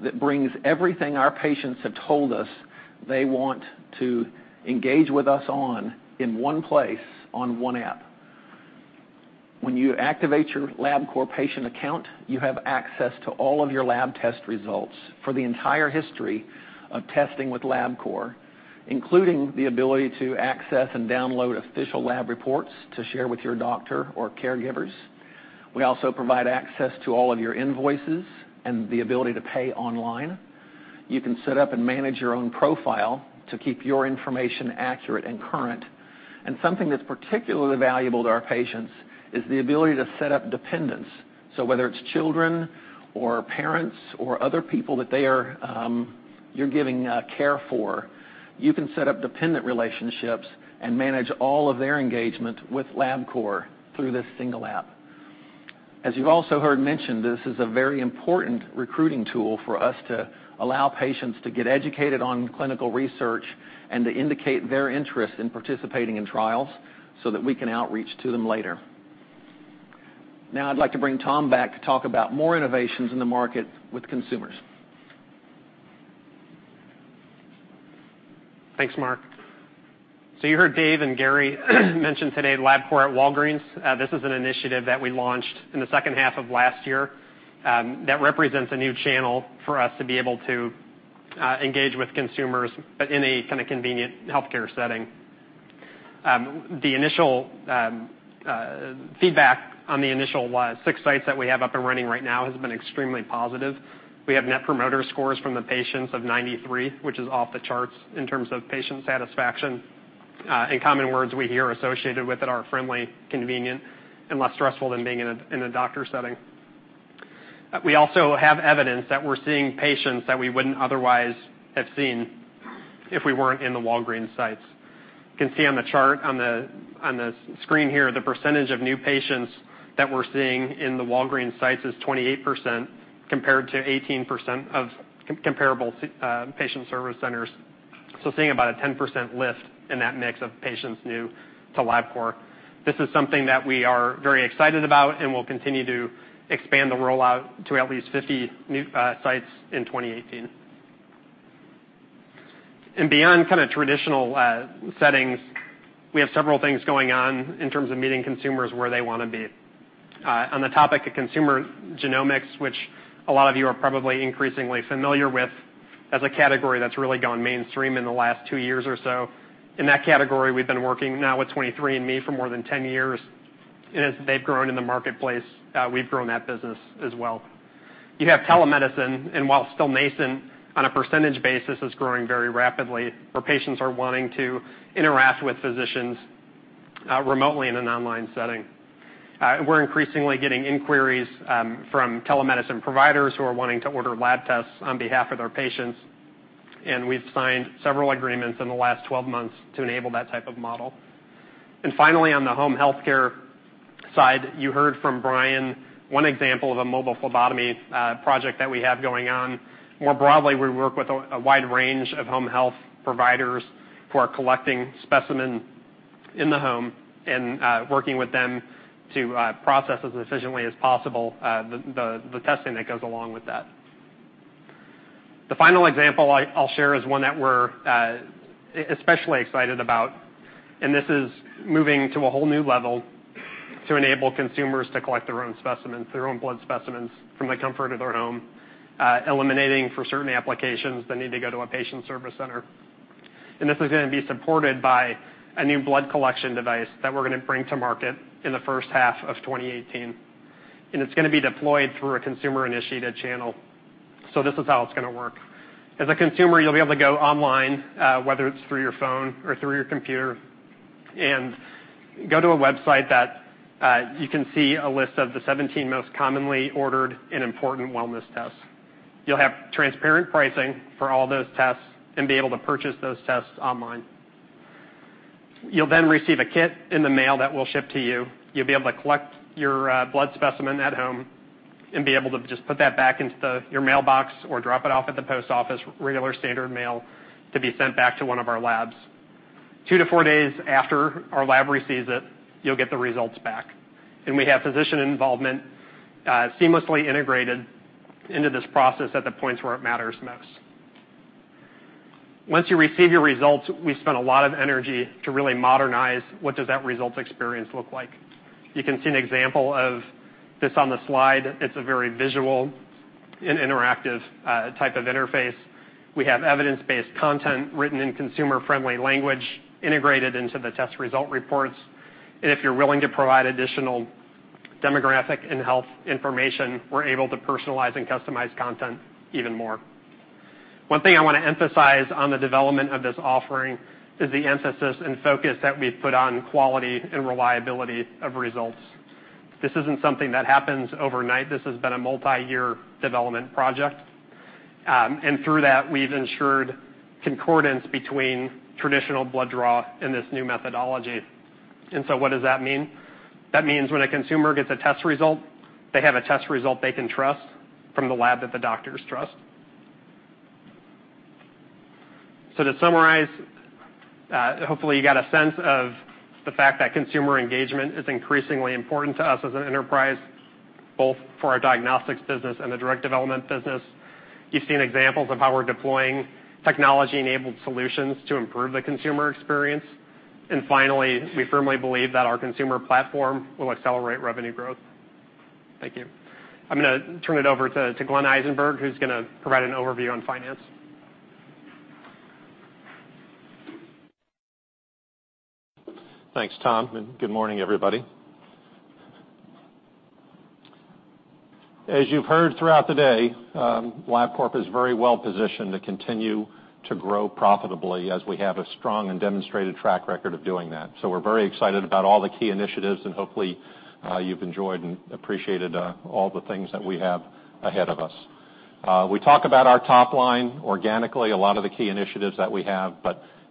that brings everything our patients have told us they want to engage with us on in one place on one app. When you activate your Labcorp Patient account, you have access to all of your lab test results for the entire history of testing with Labcorp, including the ability to access and download official lab reports to share with your doctor or caregivers. We also provide access to all of your invoices and the ability to pay online. You can set up and manage your own profile to keep your information accurate and current. Something that's particularly valuable to our patients is the ability to set up dependents. Whether it's children or parents or other people that you're giving care for, you can set up dependent relationships and manage all of their engagement with Labcorp through this single app. As you've also heard mentioned, this is a very important recruiting tool for us to allow patients to get educated on clinical research and to indicate their interest in participating in trials so that we can outreach to them later. Now I'd like to bring Tom back to talk about more innovations in the market with consumers. Thanks, Mark. You heard Dave and Gary mention today Labcorp at Walgreens. This is an initiative that we launched in the second half of last year that represents a new channel for us to be able to engage with consumers in a kind of convenient healthcare setting. The initial feedback on the initial six sites that we have up and running right now has been extremely positive. We have Net Promoter Scores from the patients of 93, which is off the charts in terms of patient satisfaction. In common words, we hear associated with it are friendly, convenient, and less stressful than being in a doctor setting. We also have evidence that we're seeing patients that we wouldn't otherwise have seen if we weren't in the Walgreens sites. You can see on the chart on the screen here, the percentage of new patients that we're seeing in the Walgreens sites is 28% compared to 18% of comparable patient service centers. So seeing about a 10% lift in that mix of patients new to Labcorp. This is something that we are very excited about and will continue to expand the rollout to at least 50 sites in 2018. Beyond kind of traditional settings, we have several things going on in terms of meeting consumers where they want to be. On the topic of consumer genomics, which a lot of you are probably increasingly familiar with as a category that's really gone mainstream in the last two years or so. In that category, we've been working now with 23andMe for more than 10 years. And as they've grown in the marketplace, we've grown that business as well. You have telemedicine, and while still nascent on a % basis, it's growing very rapidly where patients are wanting to interact with physicians remotely in an online setting. We're increasingly getting inquiries from telemedicine providers who are wanting to order lab tests on behalf of their patients. We've signed several agreements in the last 12 months to enable that type of model. Finally, on the home healthcare side, you heard from Brian one example of a mobile phlebotomy project that we have going on. More broadly, we work with a wide range of home health providers who are collecting specimen in the home and working with them to process as efficiently as possible the testing that goes along with that. The final example I'll share is one that we're especially excited about. This is moving to a whole new level to enable consumers to collect their own specimens, their own blood specimens from the comfort of their home, eliminating for certain applications the need to go to a patient service center. This is going to be supported by a new blood collection device that we're going to bring to market in the first half of 2018. It's going to be deployed through a consumer-initiated channel. This is how it's going to work. As a consumer, you'll be able to go online, whether it's through your phone or through your computer, and go to a website that you can see a list of the 17 most commonly ordered and important wellness tests. You'll have transparent pricing for all those tests and be able to purchase those tests online. You'll then receive a kit in the mail that we'll ship to you. You'll be able to collect your blood specimen at home and be able to just put that back into your mailbox or drop it off at the post office, regular standard mail, to be sent back to one of our labs. Two to four days after our lab receives it, you'll get the results back. We have physician involvement seamlessly integrated into this process at the points where it matters most. Once you receive your results, we spent a lot of energy to really modernize what does that results experience look like. You can see an example of this on the slide. It's a very visual and interactive type of interface. We have evidence-based content written in consumer-friendly language integrated into the test result reports. If you're willing to provide additional demographic and health information, we're able to personalize and customize content even more. One thing I want to emphasize on the development of this offering is the emphasis and focus that we've put on quality and reliability of results. This isn't something that happens overnight. This has been a multi-year development project. Through that, we've ensured concordance between traditional blood draw and this new methodology. What does that mean? That means when a consumer gets a test result, they have a test result they can trust from the lab that the doctors trust. To summarize, hopefully you got a sense of the fact that consumer engagement is increasingly important to us as an enterprise, both for our diagnostics business and the drug development business. You've seen examples of how we're deploying technology-enabled solutions to improve the consumer experience. We firmly believe that our consumer platform will accelerate revenue growth. Thank you. I'm going to turn it over to Glenn Eisenberg, who's going to provide an overview on finance. Thanks, Tom. Good morning, everybody. As you've heard throughout the day, Labcorp is very well positioned to continue to grow profitably as we have a strong and demonstrated track record of doing that. We are very excited about all the key initiatives, and hopefully you've enjoyed and appreciated all the things that we have ahead of us. We talk about our top line organically, a lot of the key initiatives that we have.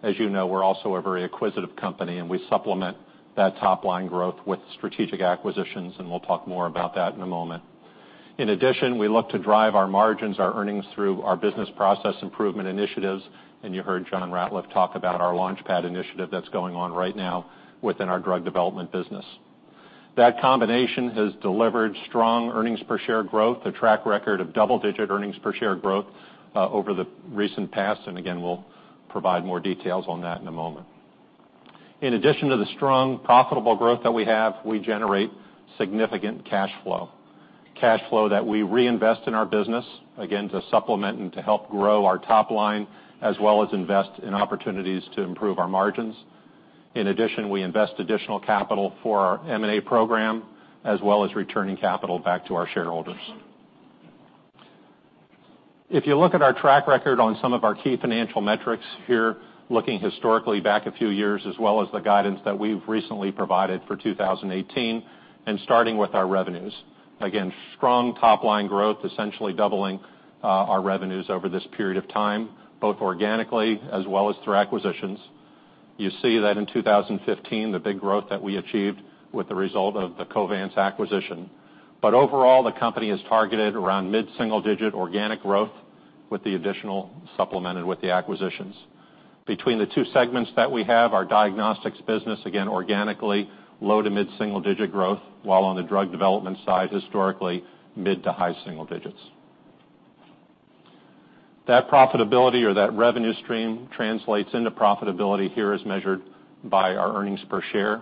As you know, we're also a very acquisitive company, and we supplement that top line growth with strategic acquisitions, and we'll talk more about that in a moment. In addition, we look to drive our margins, our earnings through our business process improvement initiatives. You heard John Ratliff talk about our Launchpad initiative that's going on right now within our drug development business. That combination has delivered strong earnings per share growth, a track record of double-digit earnings per share growth over the recent past. We will provide more details on that in a moment. In addition to the strong profitable growth that we have, we generate significant cash flow, cash flow that we reinvest in our business, to supplement and to help grow our top line, as well as invest in opportunities to improve our margins. In addition, we invest additional capital for our M&A program, as well as returning capital back to our shareholders. If you look at our track record on some of our key financial metrics here, looking historically back a few years, as well as the guidance that we've recently provided for 2018, and starting with our revenues, again, strong top line growth, essentially doubling our revenues over this period of time, both organically as well as through acquisitions. You see that in 2015, the big growth that we achieved was the result of the Covance acquisition. Overall, the company has targeted around mid-single-digit organic growth with the additional supplemented with the acquisitions. Between the two segments that we have, our diagnostics business, again, organically, low to mid-single-digit growth, while on the drug development side, historically, mid to high single digits. That profitability or that revenue stream translates into profitability here as measured by our earnings per share.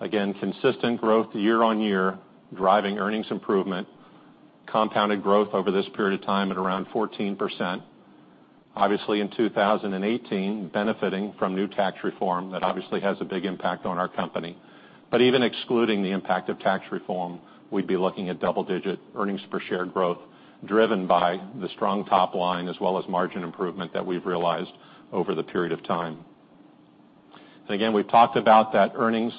Again, consistent growth year on year, driving earnings improvement, compounded growth over this period of time at around 14%. Obviously, in 2018, benefiting from new tax reform that obviously has a big impact on our company. Even excluding the impact of tax reform, we'd be looking at double-digit earnings per share growth driven by the strong top line as well as margin improvement that we've realized over the period of time. Again, we've talked about that earnings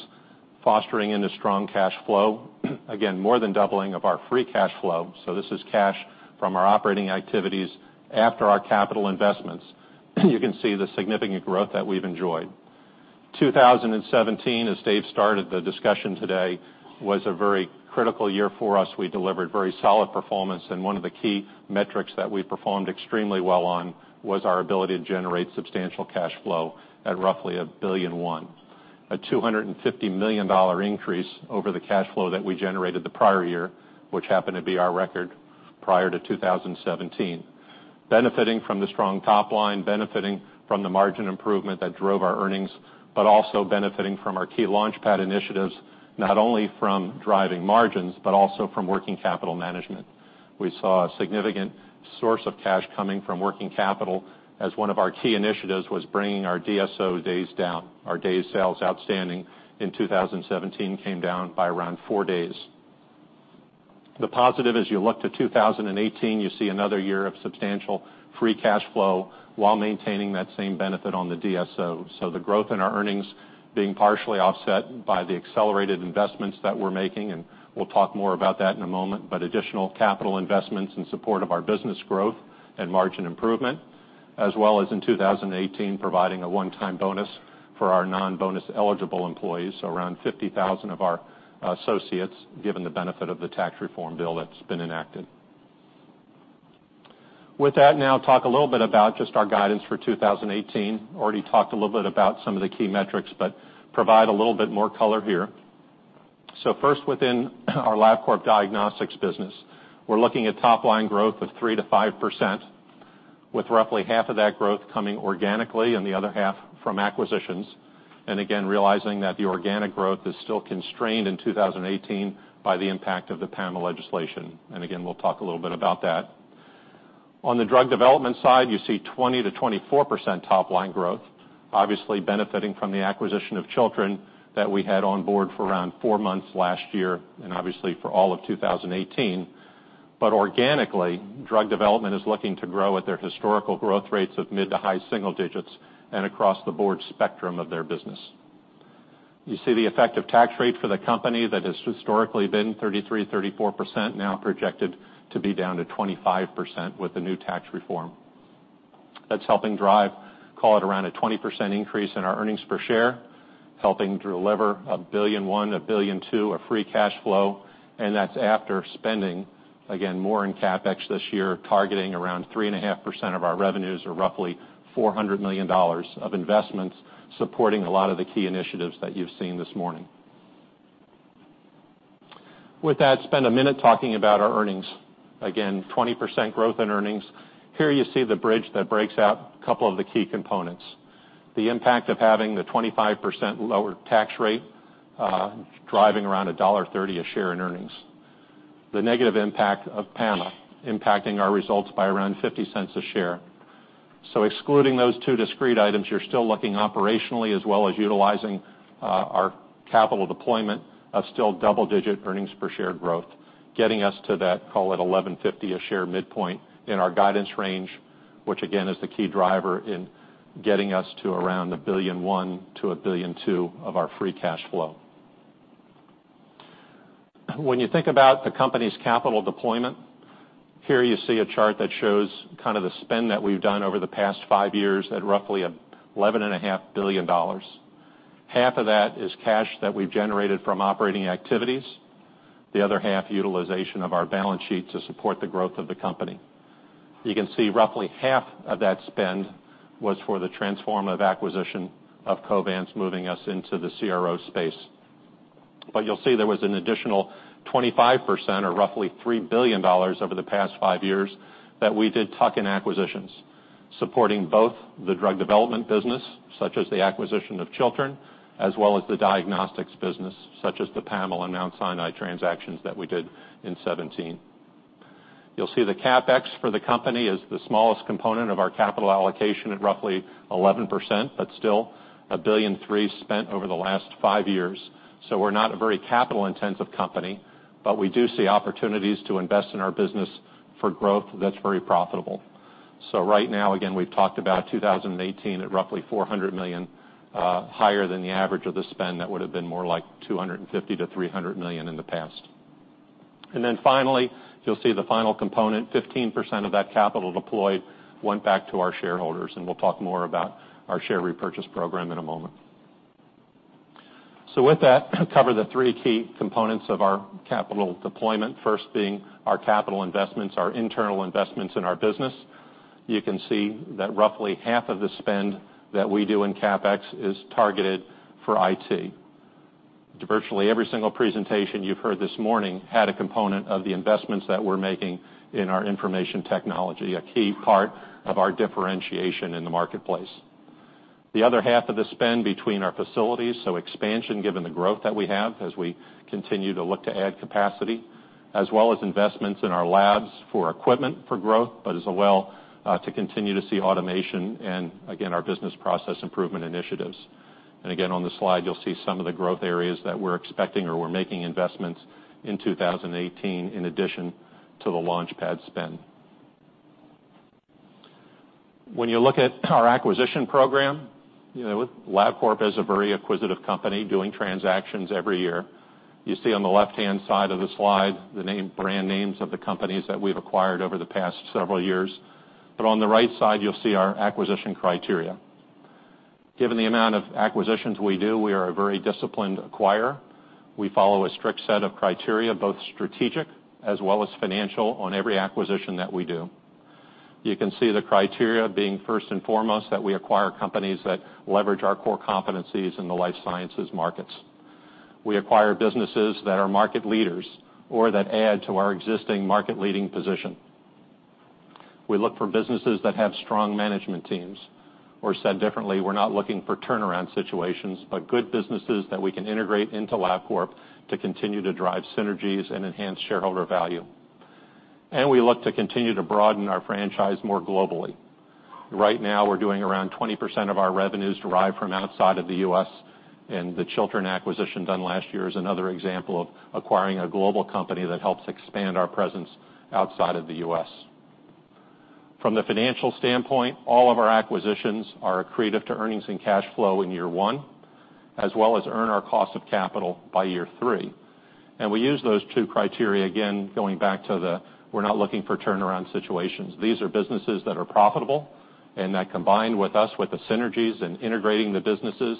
fostering into strong cash flow, again, more than doubling of our free cash flow. This is cash from our operating activities after our capital investments. You can see the significant growth that we've enjoyed. 2017, as Dave started the discussion today, was a very critical year for us. We delivered very solid performance. One of the key metrics that we performed extremely well on was our ability to generate substantial cash flow at roughly $1 billion, a $250 million increase over the cash flow that we generated the prior year, which happened to be our record prior to 2017, benefiting from the strong top line, benefiting from the margin improvement that drove our earnings, but also benefiting from our key Launchpad initiatives, not only from driving margins, but also from working capital management. We saw a significant source of cash coming from working capital as one of our key initiatives was bringing our DSO days down. Our day sales outstanding in 2017 came down by around four days. The positive, as you look to 2018, you see another year of substantial free cash flow while maintaining that same benefit on the DSO. The growth in our earnings being partially offset by the accelerated investments that we're making, and we'll talk more about that in a moment, but additional capital investments in support of our business growth and margin improvement, as well as in 2018, providing a one-time bonus for our non-bonus eligible employees, so around 50,000 of our associates, given the benefit of the tax reform bill that's been enacted. With that, now talk a little bit about just our guidance for 2018. Already talked a little bit about some of the key metrics, but provide a little bit more color here. First, within our Labcorp diagnostics business, we're looking at top line growth of 3%-5%, with roughly half of that growth coming organically and the other half from acquisitions. Again, realizing that the organic growth is still constrained in 2018 by the impact of the PAMA legislation. Again, we'll talk a little bit about that. On the drug development side, you see 20-24% top line growth, obviously benefiting from the acquisition of Chiltern that we had on board for around four months last year and obviously for all of 2018. Organically, drug development is looking to grow at their historical growth rates of mid to high single digits and across the board spectrum of their business. You see the effective tax rate for the company that has historically been 33-34%, now projected to be down to 25% with the new tax reform. That's helping drive, call it around a 20% increase in our earnings per share, helping deliver $1.1 billion-$1.2 billion of free cash flow. That's after spending, again, more in CapEx this year, targeting around 3.5% of our revenues or roughly $400 million of investments supporting a lot of the key initiatives that you've seen this morning. With that, spend a minute talking about our earnings. Again, 20% growth in earnings. Here you see the bridge that breaks out a couple of the key components. The impact of having the 25% lower tax rate driving around $1.30 a share in earnings. The negative impact of PAMA impacting our results by around $0.50 a share. Excluding those two discrete items, you're still looking operationally as well as utilizing our capital deployment of still double-digit earnings per share growth, getting us to that, call it, $11.50 a share midpoint in our guidance range, which again is the key driver in getting us to around $1.1 billion-$1.2 billion of our free cash flow. When you think about the company's capital deployment, here you see a chart that shows kind of the spend that we've done over the past five years at roughly $11.5 billion. Half of that is cash that we've generated from operating activities. The other half, utilization of our balance sheet to support the growth of the company. You can see roughly half of that spend was for the transformative acquisition of Covance moving us into the CRO space. You'll see there was an additional 25% or roughly $3 billion over the past five years that we did tuck-in acquisitions, supporting both the drug development business, such as the acquisition of Chiltern, as well as the diagnostics business, such as the PAMA and Mount Sinai transactions that we did in 2017. You'll see the CapEx for the company is the smallest component of our capital allocation at roughly 11%, but still $1.3 billion spent over the last five years. We're not a very capital-intensive company, but we do see opportunities to invest in our business for growth that's very profitable. Right now, again, we've talked about 2018 at roughly $400 million higher than the average of the spend that would have been more like $250million-$300 million in the past. Finally, you'll see the final component, 15% of that capital deployed went back to our shareholders. We'll talk more about our share repurchase program in a moment. With that, cover the three key components of our capital deployment, first being our capital investments, our internal investments in our business. You can see that roughly half of the spend that we do in CapEx is targeted for IT. Virtually every single presentation you've heard this morning had a component of the investments that we're making in our information technology, a key part of our differentiation in the marketplace. The other half of the spend between our facilities, so expansion given the growth that we have as we continue to look to add capacity, as well as investments in our labs for equipment for growth, but as well to continue to see automation and, again, our business process improvement initiatives. Again, on the slide, you'll see some of the growth areas that we're expecting or we're making investments in 2018 in addition to the Launchpad spend. When you look at our acquisition program, Labcorp is a very acquisitive company doing transactions every year. You see on the left-hand side of the slide the brand names of the companies that we've acquired over the past several years. On the right side, you'll see our acquisition criteria. Given the amount of acquisitions we do, we are a very disciplined acquirer. We follow a strict set of criteria, both strategic as well as financial, on every acquisition that we do. You can see the criteria being first and foremost that we acquire companies that leverage our core competencies in the life sciences markets. We acquire businesses that are market leaders or that add to our existing market-leading position. We look for businesses that have strong management teams. Or said differently, we're not looking for turnaround situations, but good businesses that we can integrate into Labcorp to continue to drive synergies and enhance shareholder value. We look to continue to broaden our franchise more globally. Right now, we're doing around 20% of our revenues derived from outside of the U.S., and the Chiltern acquisition done last year is another example of acquiring a global company that helps expand our presence outside of the U.S. From the financial standpoint, all of our acquisitions are accretive to earnings and cash flow in year one, as well as earn our cost of capital by year three. We use those two criteria, again, going back to the we're not looking for turnaround situations. These are businesses that are profitable and that combined with us, with the synergies and integrating the businesses,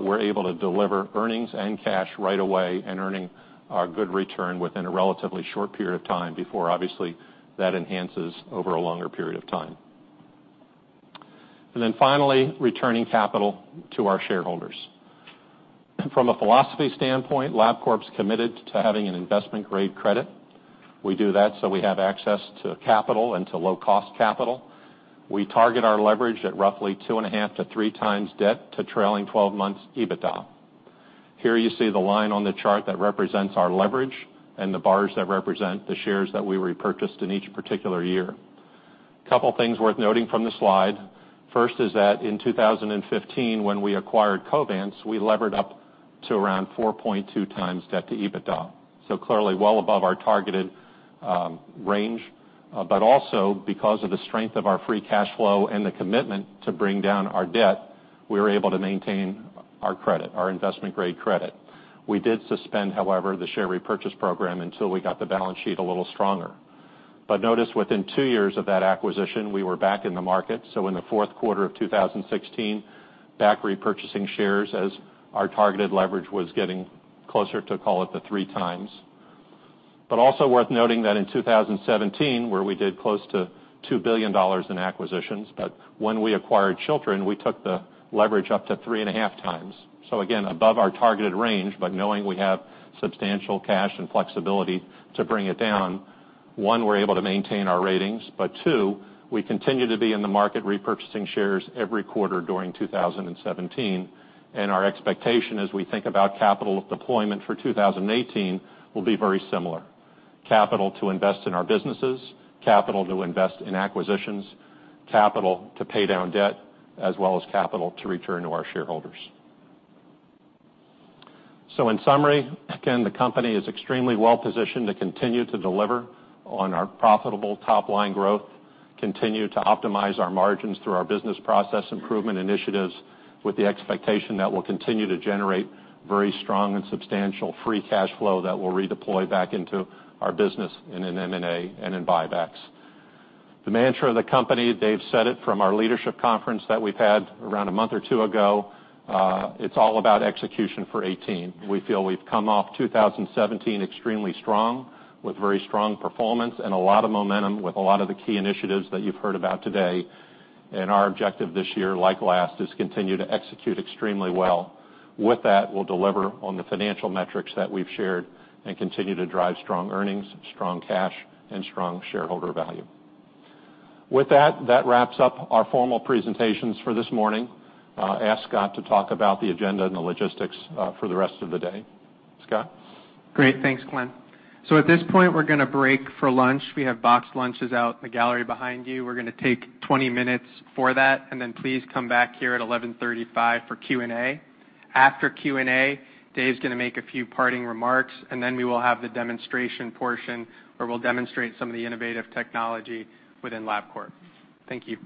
we're able to deliver earnings and cash right away and earning a good return within a relatively short period of time before, obviously, that enhances over a longer period of time. Finally, returning capital to our shareholders. From a philosophy standpoint, Labcorp's committed to having an investment-grade credit. We do that so we have access to capital and to low-cost capital. We target our leverage at roughly 2.5-3 times debt to trailing 12 months EBITDA. Here you see the line on the chart that represents our leverage and the bars that represent the shares that we repurchased in each particular year. A couple of things worth noting from the slide. First is that in 2015, when we acquired Covance, we levered up to around 4.2 times debt to EBITDA. Clearly well above our targeted range. Also, because of the strength of our free cash flow and the commitment to bring down our debt, we were able to maintain our credit, our investment-grade credit. We did suspend, however, the share repurchase program until we got the balance sheet a little stronger. Notice within two years of that acquisition, we were back in the market. In the fourth quarter of 2016, back repurchasing shares as our targeted leverage was getting closer to, call it, the three times. Also worth noting that in 2017, where we did close to $2 billion in acquisitions, when we acquired Chiltern, we took the leverage up to three and a half times. Again, above our targeted range, but knowing we have substantial cash and flexibility to bring it down, one, we're able to maintain our ratings, but two, we continue to be in the market repurchasing shares every quarter during 2017. Our expectation as we think about capital deployment for 2018 will be very similar: capital to invest in our businesses, capital to invest in acquisitions, capital to pay down debt, as well as capital to return to our shareholders. In summary, again, the company is extremely well positioned to continue to deliver on our profitable top line growth, continue to optimize our margins through our business process improvement initiatives with the expectation that we'll continue to generate very strong and substantial free cash flow that we'll redeploy back into our business in M&A and in buybacks. The mantra of the company, Dave said it from our leadership conference that we've had around a month or two ago, it's all about execution for 2018. We feel we've come off 2017 extremely strong with very strong performance and a lot of momentum with a lot of the key initiatives that you've heard about today. Our objective this year, like last, is continue to execute extremely well. With that, we'll deliver on the financial metrics that we've shared and continue to drive strong earnings, strong cash, and strong shareholder value. With that, that wraps up our formal presentations for this morning. Ask Scott to talk about the agenda and the logistics for the rest of the day. Scott? Great. Thanks, Glenn. At this point, we're going to break for lunch. We have boxed lunches out in the gallery behind you. We're going to take 20 minutes for that, and then please come back here at 11:35 for Q&A. After Q&A, Dave's going to make a few parting remarks, and then we will have the demonstration portion where we'll demonstrate some of the innovative technology within Labcorp. Thank you.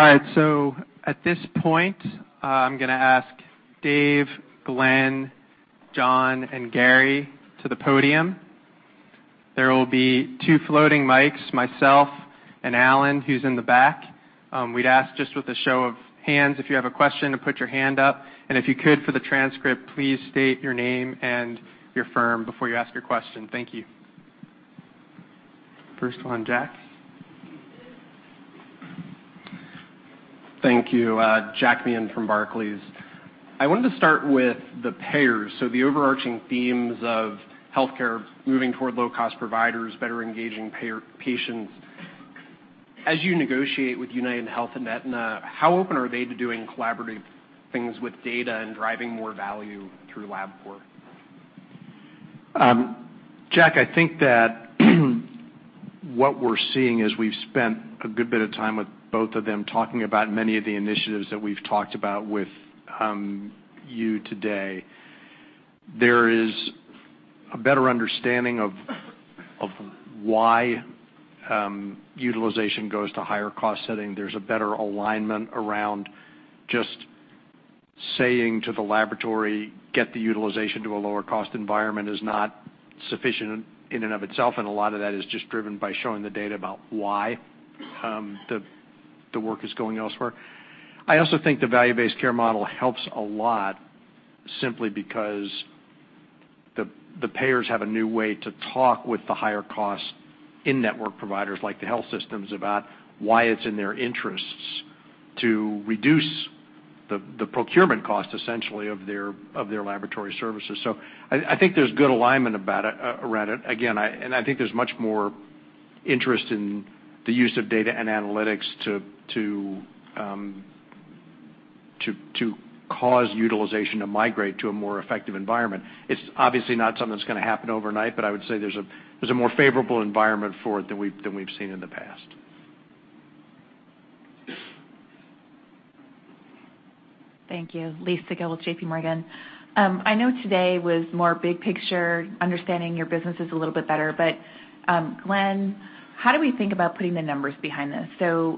All right, at this point, I'm going to ask Dave, Glenn, John, and Gary to the podium. There will be two floating mics, myself and Alan, who's in the back. We'd ask just with a show of hands if you have a question to put your hand up. If you could, for the transcript, please state your name and your firm before you ask your question. Thank you. First one, Jack. Thank you. Jack Meehan from Barclays.I wanted to start with the payers. The overarching themes of healthcare moving toward low-cost providers, better engaging patients. As you negotiate with UnitedHealth and Aetna, how open are they to doing collaborative things with data and driving more value through Labcorp? Jack, I think that what we're seeing is we've spent a good bit of time with both of them talking about many of the initiatives that we've talked about with you today. There is a better understanding of why utilization goes to higher cost setting. There is a better alignment around just saying to the laboratory, "Get the utilization to a lower cost environment," is not sufficient in and of itself. A lot of that is just driven by showing the data about why the work is going elsewhere. I also think the value-based care model helps a lot simply because the payers have a new way to talk with the higher-cost in-network providers like the health systems about why it's in their interests to reduce the procurement cost, essentially, of their laboratory services. I think there's good alignment around it. Again, I think there's much more interest in the use of data and analytics to cause utilization to migrate to a more effective environment. It's obviously not something that's going to happen overnight, but I would say there's a more favorable environment for it than we've seen in the past. Thank you. Lisa Gill with JPMorgan. I know today was more big picture, understanding your businesses a little bit better. But Glenn, how do we think about putting the numbers behind this?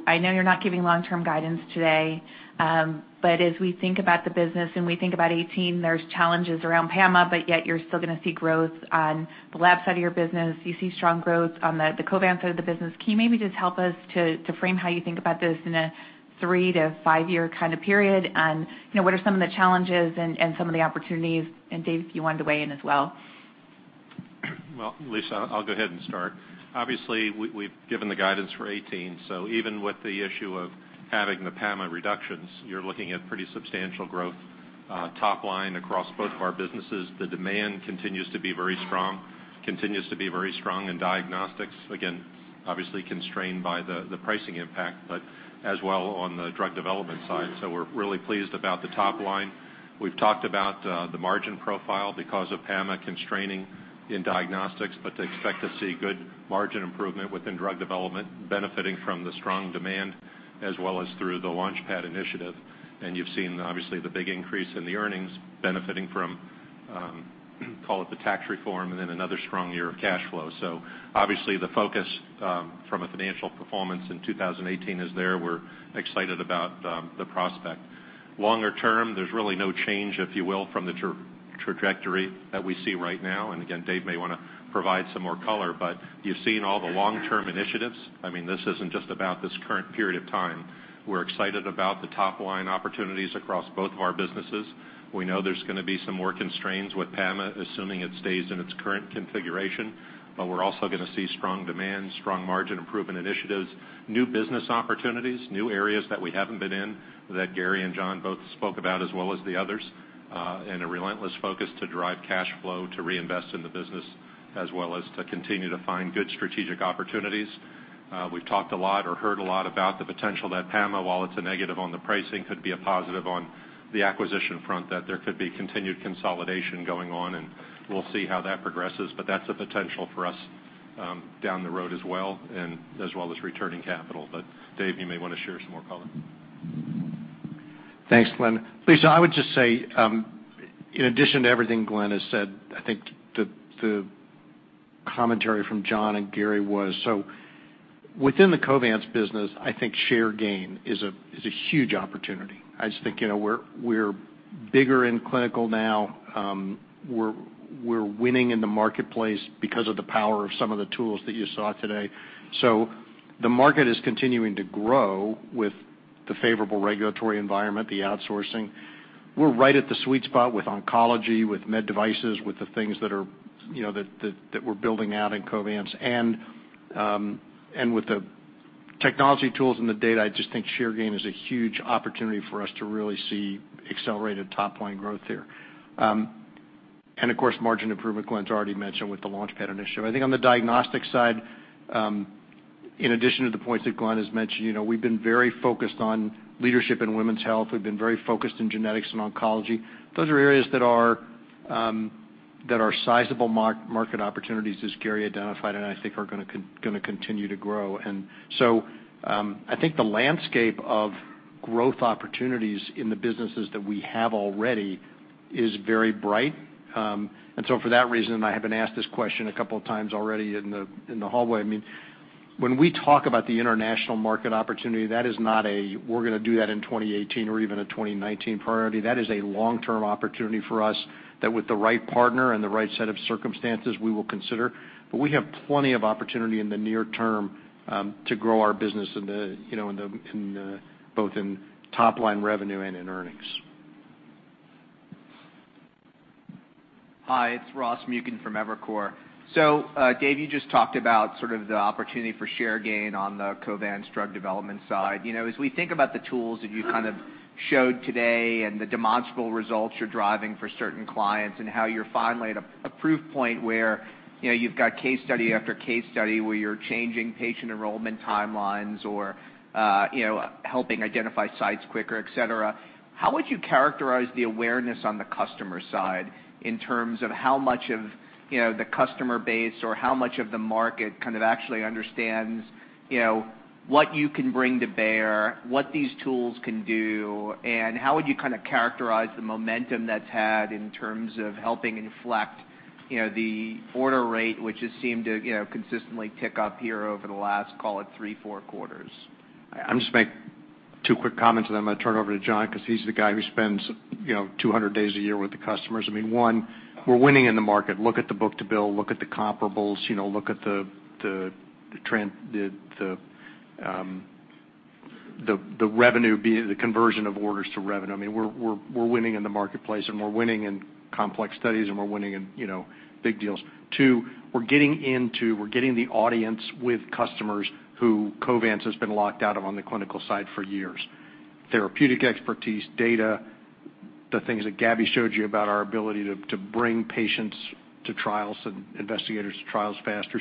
I know you're not giving long-term guidance today, but as we think about the business and we think about 2018, there's challenges around PAMA, but yet you're still going to see growth on the lab side of your business. You see strong growth on the Covance side of the business. Can you maybe just help us to frame how you think about this in a three to five-year kind of period? What are some of the challenges and some of the opportunities? Dave, if you wanted to weigh in as well. Lisa, I'll go ahead and start. Obviously, we've given the guidance for 2018. Even with the issue of having the PAMA reductions, you're looking at pretty substantial growth top line across both of our businesses. The demand continues to be very strong, and diagnostics, again, obviously constrained by the pricing impact, but as well on the drug development side. We are really pleased about the top line. We have talked about the margin profile because of PAMA constraining in diagnostics, but expect to see good margin improvement within drug development benefiting from the strong demand as well as through the LaunchPad initiative. You have seen, obviously, the big increase in the earnings benefiting from, call it the tax reform, and then another strong year of cash flow. Obviously, the focus from a financial performance in 2018 is there. We are excited about the prospect. Longer term, there is really no change, if you will, from the trajectory that we see right now. Again, Dave may want to provide some more color, but you have seen all the long-term initiatives. I mean, this isn't just about this current period of time. We're excited about the top line opportunities across both of our businesses. We know there's going to be some more constraints with PAMA, assuming it stays in its current configuration. We're also going to see strong demand, strong margin improvement initiatives, new business opportunities, new areas that we haven't been in that Gary and John both spoke about as well as the others, and a relentless focus to drive cash flow, to reinvest in the business, as well as to continue to find good strategic opportunities. We've talked a lot or heard a lot about the potential that PAMA, while it's a negative on the pricing, could be a positive on the acquisition front, that there could be continued consolidation going on. We'll see how that progresses. That is a potential for us down the road as well, as well as returning capital. Dave, you may want to share some more color. Thanks, Glenn. Lisa, I would just say, in addition to everything Glenn has said, I think the commentary from John and Gary was, so within the Covance business, I think share gain is a huge opportunity. I just think we are bigger in clinical now. We are winning in the marketplace because of the power of some of the tools that you saw today. The market is continuing to grow with the favorable regulatory environment, the outsourcing. We are right at the sweet spot with oncology, with med devices, with the things that we are building out in Covance, and with the technology tools and the data. I just think share gain is a huge opportunity for us to really see accelerated top line growth here. Of course, margin improvement, Glenn's already mentioned with the LaunchPad initiative. I think on the diagnostic side, in addition to the points that Glenn has mentioned, we've been very focused on leadership in women's health. We've been very focused in genetics and oncology. Those are areas that are sizable market opportunities, as Gary identified, and I think are going to continue to grow. I think the landscape of growth opportunities in the businesses that we have already is very bright. For that reason, I have been asked this question a couple of times already in the hallway. I mean, when we talk about the international market opportunity, that is not a, "We're going to do that in 2018 or even a 2019 priority." That is a long-term opportunity for us that with the right partner and the right set of circumstances, we will consider. We have plenty of opportunity in the near term to grow our business both in top line revenue and in earnings. Hi, it's Ross Muken from Evercore. Dave, you just talked about sort of the opportunity for share gain on the Covance drug development side. As we think about the tools that you kind of showed today and the demonstrable results you're driving for certain clients and how you're finally at a proof point where you've got case study after case study where you're changing patient enrollment timelines or helping identify sites quicker, etc., how would you characterize the awareness on the customer side in terms of how much of the customer base or how much of the market kind of actually understands what you can bring to bear, what these tools can do? How would you kind of characterize the momentum that's had in terms of helping inflect the order rate, which has seemed to consistently tick up here over the last, call it, three, four quarters? I'm just going to make two quick comments, and then I'm going to turn it over to John because he's the guy who spends 200 days a year with the customers. I mean, one, we're winning in the market. Look at the book-to-bill. Look at the comparables. Look at the revenue, the conversion of orders to revenue. I mean, we're winning in the marketplace, and we're winning in complex studies, and we're winning in big deals. Two, we're getting into—we're getting the audience with customers who Covance has been locked out of on the clinical side for years: therapeutic expertise, data, the things that Gabby showed you about our ability to bring patients to trials and investigators to trials faster.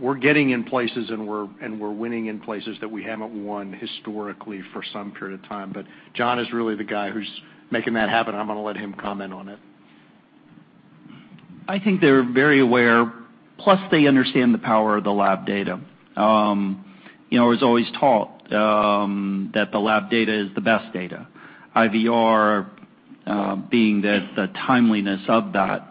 We're getting in places, and we're winning in places that we haven't won historically for some period of time. John is really the guy who's making that happen. I'm going to let him comment on it. I think they're very aware, plus they understand the power of the lab data. It was always taught that the lab data is the best data, IVR being the timeliness of that.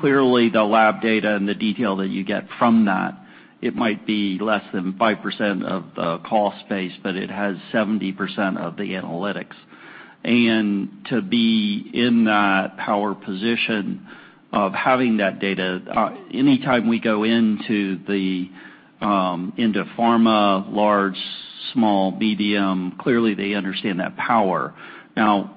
Clearly, the lab data and the detail that you get from that, it might be less than 5% of the cost space, but it has 70% of the analytics. To be in that power position of having that data, anytime we go into pharma, large, small, medium, clearly they understand that power. Now,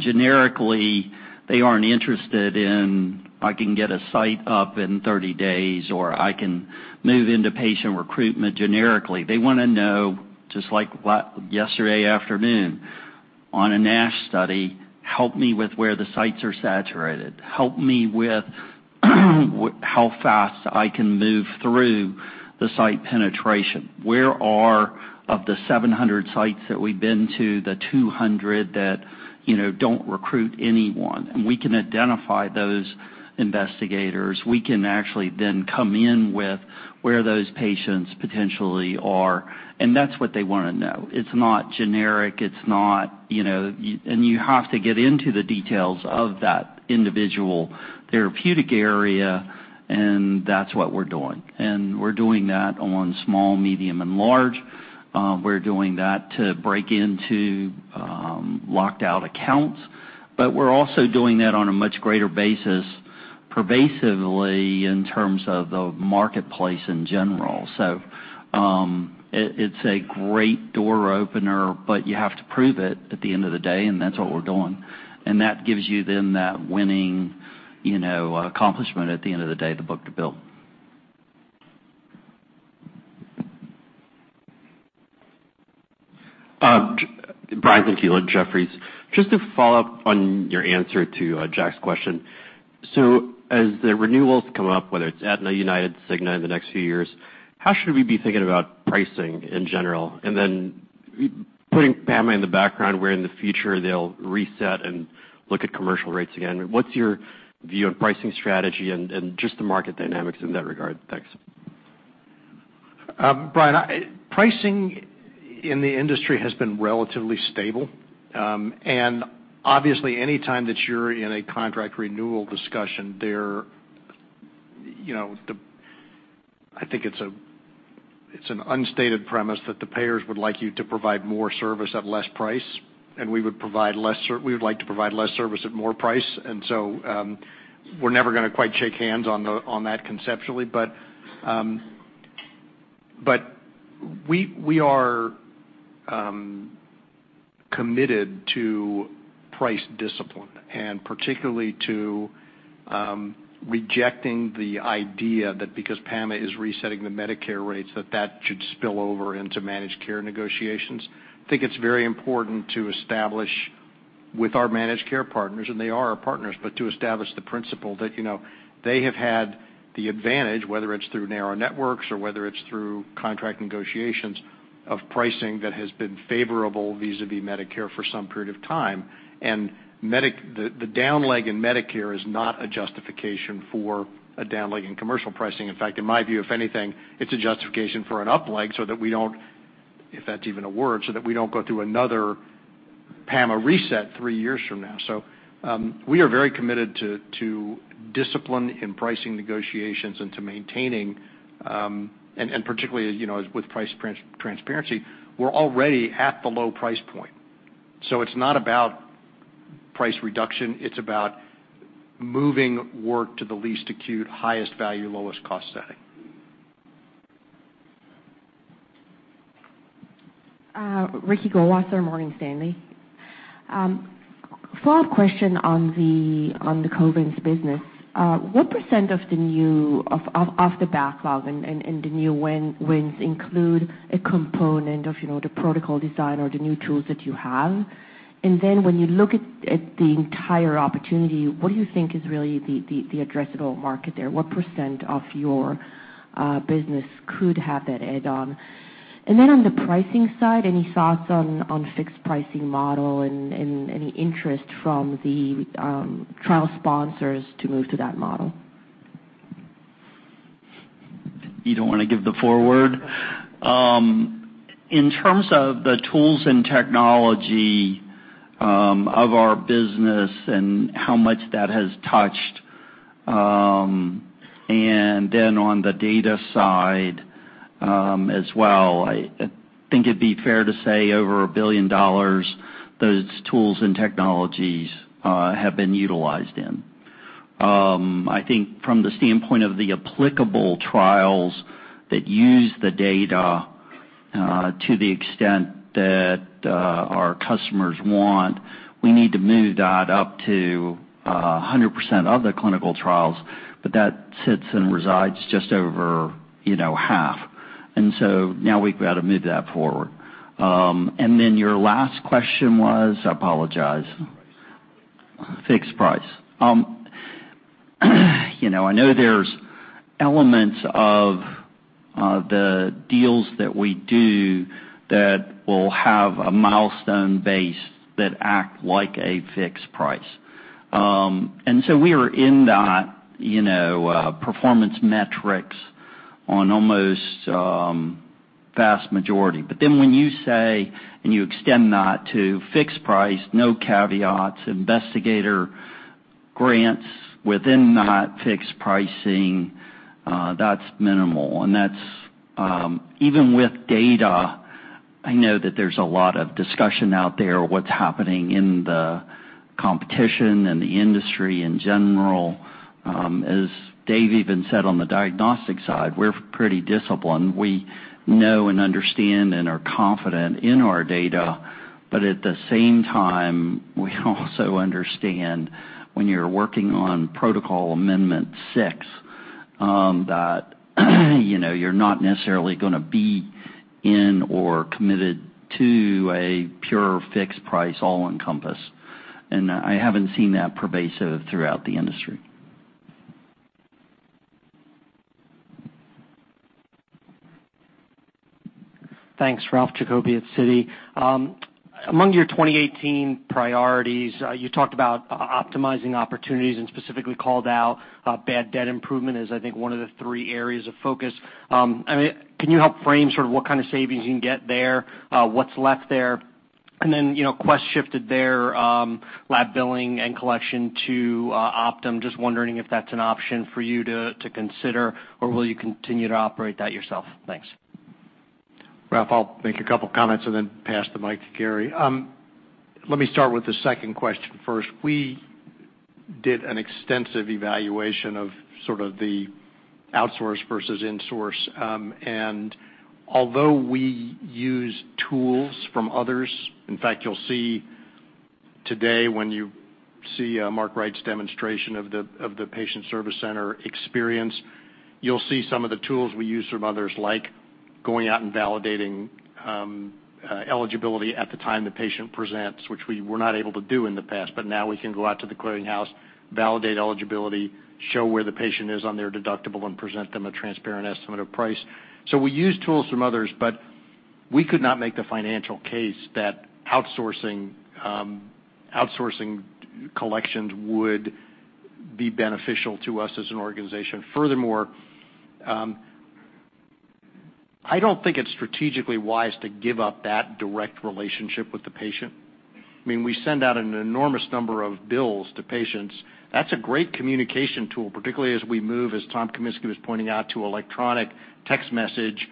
generically, they aren't interested in, "I can get a site up in 30 days," or, "I can move into patient recruitment." Generically, they want to know, just like yesterday afternoon on a NASH study, "Help me with where the sites are saturated. Help me with how fast I can move through the site penetration. Where are of the 700 sites that we've been to, the 200 that don't recruit anyone?" We can identify those investigators. We can actually then come in with where those patients potentially are. That's what they want to know. It's not generic. You have to get into the details of that individual therapeutic area, and that's what we're doing. We're doing that on small, medium, and large. We're doing that to break into locked-out accounts. We're also doing that on a much greater basis pervasively in terms of the marketplace in general. It is a great door opener, but you have to prove it at the end of the day, and that's what we're doing. That gives you then that winning accomplishment at the end of the day, the book-to-bill. Brian Tanquilut from Jefferies, just to follow up on your answer to Jack's question. As the renewals come up, whether it's Aetna, United, Cigna in the next few years, how should we be thinking about pricing in general? Then putting PAMA in the background, where in the future they'll reset and look at commercial rates again. What's your view on pricing strategy and just the market dynamics in that regard? Thanks. Brian, pricing in the industry has been relatively stable. Obviously, anytime that you're in a contract renewal discussion, I think it's an unstated premise that the payers would like you to provide more service at less price, and we would like to provide less service at more price. We are never going to quite shake hands on that conceptually. We are committed to price discipline and particularly to rejecting the idea that because PAMA is resetting the Medicare rates, that that should spill over into managed care negotiations. I think it's very important to establish with our managed care partners, and they are our partners, but to establish the principle that they have had the advantage, whether it's through narrow networks or whether it's through contract negotiations, of pricing that has been favorable vis-à-vis Medicare for some period of time. The downleg in Medicare is not a justification for a downleg in commercial pricing. In fact, in my view, if anything, it's a justification for an upleg so that we don't—if that's even a word—so that we don't go through another PAMA reset three years from now. We are very committed to discipline in pricing negotiations and to maintaining, and particularly with price transparency. We're already at the low price point. It's not about price reduction. It's about moving work to the least acute, highest value, lowest cost setting. Ricky Goldwasser, Morgan Stanley. Follow-up question on the Covance business. What % of the new of the backlog and the new wins include a component of the protocol design or the new tools that you have? When you look at the entire opportunity, what do you think is really the addressable market there? What % of your business could have that add-on? And then on the pricing side, any thoughts on fixed pricing model and any interest from the trial sponsors to move to that model? You don't want to give the foreword. In terms of the tools and technology of our business and how much that has touched, and then on the data side as well, I think it'd be fair to say over $1 billion those tools and technologies have been utilized in. I think from the standpoint of the applicable trials that use the data to the extent that our customers want, we need to move that up to 100% of the clinical trials, but that sits and resides just over half. Now we've got to move that forward. And then your last question was—I apologize—fixed price. I know there's elements of the deals that we do that will have a milestone base that act like a fixed price. We are in that performance metrics on almost the vast majority. When you say, and you extend that to fixed price, no caveats, investigator grants within that fixed pricing, that's minimal. Even with data, I know that there's a lot of discussion out there of what's happening in the competition and the industry in general. As Dave even said on the diagnostic side, we're pretty disciplined. We know and understand and are confident in our data. At the same time, we also understand when you're working on protocol amendment six, that you're not necessarily going to be in or committed to a pure fixed price all-encompass. I haven't seen that pervasive throughout the industry. Thanks, Ralph Jacobi, at CITI. Among your 2018 priorities, you talked about optimizing opportunities and specifically called out bad debt improvement as I think one of the three areas of focus. I mean, can you help frame sort of what kind of savings you can get there, what's left there? Quest shifted their lab billing and collection to Optum. Just wondering if that's an option for you to consider, or will you continue to operate that yourself? Thanks. Ralph, I'll make a couple of comments and then pass the mic to Gary. Let me start with the second question first. We did an extensive evaluation of sort of the outsource versus insource. Although we use tools from others, in fact, you'll see today when you see Mark Wright's demonstration of the patient service center experience, you'll see some of the tools we use from others, like going out and validating eligibility at the time the patient presents, which we were not able to do in the past. Now we can go out to the clearinghouse, validate eligibility, show where the patient is on their deductible, and present them a transparent estimate of price. We use tools from others, but we could not make the financial case that outsourcing collections would be beneficial to us as an organization. Furthermore, I don't think it's strategically wise to give up that direct relationship with the patient. I mean, we send out an enormous number of bills to patients. That's a great communication tool, particularly as we move, as Tom Kaminski was pointing out, to electronic, text message,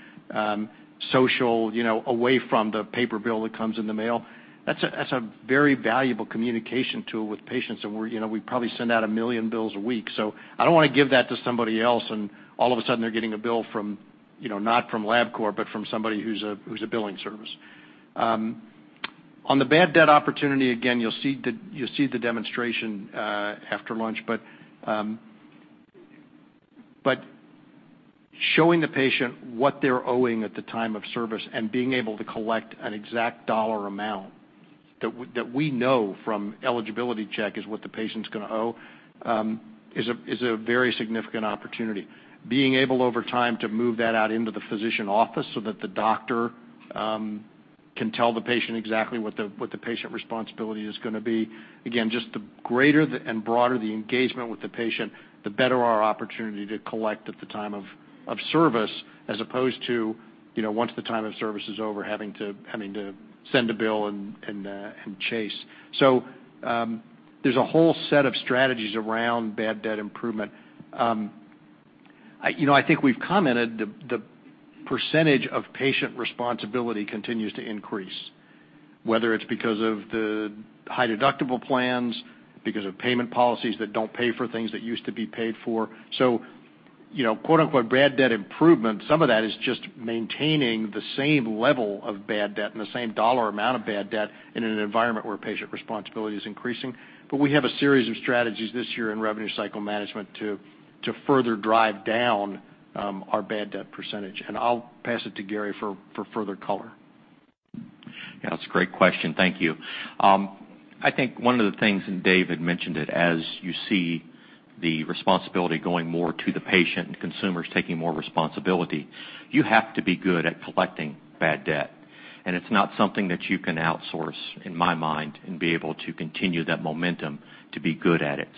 social, away from the paper bill that comes in the mail. That's a very valuable communication tool with patients. We probably send out a million bills a week. I don't want to give that to somebody else, and all of a sudden they're getting a bill not from Labcorp, but from somebody who's a billing service. On the bad debt opportunity, again, you'll see the demonstration after lunch. Showing the patient what they're owing at the time of service and being able to collect an exact dollar amount that we know from eligibility check is what the patient's going to owe is a very significant opportunity. Being able over time to move that out into the physician office so that the doctor can tell the patient exactly what the patient responsibility is going to be. Again, just the greater and broader the engagement with the patient, the better our opportunity to collect at the time of service, as opposed to once the time of service is over, having to send a bill and chase. There is a whole set of strategies around bad debt improvement. I think we have commented the percentage of patient responsibility continues to increase, whether it is because of the high deductible plans, because of payment policies that do not pay for things that used to be paid for. So "bad debt improvement," some of that is just maintaining the same level of bad debt and the same dollar amount of bad debt in an environment where patient responsibility is increasing. We have a series of strategies this year in revenue cycle management to further drive down our bad debt %. I'll pass it to Gary for further color. Yeah, that's a great question. Thank you. I think one of the things—Dave had mentioned it—as you see the responsibility going more to the patient and consumers taking more responsibility, you have to be good at collecting bad debt. It's not something that you can outsource, in my mind, and be able to continue that momentum to be good at it.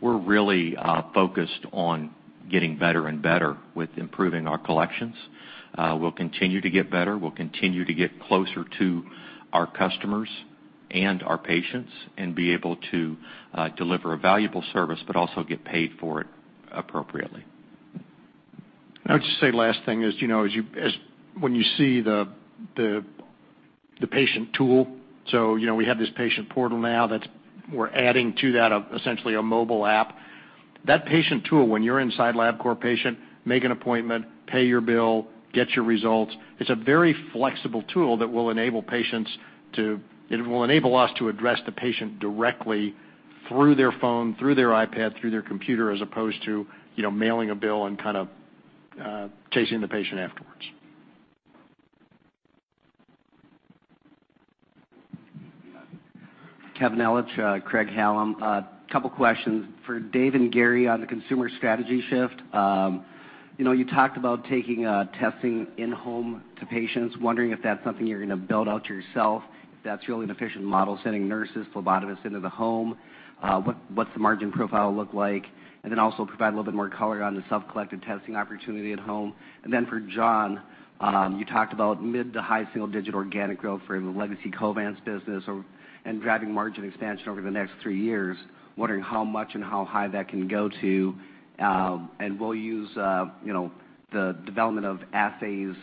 We're really focused on getting better and better with improving our collections. We'll continue to get better. We'll continue to get closer to our customers and our patients and be able to deliver a valuable service, but also get paid for it appropriately. I would just say last thing is, when you see the patient tool—so we have this patient portal now that we're adding to that, essentially a mobile app—that patient tool, when you're inside Labcorp patient, make an appointment, pay your bill, get your results. It's a very flexible tool that will enable patients to—it will enable us to address the patient directly through their phone, through their iPad, through their computer, as opposed to mailing a bill and kind of chasing the patient afterwards. Kevin Ellich, Craig Hallum. A couple of questions for Dave and Gary on the consumer strategy shift. You talked about taking testing in-home to patients. Wondering if that's something you're going to build out yourself, if that's really an efficient model sending nurses, phlebotomists into the home. What's the margin profile look like? Then also provide a little bit more color on the self-collected testing opportunity at home. For John, you talked about mid to high single-digit organic growth for the legacy Covance business and driving margin expansion over the next three years. Wondering how much and how high that can go to. We will use the development of assays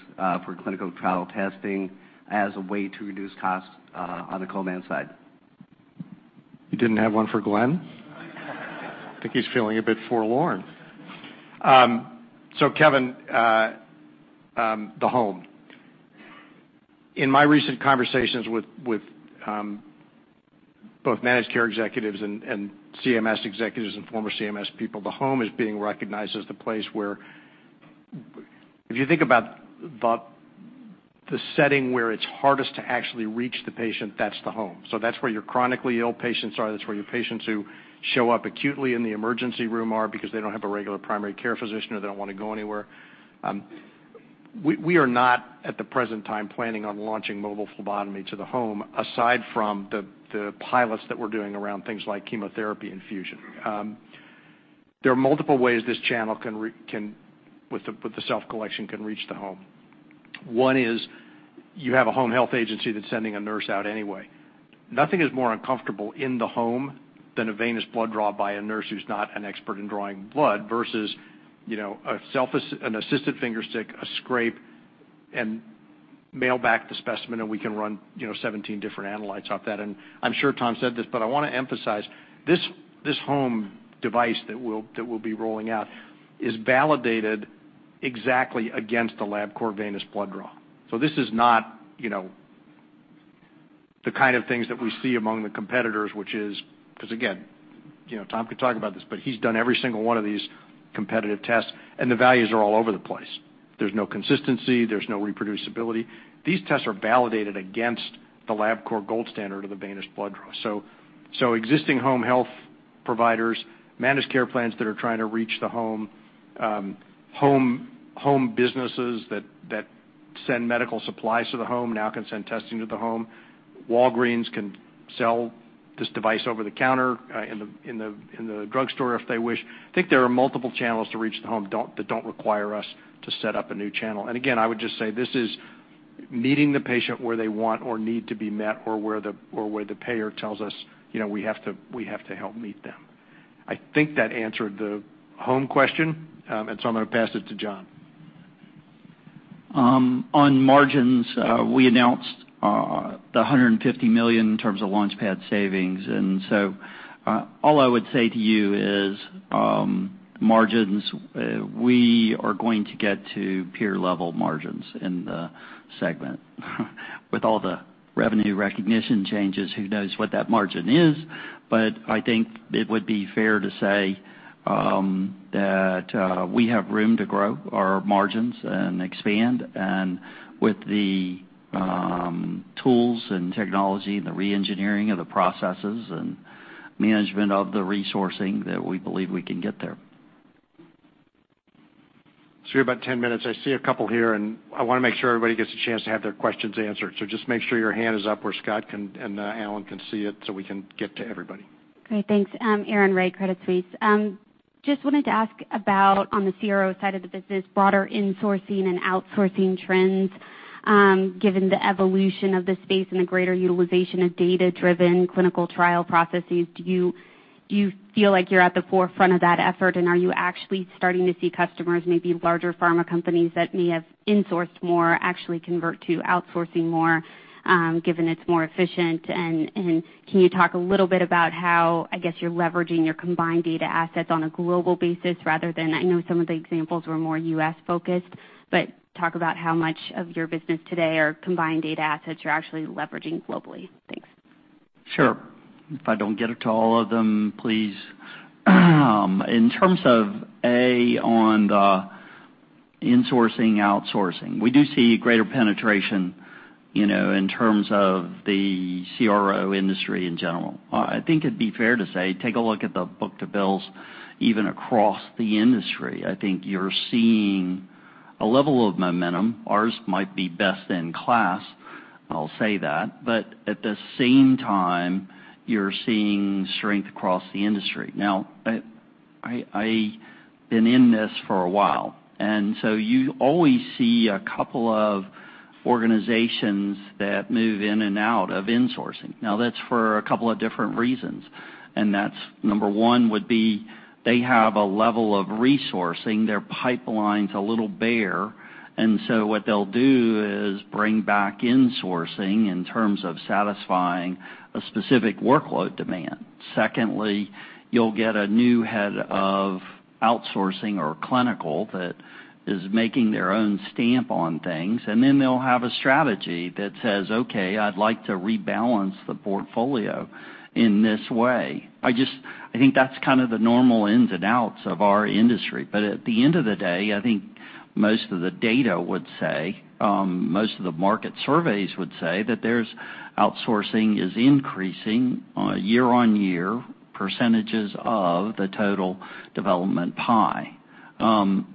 for clinical trial testing as a way to reduce costs on the Covance side. You did not have one for Glenn? I think he is feeling a bit forlorn. Kevin, the home. In my recent conversations with both managed care executives and CMS executives and former CMS people, the home is being recognized as the place where if you think about the setting where it is hardest to actually reach the patient, that is the home. That is where your chronically ill patients are. That's where your patients who show up acutely in the emergency room are because they don't have a regular primary care physician or they don't want to go anywhere. We are not at the present time planning on launching mobile phlebotomy to the home, aside from the pilots that we're doing around things like chemotherapy infusion. There are multiple ways this channel with the self-collection can reach the home. One is you have a home health agency that's sending a nurse out anyway. Nothing is more uncomfortable in the home than a venous blood draw by a nurse who's not an expert in drawing blood versus an assistant fingerstick, a scrape, and mail back the specimen, and we can run 17 different analytes off that. I'm sure Tom said this, but I want to emphasize this home device that we'll be rolling out is validated exactly against the Labcorp venous blood draw. This is not the kind of things that we see among the competitors, which is because, again, Tom can talk about this, but he's done every single one of these competitive tests, and the values are all over the place. There's no consistency. There's no reproducibility. These tests are validated against the Labcorp gold standard of the venous blood draw. Existing home health providers, managed care plans that are trying to reach the home, home businesses that send medical supplies to the home now can send testing to the home. Walgreens can sell this device over the counter in the drugstore if they wish. I think there are multiple channels to reach the home that do not require us to set up a new channel. I would just say this is meeting the patient where they want or need to be met or where the payer tells us we have to help meet them. I think that answered the home question, and I am going to pass it to John. On margins, we announced the $150 million in terms of LaunchPad savings. All I would say to you is margins, we are going to get to peer-level margins in the segment. With all the revenue recognition changes, who knows what that margin is? I think it would be fair to say that we have room to grow our margins and expand with the tools and technology and the re-engineering of the processes and management of the resourcing that we believe we can get there. We have about 10 minutes. I see a couple here, and I want to make sure everybody gets a chance to have their questions answered. Just make sure your hand is up where Scott and Alan can see it so we can get to everybody. Great. Thanks. Erin Wright, Credit Suisse. Just wanted to ask about, on the CRO side of the business, broader insourcing and outsourcing trends given the evolution of the space and the greater utilization of data-driven clinical trial processes. Do you feel like you're at the forefront of that effort, and are you actually starting to see customers, maybe larger pharma companies that may have insourced more, actually convert to outsourcing more given it's more efficient? Can you talk a little bit about how, I guess, you're leveraging your combined data assets on a global basis rather than—I know some of the examples were more U.S.-focused—talk about how much of your business today or combined data assets you're actually leveraging globally. Thanks. Sure. If I don't get to all of them, please. In terms of, A, on the insourcing outsourcing, we do see greater penetration in terms of the CRO industry in general. I think it'd be fair to say take a look at the book-to-bill ratios even across the industry. I think you're seeing a level of momentum. Ours might be best in class, I'll say that. At the same time, you're seeing strength across the industry. Now, I've been in this for a while. You always see a couple of organizations that move in and out of insourcing. That's for a couple of different reasons. Number one would be they have a level of resourcing. Their pipeline's a little bare. What they'll do is bring back insourcing in terms of satisfying a specific workload demand. Secondly, you'll get a new head of outsourcing or clinical that is making their own stamp on things. Then they'll have a strategy that says, "Okay, I'd like to rebalance the portfolio in this way." I think that's kind of the normal ins and outs of our industry. At the end of the day, I think most of the data would say, most of the market surveys would say that outsourcing is increasing year-on-year percentages of the total development pie.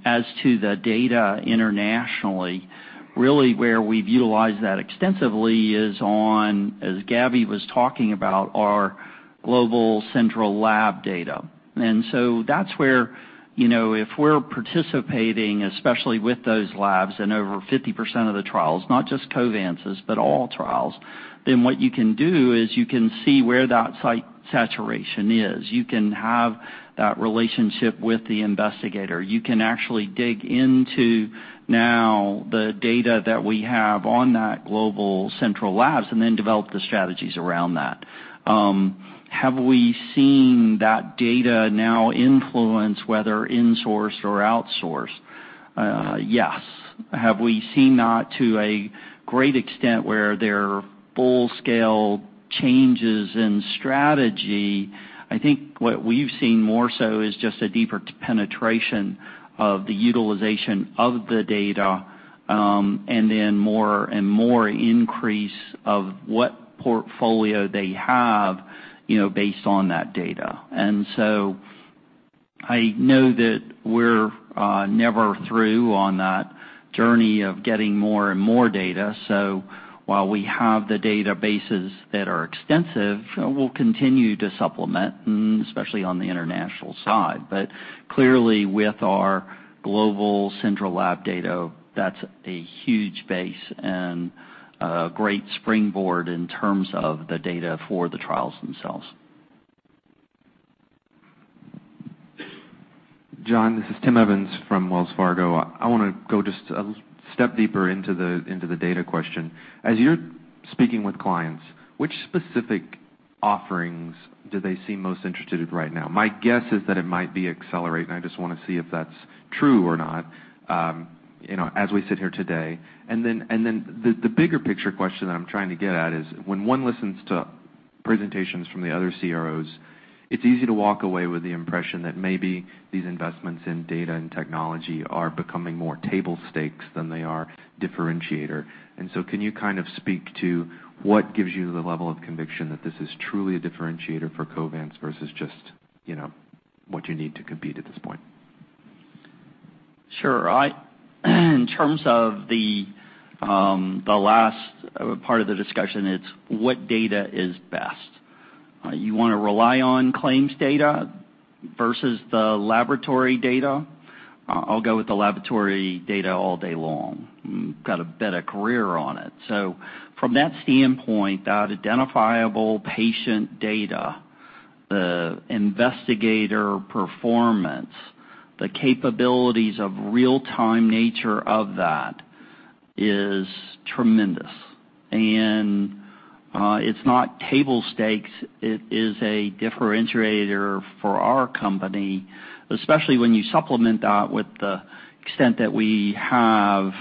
As to the data internationally, really where we've utilized that extensively is on, as Gabby was talking about, our global central lab data. That's where if we're participating, especially with those labs in over 50% of the trials, not just Covance's, but all trials, then what you can do is you can see where that site saturation is. You can have that relationship with the investigator. You can actually dig into now the data that we have on that global central labs and then develop the strategies around that. Have we seen that data now influence whether insourced or outsourced? Yes. Have we seen that to a great extent where there are full-scale changes in strategy? I think what we've seen more so is just a deeper penetration of the utilization of the data and then more and more increase of what portfolio they have based on that data. I know that we're never through on that journey of getting more and more data. While we have the databases that are extensive, we'll continue to supplement, especially on the international side. Clearly, with our global central lab data, that's a huge base and a great springboard in terms of the data for the trials themselves. John, this is Tim Evans from Wells Fargo. I want to go just a step deeper into the data question. As you're speaking with clients, which specific offerings do they seem most interested in right now? My guess is that it might be Accelerate, and I just want to see if that's true or not as we sit here today. The bigger picture question that I'm trying to get at is when one listens to presentations from the other CROs, it's easy to walk away with the impression that maybe these investments in data and technology are becoming more table stakes than they are differentiator. Can you kind of speak to what gives you the level of conviction that this is truly a differentiator for Covance versus just what you need to compete at this point? Sure. In terms of the last part of the discussion, it's what data is best. You want to rely on claims data versus the laboratory data? I'll go with the laboratory data all day long. I've got a better career on it. From that standpoint, that identifiable patient data, the investigator performance, the capabilities of real-time nature of that is tremendous. It is not table stakes. It is a differentiator for our company, especially when you supplement that with the extent that we have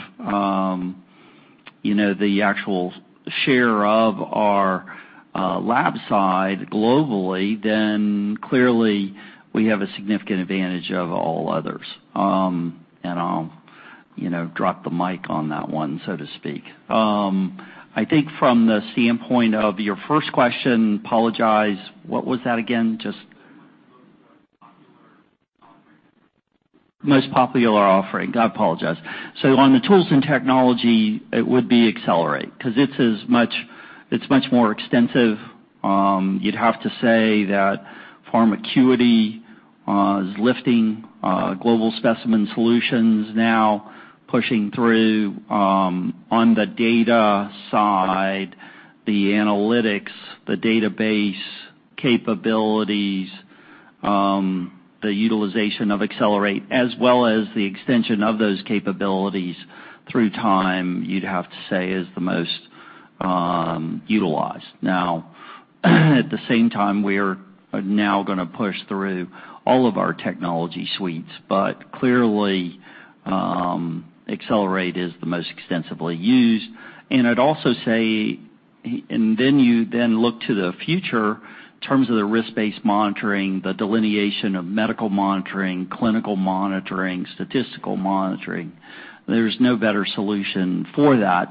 the actual share of our lab side globally, then clearly we have a significant advantage over all others. I'll drop the mic on that one, so to speak. I think from the standpoint of your first question, apologize, what was that again? Just most popular offering. I apologize. On the tools and technology, it would be Accelerate because it's much more extensive. You'd have to say that PharmaQuity is lifting Global Specimen Solutions now, pushing through on the data side, the analytics, the database capabilities, the utilization of Accelerate, as well as the extension of those capabilities through time, you'd have to say is the most utilized. Now, at the same time, we're now going to push through all of our technology suites. Clearly, Accelerate is the most extensively used. I'd also say, and then you then look to the future in terms of the risk-based monitoring, the delineation of medical monitoring, clinical monitoring, statistical monitoring. There's no better solution for that.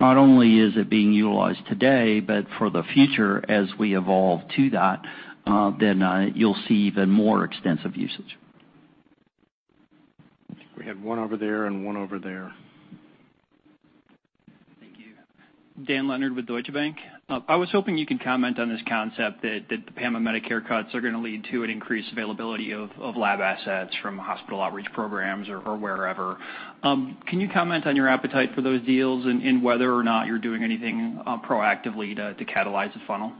Not only is it being utilized today, but for the future as we evolve to that, then you'll see even more extensive usage. We had one over there and one over there. Thank you. Dan Leonard with Deutsche Bank. I was hoping you could comment on this concept that the PAMA Medicare cuts are going to lead to an increased availability of lab assets from hospital outreach programs or wherever. Can you comment on your appetite for those deals and whether or not you're doing anything proactively to catalyze the funnel?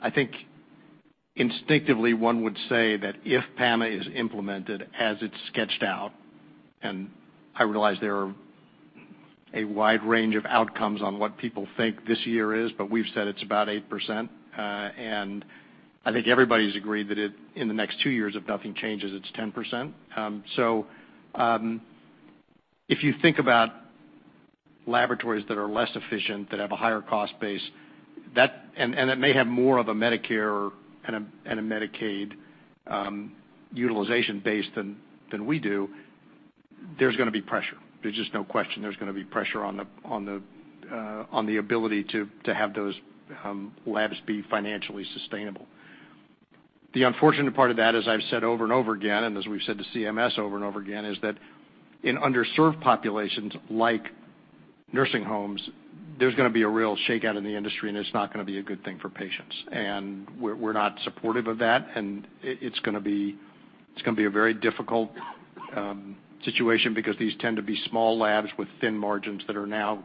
I think instinctively, one would say that if PAMA is implemented as it's sketched out, and I realize there are a wide range of outcomes on what people think this year is, but we've said it's about 8%. I think everybody's agreed that in the next two years, if nothing changes, it's 10%. If you think about laboratories that are less efficient, that have a higher cost base, and that may have more of a Medicare and a Medicaid utilization base than we do, there's going to be pressure. There's just no question there's going to be pressure on the ability to have those labs be financially sustainable. The unfortunate part of that, as I've said over and over again, and as we've said to CMS over and over again, is that in underserved populations like nursing homes, there's going to be a real shakeout in the industry, and it's not going to be a good thing for patients. We're not supportive of that. It's going to be a very difficult situation because these tend to be small labs with thin margins that are now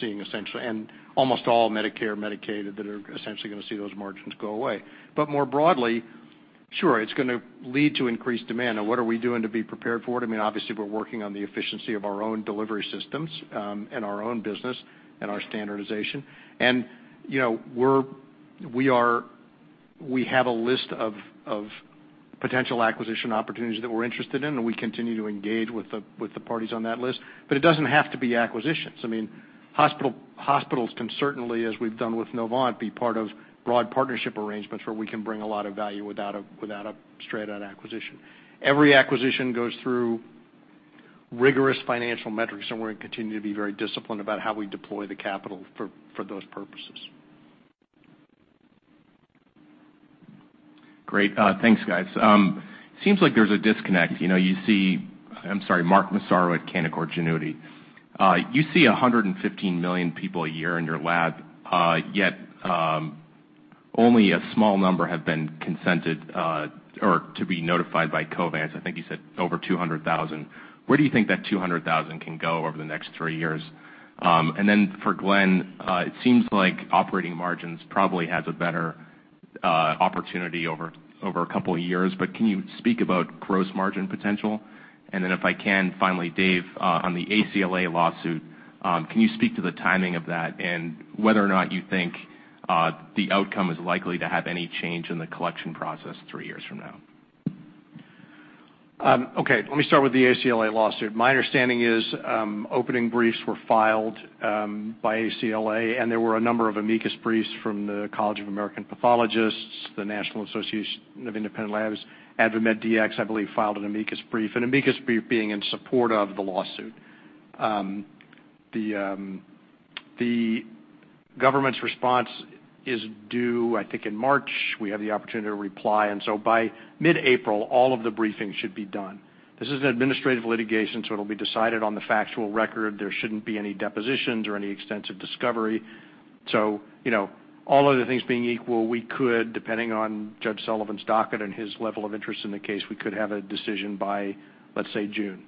seeing essentially and almost all Medicare and Medicaid that are essentially going to see those margins go away. More broadly, sure, it's going to lead to increased demand. What are we doing to be prepared for it? I mean, obviously, we're working on the efficiency of our own delivery systems and our own business and our standardization. We have a list of potential acquisition opportunities that we're interested in, and we continue to engage with the parties on that list. It doesn't have to be acquisitions. I mean, hospitals can certainly, as we've done with Novant, be part of broad partnership arrangements where we can bring a lot of value without a straight-out acquisition. Every acquisition goes through rigorous financial metrics, and we're going to continue to be very disciplined about how we deploy the capital for those purposes. Great. Thanks, guys. Seems like there's a disconnect. You see—I'm sorry, Mark Massaro at Canaccord Genuity. You see 115 million people a year in your lab, yet only a small number have been consented or to be notified by Covance. I think you said over 200,000. Where do you think that 200,000 can go over the next three years? For Glenn, it seems like operating margins probably have a better opportunity over a couple of years. Can you speak about gross margin potential? If I can, finally, Dave, on the ACLA lawsuit, can you speak to the timing of that and whether or not you think the outcome is likely to have any change in the collection process three years from now? Okay. Let me start with the ACLA lawsuit. My understanding is opening briefs were filed by ACLA, and there were a number of amicus briefs from the College of American Pathologists, the National Association of Independent Labs. AdvMedDx, I believe, filed an amicus brief, an amicus brief being in support of the lawsuit. The government's response is due, I think, in March. We have the opportunity to reply. By mid-April, all of the briefing should be done. This is an administrative litigation, so it'll be decided on the factual record. There shouldn't be any depositions or any extensive discovery. All other things being equal, we could, depending on Judge Sullivan's docket and his level of interest in the case, have a decision by, let's say, June.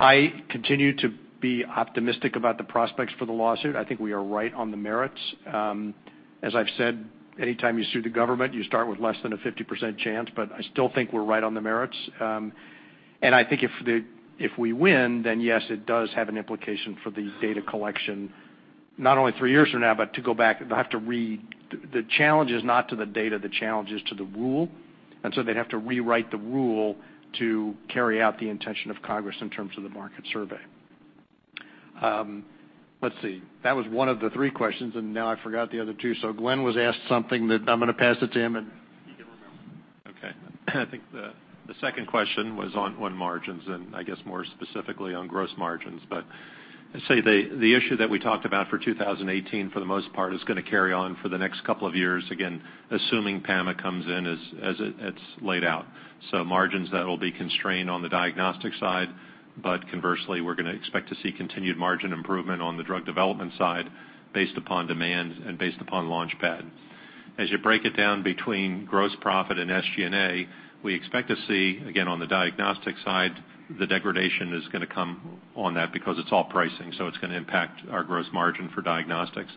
I continue to be optimistic about the prospects for the lawsuit. I think we are right on the merits. As I've said, anytime you sue the government, you start with less than a 50% chance. I still think we're right on the merits. If we win, then yes, it does have an implication for the data collection, not only three years from now, but to go back. They'll have to read the challenge is not to the data. The challenge is to the rule. They'd have to rewrite the rule to carry out the intention of Congress in terms of the market survey. Let's see. That was one of the three questions, and now I forgot the other two. Glenn was asked something that I'm going to pass to him and you can remember. Okay. I think the second question was on margins and, I guess, more specifically on gross margins. I'd say the issue that we talked about for 2018, for the most part, is going to carry on for the next couple of years, again, assuming PAMA comes in as it's laid out. Margins will be constrained on the diagnostic side, but conversely, we're going to expect to see continued margin improvement on the drug development side based upon demand and based upon launchpad. As you break it down between gross profit and SG&A, we expect to see, again, on the diagnostic side, the degradation is going to come on that because it's all pricing. It is going to impact our gross margin for diagnostics.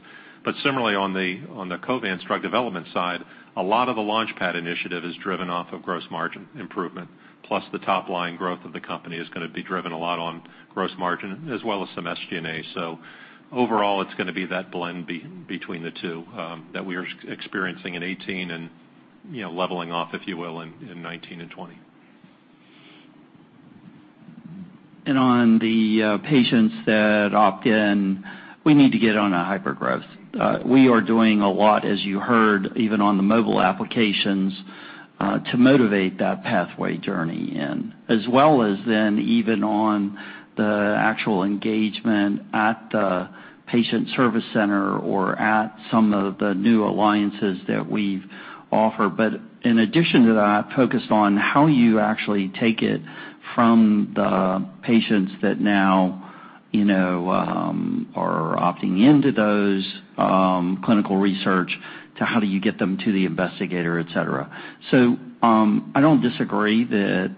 Similarly, on the Covance drug development side, a lot of the launchpad initiative is driven off of gross margin improvement. Plus, the top-line growth of the company is going to be driven a lot on gross margin as well as some SG&A. Overall, it is going to be that blend between the two that we are experiencing in 2018 and leveling off, if you will, in 2019 and 2020. On the patients that opt in, we need to get on a hypergrowth. We are doing a lot, as you heard, even on the mobile applications to motivate that pathway journey in, as well as then even on the actual engagement at the patient service center or at some of the new alliances that we've offered. In addition to that, focused on how you actually take it from the patients that now are opting into those clinical research to how do you get them to the investigator, etc. I don't disagree that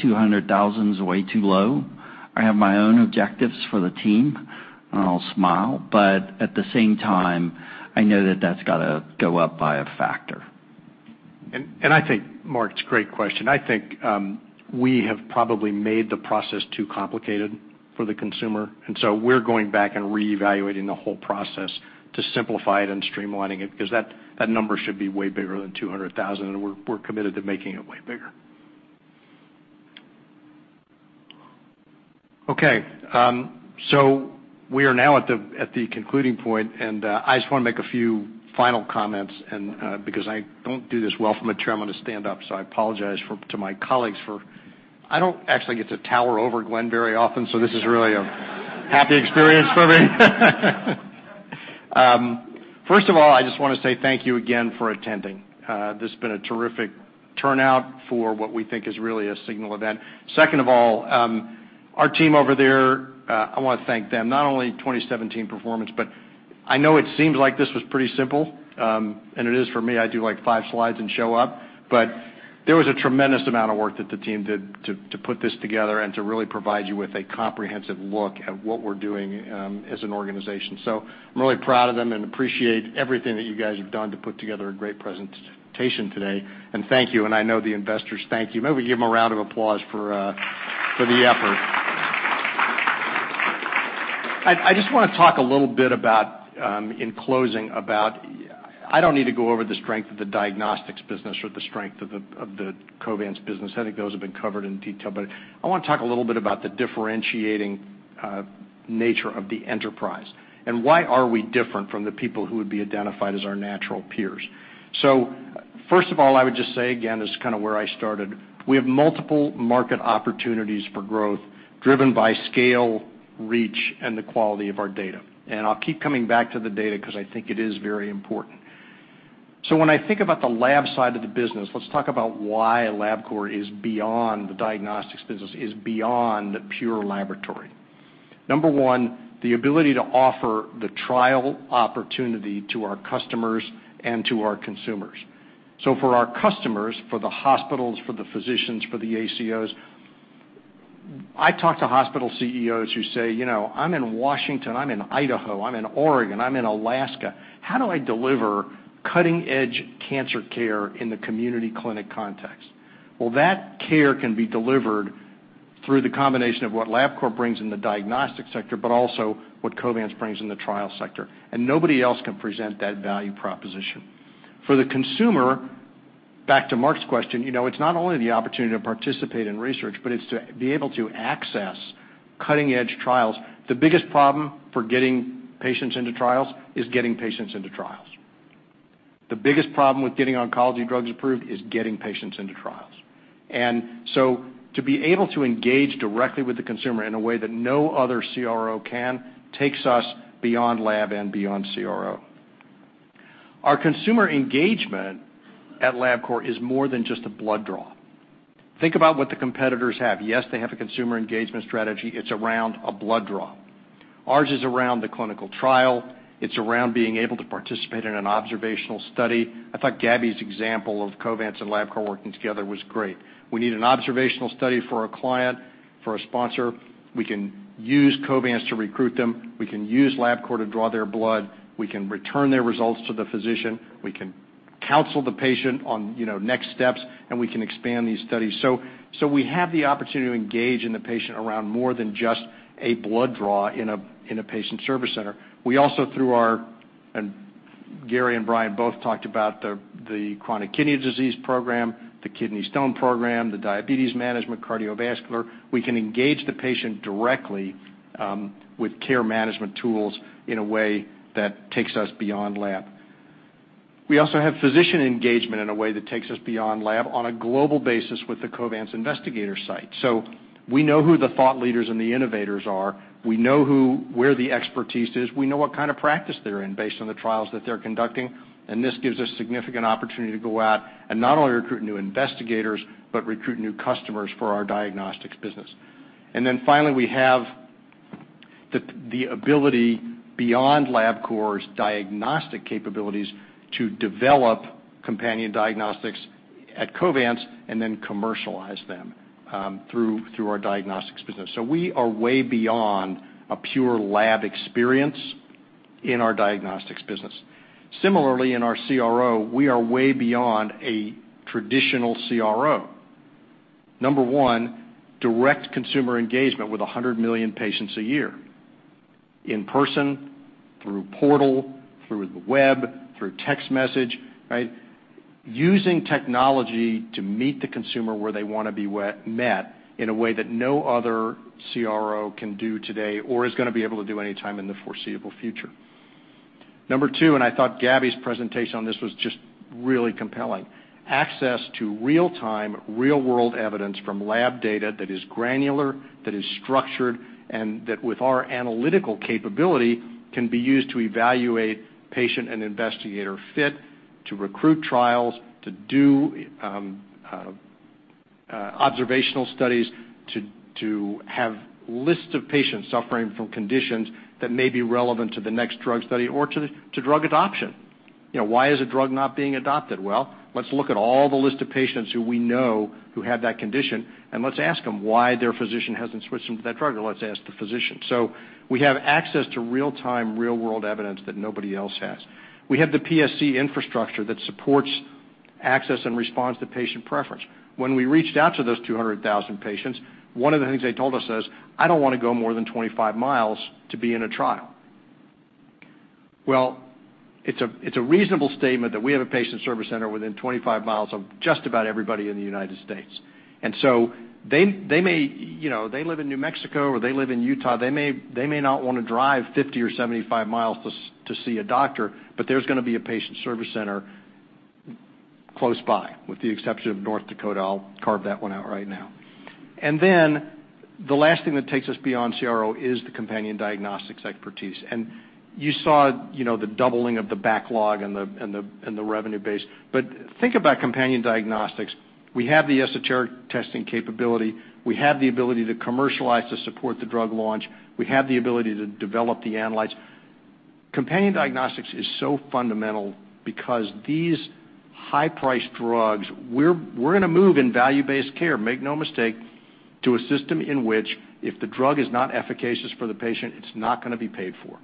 200,000 is way too low. I have my own objectives for the team, and I'll smile. At the same time, I know that that's got to go up by a factor. I think, Mark, it's a great question. I think we have probably made the process too complicated for the consumer. We are going back and reevaluating the whole process to simplify it and streamline it because that number should be way bigger than 200,000, and we are committed to making it way bigger. Okay. We are now at the concluding point, and I just want to make a few final comments because I do not do this well from a chairman to stand up. I apologize to my colleagues for—I do not actually get to tower over Glenn very often, so this is really a happy experience for me. First of all, I just want to say thank you again for attending. This has been a terrific turnout for what we think is really a signal event. Second of all, our team over there, I want to thank them, not only for 2017 performance, but I know it seems like this was pretty simple, and it is for me. I do like five slides and show up. There was a tremendous amount of work that the team did to put this together and to really provide you with a comprehensive look at what we're doing as an organization. I'm really proud of them and appreciate everything that you guys have done to put together a great presentation today. Thank you. I know the investors thank you. Maybe we give them a round of applause for the effort. I just want to talk a little bit about, in closing, about—I don't need to go over the strength of the diagnostics business or the strength of the Covance business. I think those have been covered in detail. I want to talk a little bit about the differentiating nature of the enterprise and why are we different from the people who would be identified as our natural peers. First of all, I would just say again, this is kind of where I started. We have multiple market opportunities for growth driven by scale, reach, and the quality of our data. I'll keep coming back to the data because I think it is very important. When I think about the lab side of the business, let's talk about why Labcorp is beyond the diagnostics business, is beyond the pure laboratory. Number one, the ability to offer the trial opportunity to our customers and to our consumers. For our customers, for the hospitals, for the physicians, for the ACOs, I talk to hospital CEOs who say, "I'm in Washington. I'm in Idaho. I'm in Oregon. I'm in Alaska. How do I deliver cutting-edge cancer care in the community clinic context? That care can be delivered through the combination of what Labcorp brings in the diagnostic sector, but also what Covance brings in the trial sector. Nobody else can present that value proposition. For the consumer, back to Mark's question, it's not only the opportunity to participate in research, but it's to be able to access cutting-edge trials. The biggest problem for getting patients into trials is getting patients into trials. The biggest problem with getting oncology drugs approved is getting patients into trials. To be able to engage directly with the consumer in a way that no other CRO can takes us beyond lab and beyond CRO. Our consumer engagement at Labcorp is more than just a blood draw. Think about what the competitors have. Yes, they have a consumer engagement strategy. It's around a blood draw. Ours is around the clinical trial. It's around being able to participate in an observational study. I thought Gabby's example of Covance and Labcorp working together was great. We need an observational study for a client, for a sponsor. We can use Covance to recruit them. We can use Labcorp to draw their blood. We can return their results to the physician. We can counsel the patient on next steps, and we can expand these studies. We have the opportunity to engage in the patient around more than just a blood draw in a patient service center. We also, through our—and Gary and Brian both talked about the chronic kidney disease program, the kidney stone program, the diabetes management, cardiovascular. We can engage the patient directly with care management tools in a way that takes us beyond lab. We also have physician engagement in a way that takes us beyond lab on a global basis with the Covance investigator site. We know who the thought leaders and the innovators are. We know where the expertise is. We know what kind of practice they're in based on the trials that they're conducting. This gives us significant opportunity to go out and not only recruit new investigators, but recruit new customers for our diagnostics business. Finally, we have the ability beyond Labcorp's diagnostic capabilities to develop companion diagnostics at Covance and then commercialize them through our diagnostics business. We are way beyond a pure lab experience in our diagnostics business. Similarly, in our CRO, we are way beyond a traditional CRO. Number one, direct consumer engagement with 100 million patients a year, in person, through portal, through the web, through text message, right? Using technology to meet the consumer where they want to be met in a way that no other CRO can do today or is going to be able to do anytime in the foreseeable future. Number two, and I thought Gabby's presentation on this was just really compelling, access to real-time, real-world evidence from lab data that is granular, that is structured, and that with our analytical capability can be used to evaluate patient and investigator fit, to recruit trials, to do observational studies, to have a list of patients suffering from conditions that may be relevant to the next drug study or to drug adoption. Why is a drug not being adopted? Let's look at all the list of patients who we know who have that condition, and let's ask them why their physician hasn't switched them to that drug, or let's ask the physician. We have access to real-time, real-world evidence that nobody else has. We have the PSC infrastructure that supports access and response to patient preference. When we reached out to those 200,000 patients, one of the things they told us is, "I don't want to go more than 25 mi to be in a trial." It's a reasonable statement that we have a patient service center within 25 mi of just about everybody in the United States. They may—they live in New Mexico or they live in Utah. They may not want to drive 50 or 75 mi to see a doctor, but there's going to be a patient service center close by, with the exception of North Dakota. I'll carve that one out right now. The last thing that takes us beyond CRO is the companion diagnostics expertise. You saw the doubling of the backlog and the revenue base. Think about companion diagnostics. We have the esoteric testing capability. We have the ability to commercialize to support the drug launch. We have the ability to develop the analytes. Companion diagnostics is so fundamental because these high-priced drugs, we're going to move in value-based care, make no mistake, to a system in which if the drug is not efficacious for the patient, it's not going to be paid for.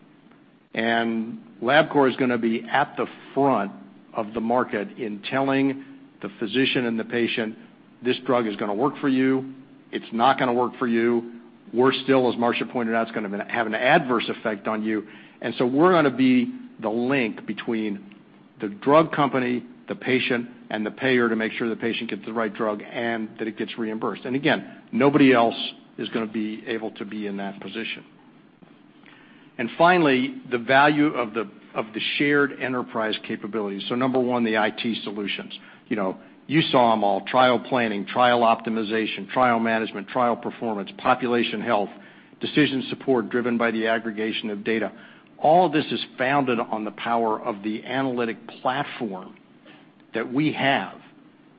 Labcorp is going to be at the front of the market in telling the physician and the patient, "This drug is going to work for you. It's not going to work for you. We're still, as Marcia pointed out, it's going to have an adverse effect on you." We are going to be the link between the drug company, the patient, and the payer to make sure the patient gets the right drug and that it gets reimbursed. Again, nobody else is going to be able to be in that position. Finally, the value of the shared enterprise capabilities. Number one, the IT solutions. You saw them all: trial planning, trial optimization, trial management, trial performance, population health, decision support driven by the aggregation of data. All of this is founded on the power of the analytic platform that we have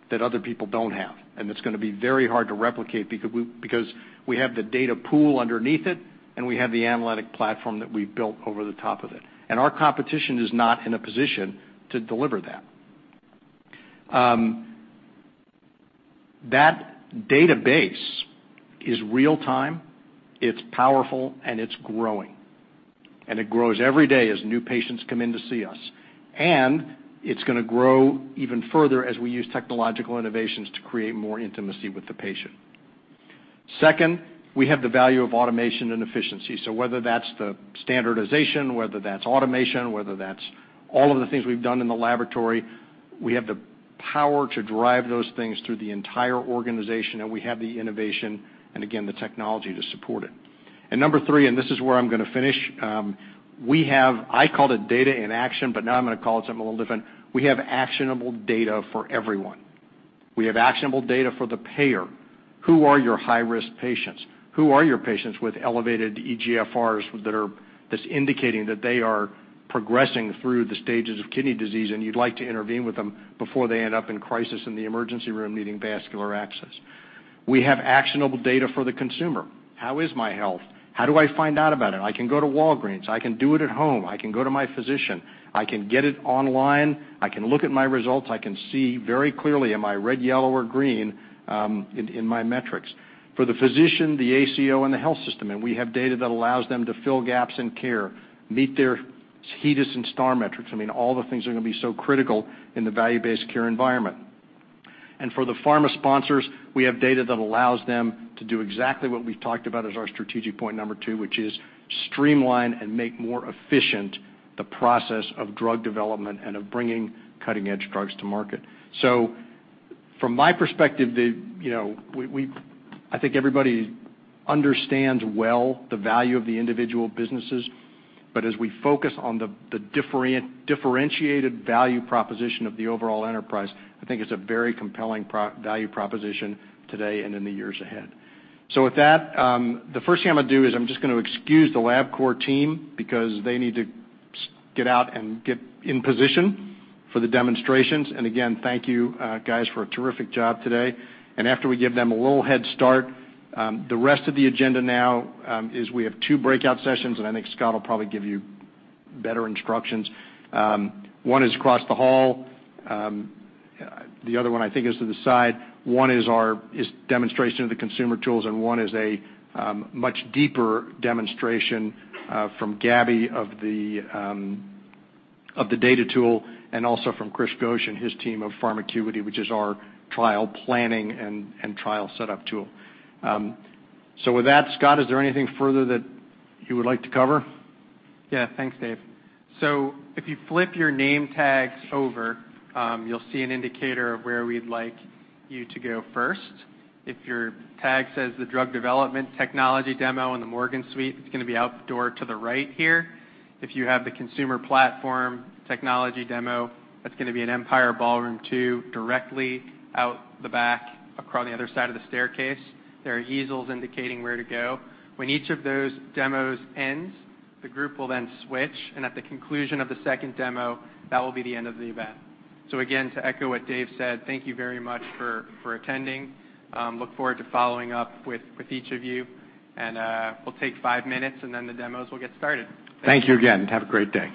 that other people do not have. It is going to be very hard to replicate because we have the data pool underneath it, and we have the analytic platform that we have built over the top of it. Our competition is not in a position to deliver that. That database is real-time. It is powerful, and it is growing. It grows every day as new patients come in to see us. It is going to grow even further as we use technological innovations to create more intimacy with the patient. Second, we have the value of automation and efficiency. Whether that's the standardization, whether that's automation, whether that's all of the things we've done in the laboratory, we have the power to drive those things through the entire organization, and we have the innovation and, again, the technology to support it. Number three, and this is where I'm going to finish, we have—I called it data in action, but now I'm going to call it something a little different—we have actionable data for everyone. We have actionable data for the payer. Who are your high-risk patients? Who are your patients with elevated eGFRs that's indicating that they are progressing through the stages of kidney disease and you'd like to intervene with them before they end up in crisis in the emergency room needing vascular access? We have actionable data for the consumer. How is my health? How do I find out about it? I can go to Walgreens. I can do it at home. I can go to my physician. I can get it online. I can look at my results. I can see very clearly, am I red, yellow, or green in my metrics? For the physician, the ACO, and the health system, and we have data that allows them to fill gaps in care, meet their HEDIS and STAR metrics. I mean, all the things are going to be so critical in the value-based care environment. For the pharma sponsors, we have data that allows them to do exactly what we've talked about as our strategic point number two, which is streamline and make more efficient the process of drug development and of bringing cutting-edge drugs to market. From my perspective, I think everybody understands well the value of the individual businesses, but as we focus on the differentiated value proposition of the overall enterprise, I think it is a very compelling value proposition today and in the years ahead. With that, the first thing I am going to do is excuse the Labcorp team because they need to get out and get in position for the demonstrations. Again, thank you, guys, for a terrific job today. After we give them a little head start, the rest of the agenda now is we have two breakout sessions, and I think Scott will probably give you better instructions. One is across the hall. The other one, I think, is to the side. One is a demonstration of the consumer tools, and one is a much deeper demonstration from Gabby of the data tool and also from Chris Ghosh and his team of PharmaQuity, which is our trial planning and trial setup tool. With that, Scott, is there anything further that you would like to cover? Yeah. Thanks, Dave. If you flip your name tags over, you'll see an indicator of where we'd like you to go first. If your tag says the drug development technology demo and the Morgan suite, it's going to be outdoor to the right here. If you have the consumer platform technology demo, that's going to be in Empire ballroom two directly out the back across the other side of the staircase. There are easels indicating where to go. When each of those demos ends, the group will then switch, and at the conclusion of the second demo, that will be the end of the event. Again, to echo what Dave said, thank you very much for attending. Look forward to following up with each of you. We will take five minutes, and then the demos will get started. Thank you again. Have a great day.